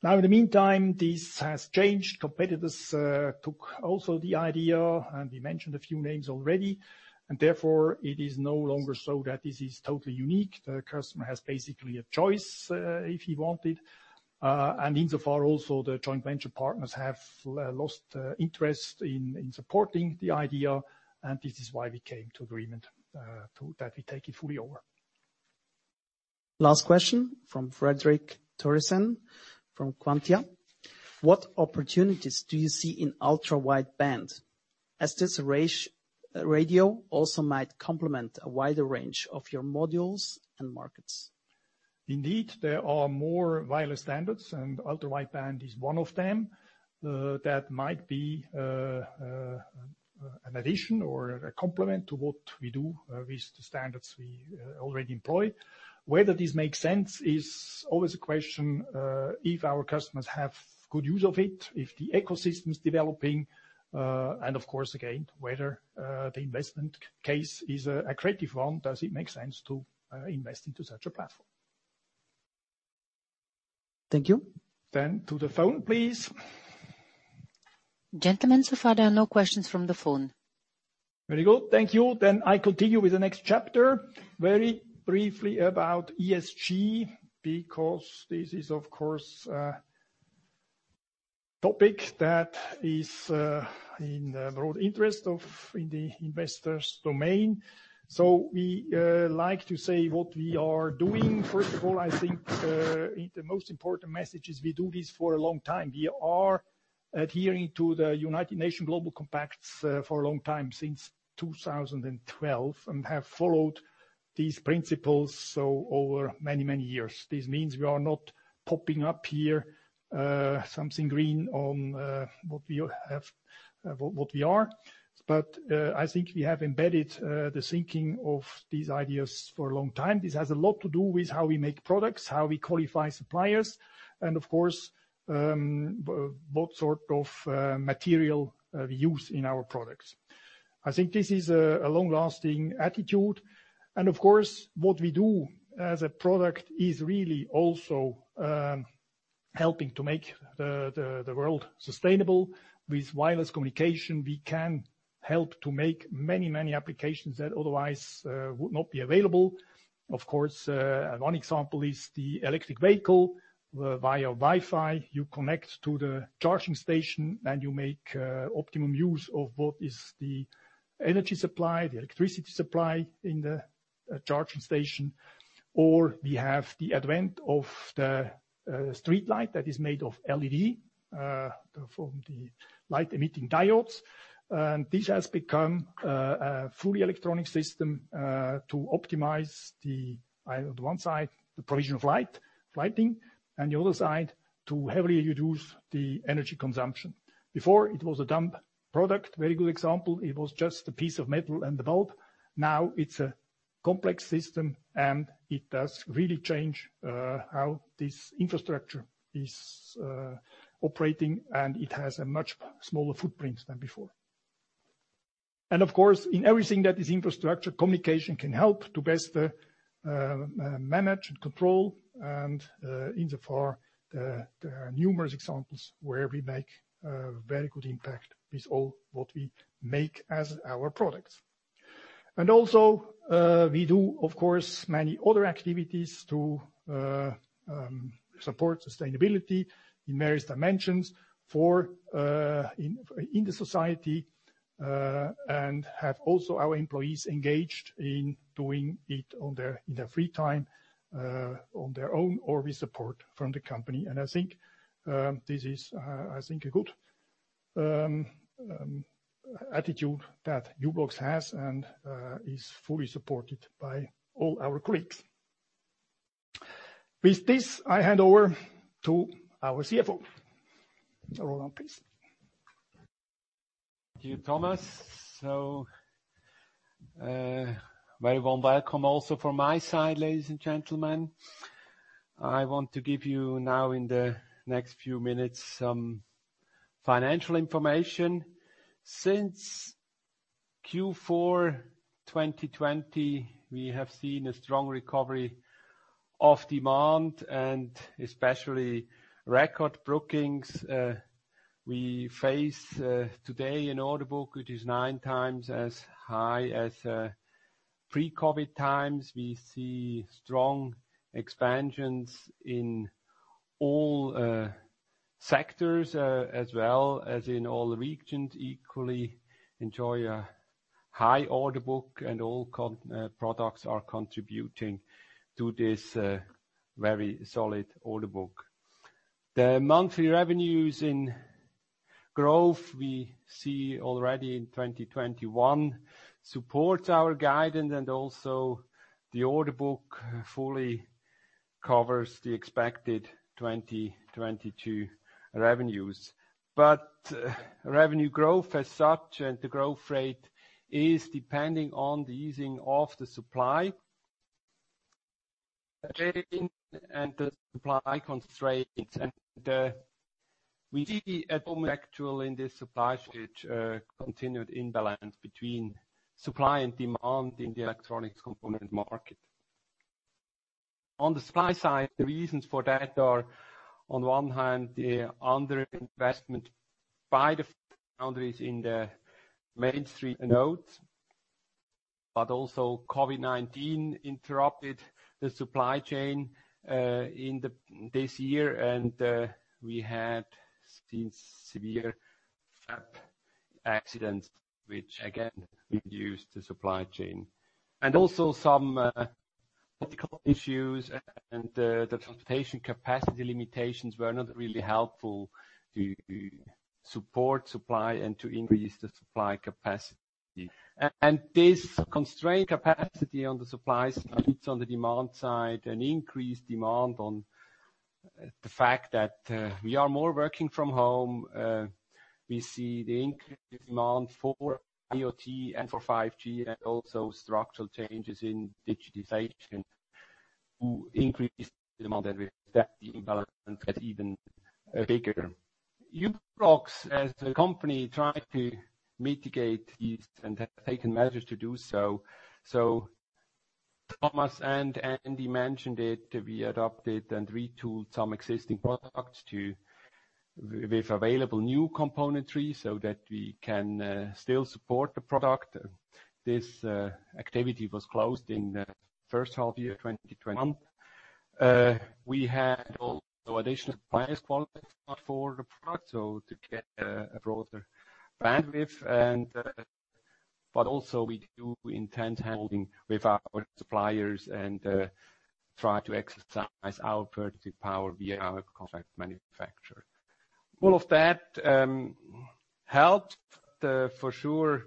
In the meantime, this has changed. Competitors took also the idea, and we mentioned a few names already, and therefore it is no longer so that this is totally unique. The customer has basically a choice if he wanted. Insofar also the joint venture partners have lost interest in supporting the idea, and this is why we came to agreement that we take it fully over. Last question from Fredrik Thorisson from Kvantia. What opportunities do you see in ultra-wideband, as this radio also might complement a wider range of your modules and markets? Indeed, there are more wireless standards, and ultra-wideband is one of them that might be an addition or a complement to what we do with the standards we already employ. Whether this makes sense is always a question if our customers have good use of it, if the ecosystem is developing, and of course, again, whether the investment case is a creative one, does it make sense to invest into such a platform? Thank you. To the phone, please. Gentlemen, so far there are no questions from the phone. Very good. Thank you. I continue with the next chapter. Very briefly about ESG, because this is, of course, a topic that is in the broad interest of the investors' domain. We like to say what we are doing. First of all, I think the most important message is we do this for a long time. We are adhering to the United Nations Global Compact for a long time, since 2012, and have followed these principles so over many, many years. This means we are not popping up here something green on what we are. I think we have embedded the thinking of these ideas for a long time. This has a lot to do with how we make products, how we qualify suppliers, and of course, what sort of material we use in our products. I think this is a long-lasting attitude. Of course, what we do as a product is really also helping to make the world sustainable. With wireless communication, we can help to make many applications that otherwise would not be available. Of course, 1 example is the electric vehicle via Wi-Fi. You connect to the charging station, and you make optimum use of what is the energy supply, the electricity supply in the charging station. We have the advent of the streetlight that is made of LED from the light-emitting diodes. This has become a fully electronic system to optimize the one side, the provision of light, lighting, and the other side, to heavily reduce the energy consumption. Before it was a dumb product, very good example. It was just a piece of metal and a bulb. Now it's a complex system, and it does really change how this infrastructure is operating, and it has a much smaller footprint than before. Of course, in everything that is infrastructure, communication can help to best manage and control. Insofar, there are numerous examples where we make a very good impact with all what we make as our products. We do, of course, many other activities to support sustainability in various dimensions for in the society, and have also our employees engaged in doing it in their free time, on their own or with support from the company. I think this is a good attitude that u-blox has and is fully supported by all our colleagues. With this, I hand over to our CFO. Roland, please. Thank you, Thomas. A very warm welcome also from my side, ladies and gentlemen. I want to give you now in the next few minutes some financial information. Since Q4 2020, we have seen a strong recovery of demand and especially record bookings. We face today an order book which is 9x as high as pre-COVID times. We see strong expansions in all sectors as well as in all the regions, equally enjoy a high order book, and all products are contributing to this very solid order book. The monthly revenues in growth we see already in 2021 supports our guidance and also the order book fully covers the expected 2022 revenues. Revenue growth as such and the growth rate is depending on the easing of the supply chain and the supply constraints and the. We see at the moment actually in this supply stage continued imbalance between supply and demand in the electronics component market. On the supply side, the reasons for that are on one hand the under-investment by the foundries in the mainstream nodes. COVID-19 interrupted the supply chain in this year, and we had seen severe fab accidents which again reduced the supply chain. Some political issues and the transportation capacity limitations were not really helpful to support supply and to increase the supply capacity. This constrained capacity on the supply side meets on the demand side an increased demand due to the fact that we are working more from home. We see the increased demand for IoT and for 5G and also structural changes in digitization to increase the demand and with that the imbalance gets even bigger. u-blox as a company tried to mitigate this and have taken measures to do so. Thomas and Andy mentioned it. We adopted and retooled some existing products to with available new componentry so that we can still support the product. This activity was closed in the H1 year, 2021. We had also additional suppliers qualified for the product, so to get a broader bandwidth and. Also we do intense handling with our suppliers and try to exercise our purchasing power via our contract manufacturer. All of that helped, for sure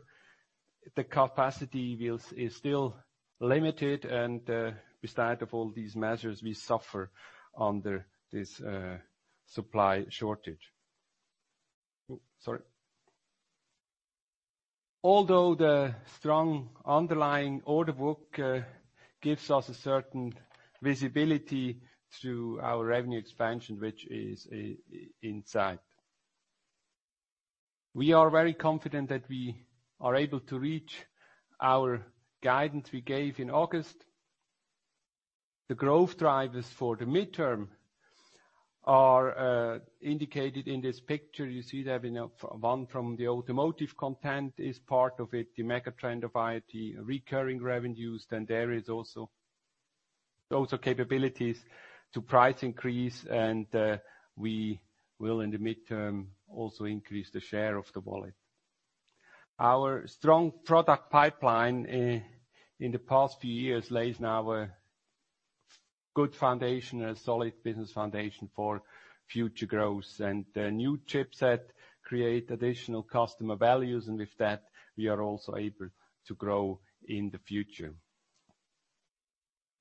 the capacity is still limited and, besides all these measures we suffer under this supply shortage. Oh, sorry. Although the strong underlying order book gives us a certain visibility to our revenue expansion, which is inside. We are very confident that we are able to reach our guidance we gave in August. The growth drivers for the midterm are indicated in this picture. You see one from the automotive content is part of it, the mega trend of IoT recurring revenues. Then there is also capabilities to price increase, and we will in the midterm also increase the share of the wallet. Our strong product pipeline in the past few years lays now a good foundation, a solid business foundation for future growth. The new chipset create additional customer values, and with that, we are also able to grow in the future.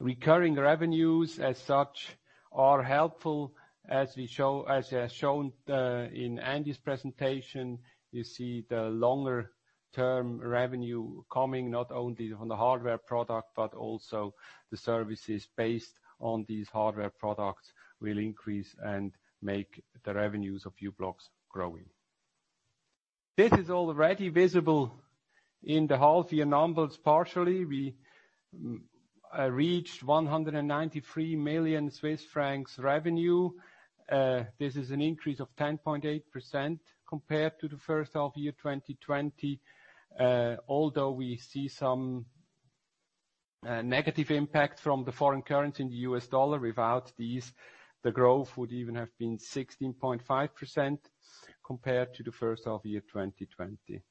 Recurring revenues, as such, are helpful, as shown in Andy's presentation. You see the longer-term revenue coming not only from the hardware product, but also the services based on these hardware products will increase and make the revenues of u-blox growing. This is already visible in the half-year numbers partially. We reached 193 million Swiss francs revenue. This is an increase of 10.8% compared to the H1-year, 2020. Although we see some negative impact from the foreign currency in the US dollar. Without these, the growth would even have been 16.5% compared to the H1-year, 2020.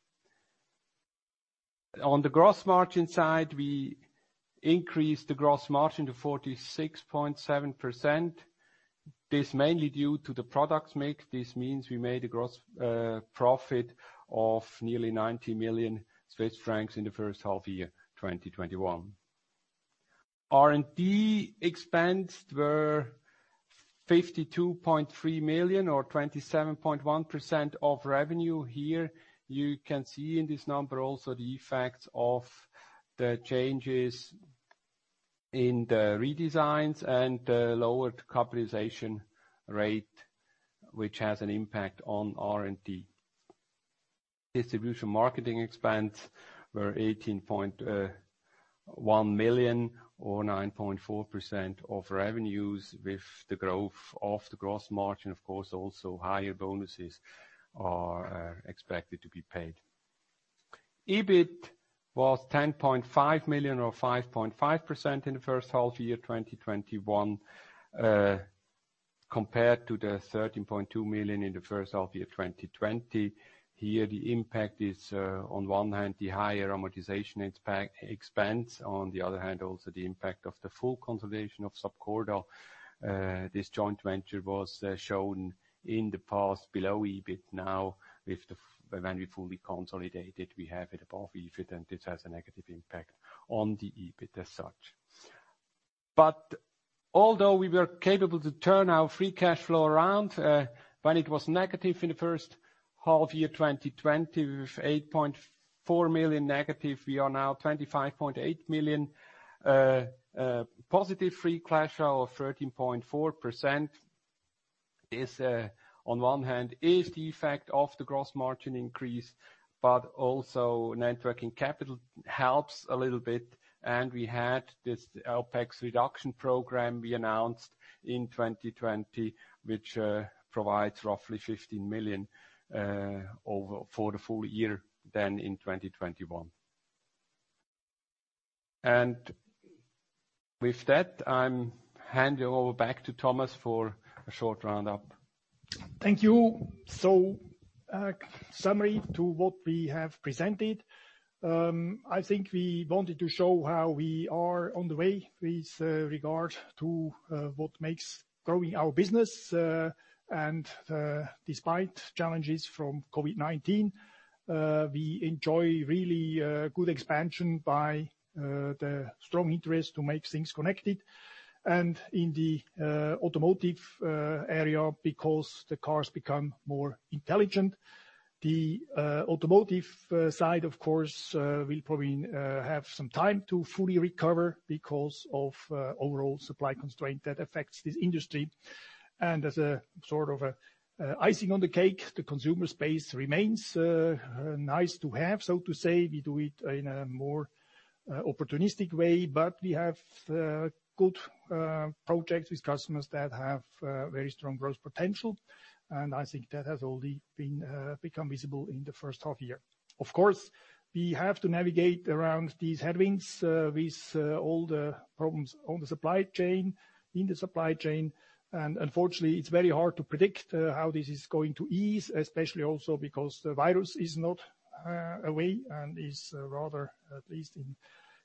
On the gross margin side, we increased the gross margin to 46.7%. This mainly due to the products mix. This means we made a gross profit of nearly 90 million Swiss francs in the H1-year, 2021. R&D expense were 52.3 million or 27.1% of revenue. Here you can see in this number also the effects of the changes in the redesigns and the lowered capitalization rate, which has an impact on R&D. Distribution marketing expense were 18.1 million or 9.4% of revenues, with the growth of the gross margin, of course, also higher bonuses are expected to be paid. EBIT was 10.5 million or 5.5% in the H1 year, 2021, compared to the 13.2 million in the H1 year, 2020. Here the impact is, on one hand the higher amortization impact expense. On the other hand, also the impact of the full consolidation of Sapcorda. This joint venture was shown in the past below EBIT. Now when we fully consolidated, we have it above EBIT and this has a negative impact on the EBIT as such. Although we were capable to turn our free cash flow around, when it was negative in the H1 year 2020, with -8.4 million, we are now 25.8 million positive free cash flow of 13.4% is, on one hand, the effect of the gross margin increase, but also net working capital helps a little bit. We had this OPEX reduction program we announced in 2020, which provides roughly 15 million for the full year than in 2021. With that, I hand you over back to Thomas for a short roundup. Thank you. Summary to what we have presented. I think we wanted to show how we are on the way with regard to what makes growing our business. Despite challenges from COVID-19, we enjoy really good expansion by the strong interest to make things connected and in the automotive area because the cars become more intelligent. The automotive side, of course, will probably have some time to fully recover because of overall supply constraint that affects this industry. As a sort of icing on the cake, the consumer space remains nice to have, so to say. We do it in a more opportunistic way, but we have good projects with customers that have very strong growth potential. I think that has already become visible in the H1 year. Of course, we have to navigate around these headwinds, with all the problems in the supply chain. Unfortunately, it's very hard to predict how this is going to ease, especially also because the virus is not away and is rather, at least in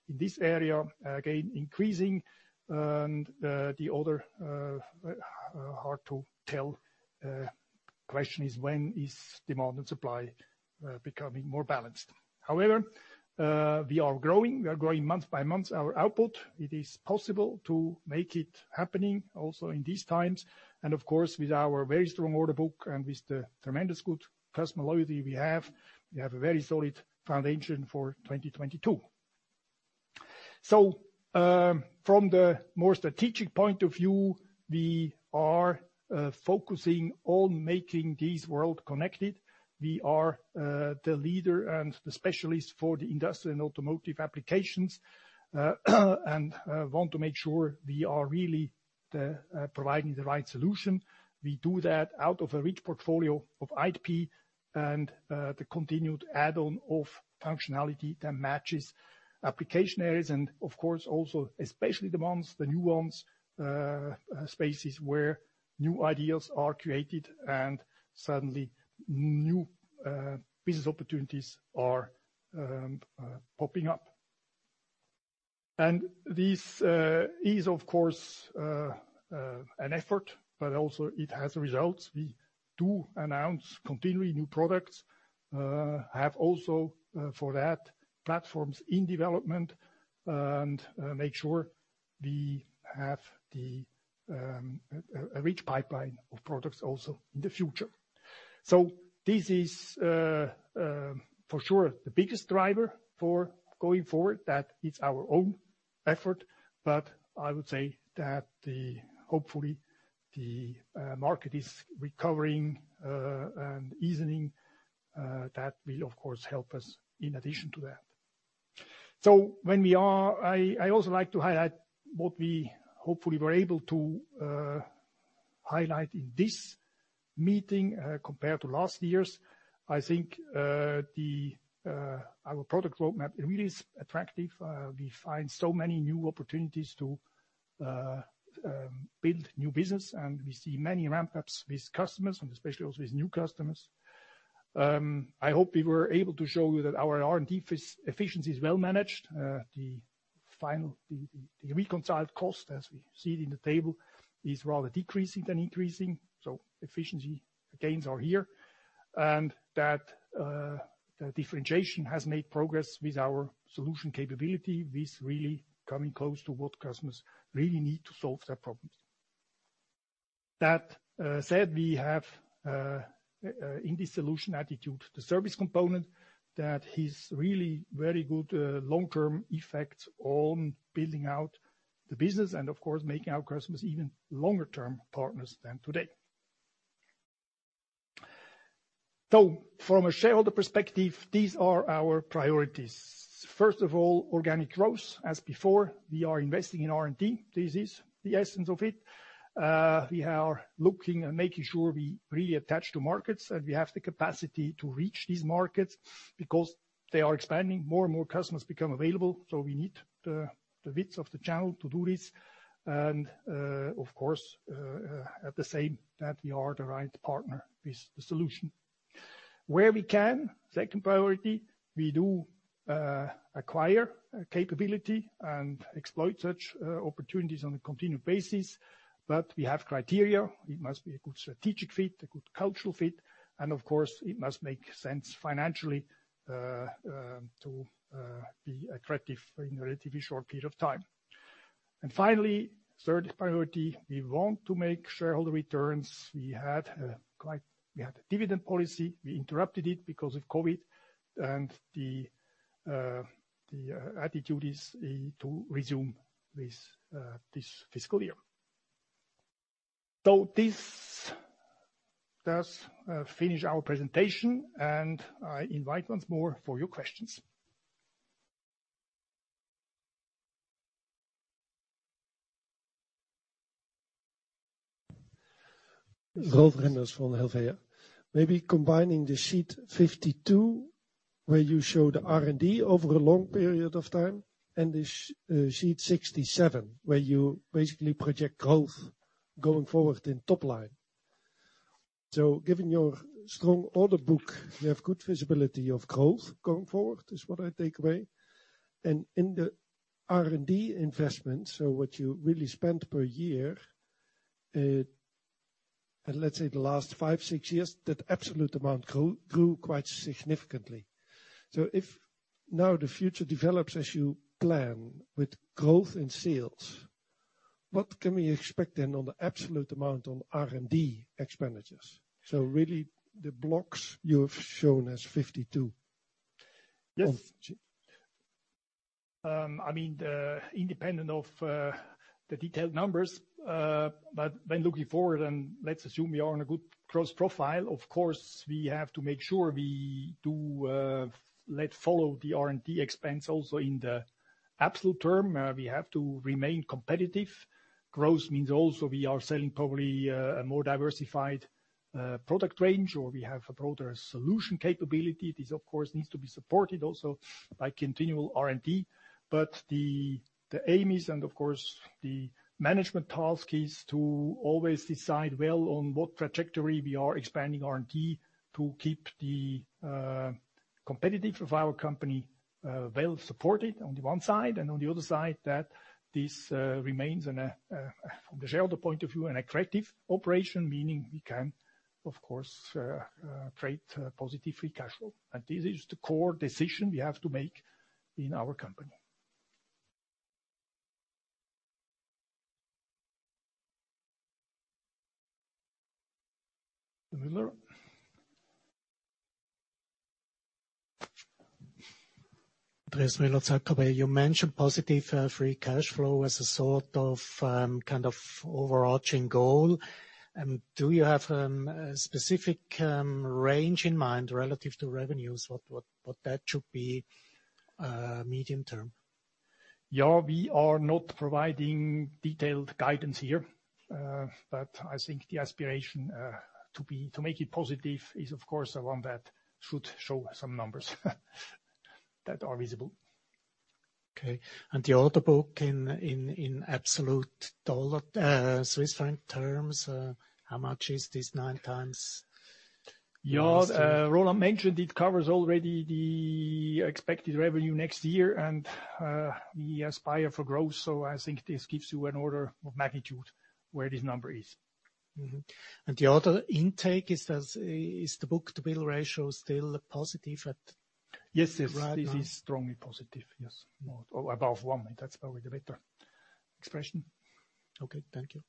this area, again, increasing. The other hard to tell question is when is demand and supply becoming more balanced? However, we are growing month by month our output. It is possible to make it happening also in these times. Of course, with our very strong order book and with the tremendous good customer loyalty we have, we have a very solid foundation for 2022. From the more strategic point of view, we are focusing on making this world connected. We are the leader and the specialist for the industrial and automotive applications and want to make sure we are really providing the right solution. We do that out of a rich portfolio of IP and the continued add-on of functionality that matches application areas and of course, also especially demands the new ones, spaces where new ideas are created and suddenly new business opportunities are popping up. This is of course an effort, but also it has results. We do announce continually new products, have also for that, platforms in development and make sure we have a rich pipeline of products also in the future. This is for sure the biggest driver for going forward, that it's our own effort. I would say that hopefully the market is recovering and easing. That will of course help us in addition to that. I also like to highlight what we hopefully were able to highlight in this meeting compared to last year's. I think our product roadmap really is attractive. We find so many new opportunities to build new business, and we see many ramp-ups with customers and especially also with new customers. I hope we were able to show you that our R&D efficiency is well managed. The final reconciled cost, as we see it in the table, is rather decreasing than increasing. Efficiency gains are here. That the differentiation has made progress with our solution capability, with really coming close to what customers really need to solve their problems. That said, we have in the solution attitude the service component that is really very good long-term effect on building out the business and, of course, making our customers even longer-term partners than today. From a shareholder perspective, these are our priorities. First of all, organic growth. As before, we are investing in R&D. This is the essence of it. We are looking and making sure we really attach to markets, and we have the capacity to reach these markets because they are expanding. More and more customers become available, so we need the width of the channel to do this. Of course, at the same time that we are the right partner with the solution. Where we can, second priority, we do acquire capability and exploit such opportunities on a continued basis, but we have criteria. It must be a good strategic fit, a good cultural fit, and of course, it must make sense financially to be attractive in a relatively short period of time. Finally, third priority, we want to make shareholder returns. We had a dividend policy, we interrupted it because of COVID, and the attitude is to resume this fiscal year. This does finish our presentation, and I invite once more for your questions. Wolf Rendels from Helvea. Maybe combining the sheet 52, where you show the R&D over a long period of time, and the sheet 67, where you basically project growth going forward in top line. Given your strong order book, you have good visibility of growth going forward, is what I take away. In the R&D investment, what you really spent per year, and let's say the last 5, 6 years, that absolute amount grew quite significantly. If now the future develops as you plan with growth in sales, what can we expect then on the absolute amount on R&D expenditures. Really the blocks you have shown as 52. Yes. I mean, independent of the detailed numbers, when looking forward, let's assume we are on a good growth profile. Of course, we have to make sure we let the R&D expense follow also in the absolute term. We have to remain competitive. Growth means also we are selling probably a more diversified product range, or we have a broader solution capability. This of course needs to be supported also by continual R&D. The aim is, and of course the management task, is to always decide well on what trajectory we are expanding R&D to keep the competitiveness of our company well supported on the one side, and on the other side, that this remains an attractive operation from the shareholder point of view, meaning we can of course create positive free cash flow. This is the core decision we have to make in our company. Müller. Andreas Müller, Zürcher Kantonalbank. You mentioned positive free cash flow as a sort of kind of overarching goal. Do you have a specific range in mind relative to revenues, what that should be medium term? Yeah. We are not providing detailed guidance here, but I think the aspiration, to be, to make it positive is of course the one that should show some numbers that are visible. The order book in absolute dollar, Swiss franc terms, how much is this 9x? Roland mentioned it covers already the expected revenue next year and we aspire for growth. I think this gives you an order of magnitude where this number is. The order intake, is the book-to-bill ratio still positive at- Yes, yes. Right now. It is strongly positive, yes. Or above 1, that's probably the better expression. Okay, thank you.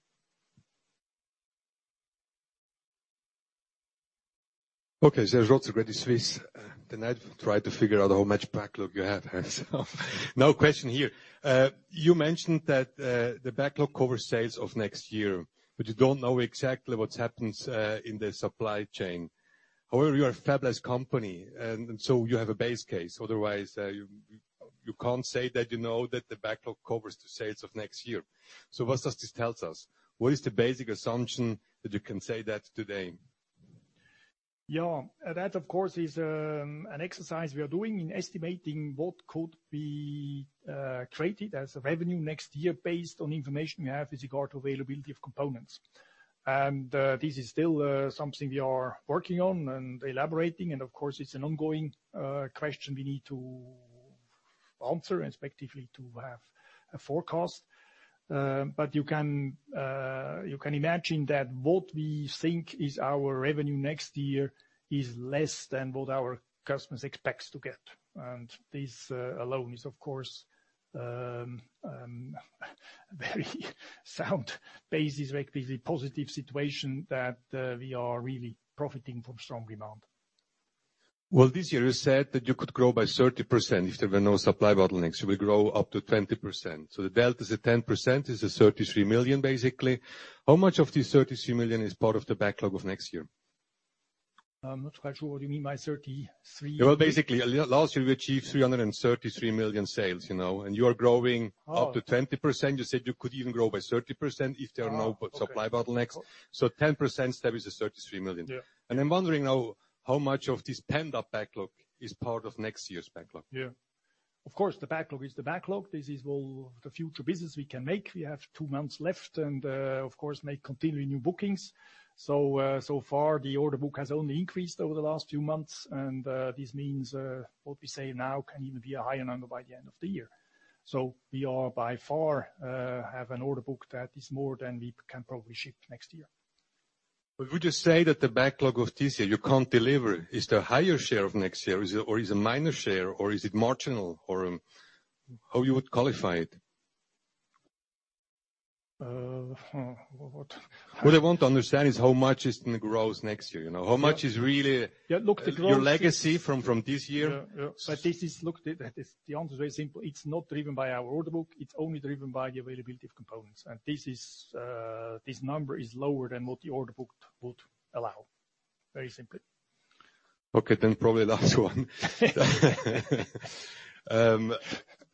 Okay. Serge Rotzer from Credit Suisse. I've tried to figure out how much backlog you had. No question here. You mentioned that the backlog covers sales of next year, but you don't know exactly what happens in the supply chain. However, you're a fabulous company and so you have a base case. Otherwise, you can't say that you know that the backlog covers the sales of next year. What does this tells us? What is the basic assumption that you can say that today? Yeah. That of course is an exercise we are doing in estimating what could be created as a revenue next year based on information we have with regard to availability of components. This is still something we are working on and elaborating and of course it's an ongoing question we need to answer respectively to have a forecast. You can imagine that what we think is our revenue next year is less than what our customers expects to get. This alone is of course a very sound basis, respectively positive situation that we are really profiting from strong demand. Well, this year you said that you could grow by 30%. If there were no supply bottlenecks, you will grow up to 20%. The delta is at 10%, is at 33 million, basically. How much of this 33 million is part of the backlog of next year? I'm not quite sure what you mean by 33. Well, basically last year we achieved 333 million sales, you know, and you are growing. Oh. Up to 20%. You said you could even grow by 30% if there are no. Oh, okay. Supply bottlenecks. 10% there is a 33 million. Yeah. I'm wondering now how much of this pent-up backlog is part of next year's backlog. Yeah. Of course, the backlog is the backlog. This is all the future business we can make. We have 2 months left and, of course, we may continue new bookings. So far the order book has only increased over the last few months, and this means what we say now can even be a higher number by the end of the year. We by far have an order book that is more than we can probably ship next year. Would you say that the backlog of this year you can't deliver, is there higher share of next year, is it, or is it minor share, or is it marginal, or how you would qualify it? Uh, hmm, what- What I want to understand is how much is gonna grow next year, you know? Yeah, look, the growth. Your legacy from this year. Yeah. Yeah. Look, the answer is very simple. It's not driven by our order book, it's only driven by the availability of components. This number is lower than what the order book would allow, very simply. Okay, probably the last one.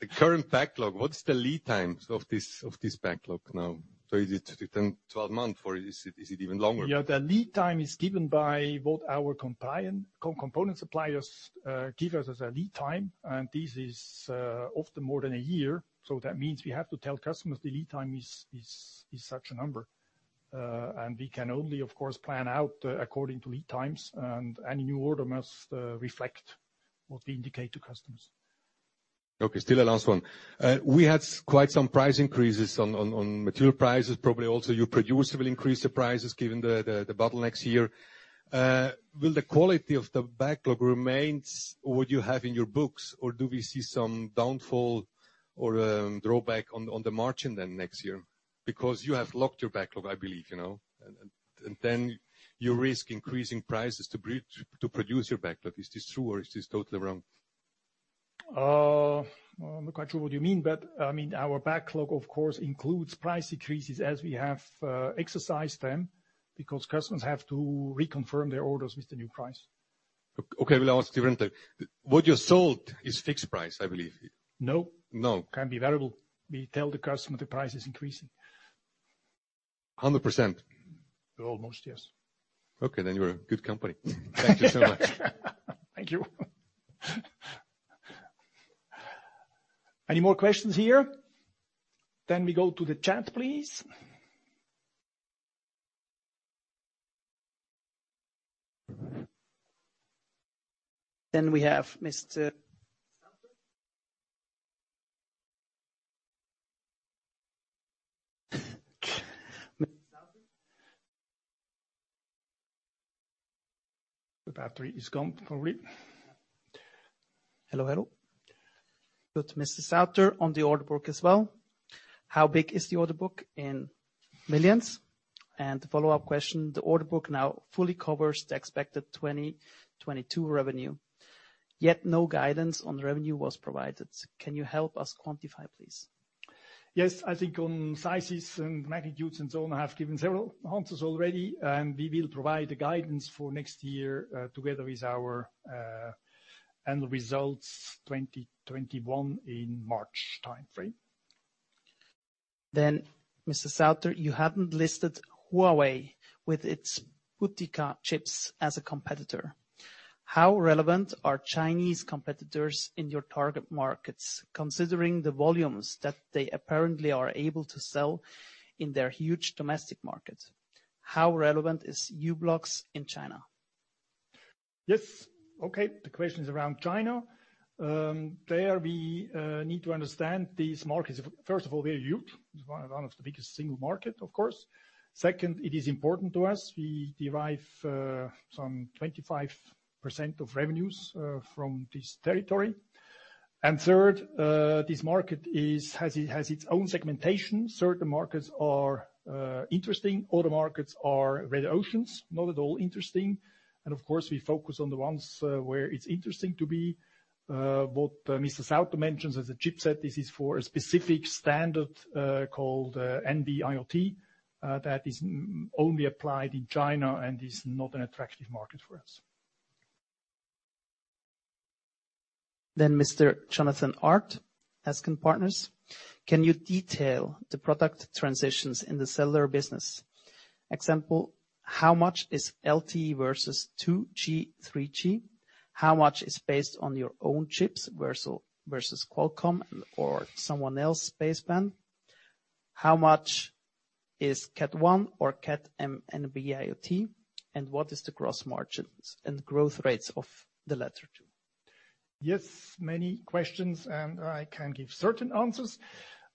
The current backlog, what is the lead times of this backlog now? Is it 10, 12 month, or is it even longer? Yeah. The lead time is given by what our component suppliers give us as a lead time, and this is often more than a year. That means we have to tell customers the lead time is such a number. We can only, of course, plan out according to lead times, and any new order must reflect what we indicate to customers. Okay, still the last one. We had quite some price increases on material prices, probably also your products will increase the prices given the bottlenecks here. Will the quality of the backlog remain what you have in your books or do we see some downfall or drawback on the margin then next year? Because you have locked your backlog, I believe, you know. Then you risk increasing prices to produce your backlog. Is this true or is this totally wrong? Well, I'm not quite sure what you mean, but I mean, our backlog of course includes price increases as we have exercised them because customers have to reconfirm their orders with the new price. Okay. Well, I'll ask differently. What you sold is fixed price, I believe. No. No. Can be variable. We tell the customer the price is increasing. 100%? Almost, yes. Okay, you're a good company. Thank you so much. Thank you. Any more questions here? We go to the chat, please. We have Mr. Sauter. The battery is gone probably. Hello, hello. Put Mr. Sauter on the order book as well. How big is the order book in millions? The follow-up question, the order book now fully covers the expected 2022 revenue, yet no guidance on revenue was provided. Can you help us quantify, please? Yes. I think on sizes and magnitudes and so on, I have given several answers already. We will provide the guidance for next year, together with our end results 2021 in March timeframe. Mr. Sauter, you haven't listed Huawei with its Balong chips as a competitor. How relevant are Chinese competitors in your target markets, considering the volumes that they apparently are able to sell in their huge domestic market? How relevant is u-blox in China? Yes. Okay. The question is around China. There we need to understand these markets. First of all, they're huge. It's one of the biggest single market, of course. Second, it is important to us. We derive some 25% of revenues from this territory. Third, this market is, has its own segmentation. Certain markets are interesting, other markets are red oceans, not at all interesting. Of course, we focus on the ones where it's interesting to be. What Mr. Sauter mentions as a chipset, this is for a specific standard called NB-IoT that is NB-only applied in China and is not an attractive market for us. Mr. Jonathan Art, Ascan Partners. Can you detail the product transitions in the cellular business? Example, how much is LTE versus 2G, 3G? How much is based on your own chips versus Qualcomm or someone else baseband? How much is Cat 1 or Cat M NB-IoT? And what is the gross margins and growth rates of the latter 2? Yes, many questions, and I can give certain answers.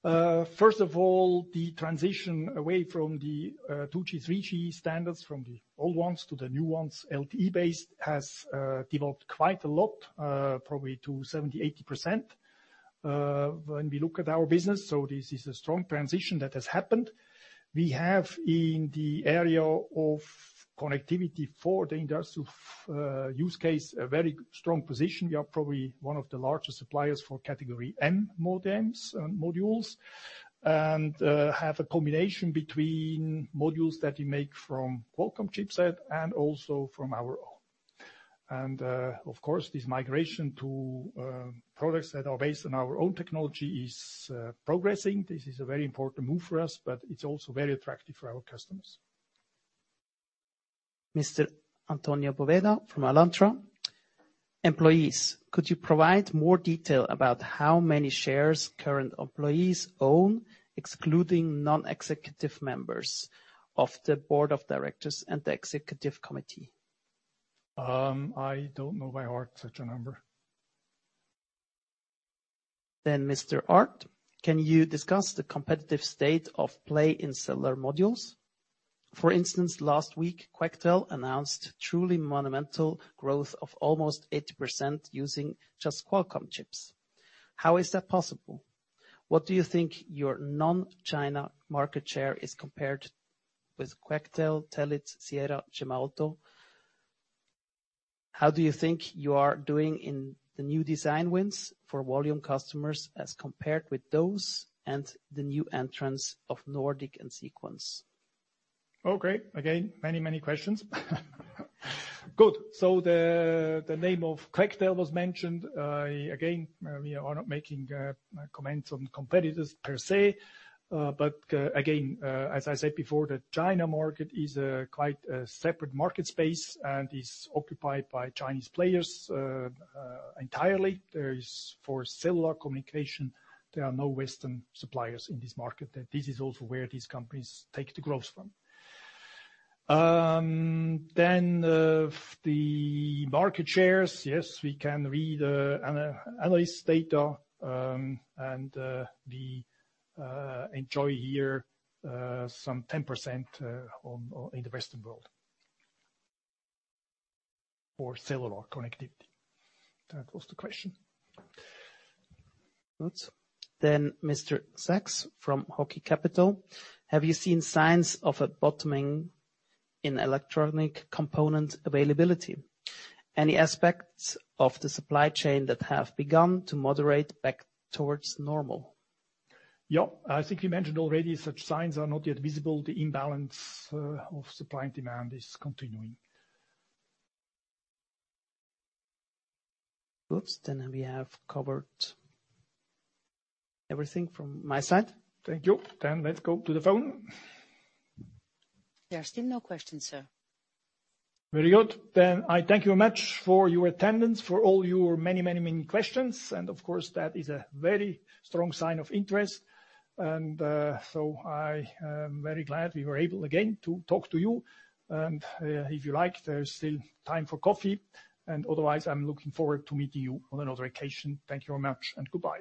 First of all, the transition away from the 2G, 3G standards, from the old ones to the new ones, LTE-based, has developed quite a lot, probably to 70% to 80%, when we look at our business. This is a strong transition that has happened. We have in the area of connectivity for the industrial use case a very strong position. We are probably one of the largest suppliers for Cat M modems, modules, and have a combination between modules that we make from Qualcomm chipset and also from our own. Of course, this migration to products that are based on our own technology is progressing. This is a very important move for us, but it's also very attractive for our customers. Mr. Antonio Poveda from Alantra. Employees, could you provide more detail about how many shares current employees own, excluding non-executive members of the board of directors and the executive committee? I don't know by heart such a number. Can you discuss the competitive state of play in cellular modules? For instance, last week, Quectel announced truly monumental growth of almost 80% using just Qualcomm chips. How is that possible? What do you think your non-China market share is compared with Quectel, Telit, Sierra, Gemalto? How do you think you are doing in the new design wins for volume customers as compared with those and the new entrants of Nordic and Sequans? Okay. Again, many, many questions. Good. The name of Quectel was mentioned. Again, we are not making comments on competitors per se. But again, as I said before, the China market is quite a separate market space and is occupied by Chinese players entirely. For cellular communication, there are no Western suppliers in this market. This is also where these companies take the growth from. Then of the market shares, yes, we can read [Anja's data], and we enjoy here some 10% in the Western world for cellular connectivity. That was the question. Good. Mr. Sachs from Hocky Capital: Have you seen signs of a bottoming in electronic component availability? Any aspects of the supply chain that have begun to moderate back towards normal? Yeah. I think we mentioned already such signs are not yet visible. The imbalance of supply and demand is continuing. Oops. We have covered everything from my side. Thank you. Let's go to the phone. There are still no questions, sir. Very good. I thank you much for your attendance, for all your many questions. Of course, that is a very strong sign of interest. I am very glad we were able again to talk to you. If you like, there is still time for coffee. Otherwise, I'm looking forward to meeting you on another occasion. Thank you very much and goodbye.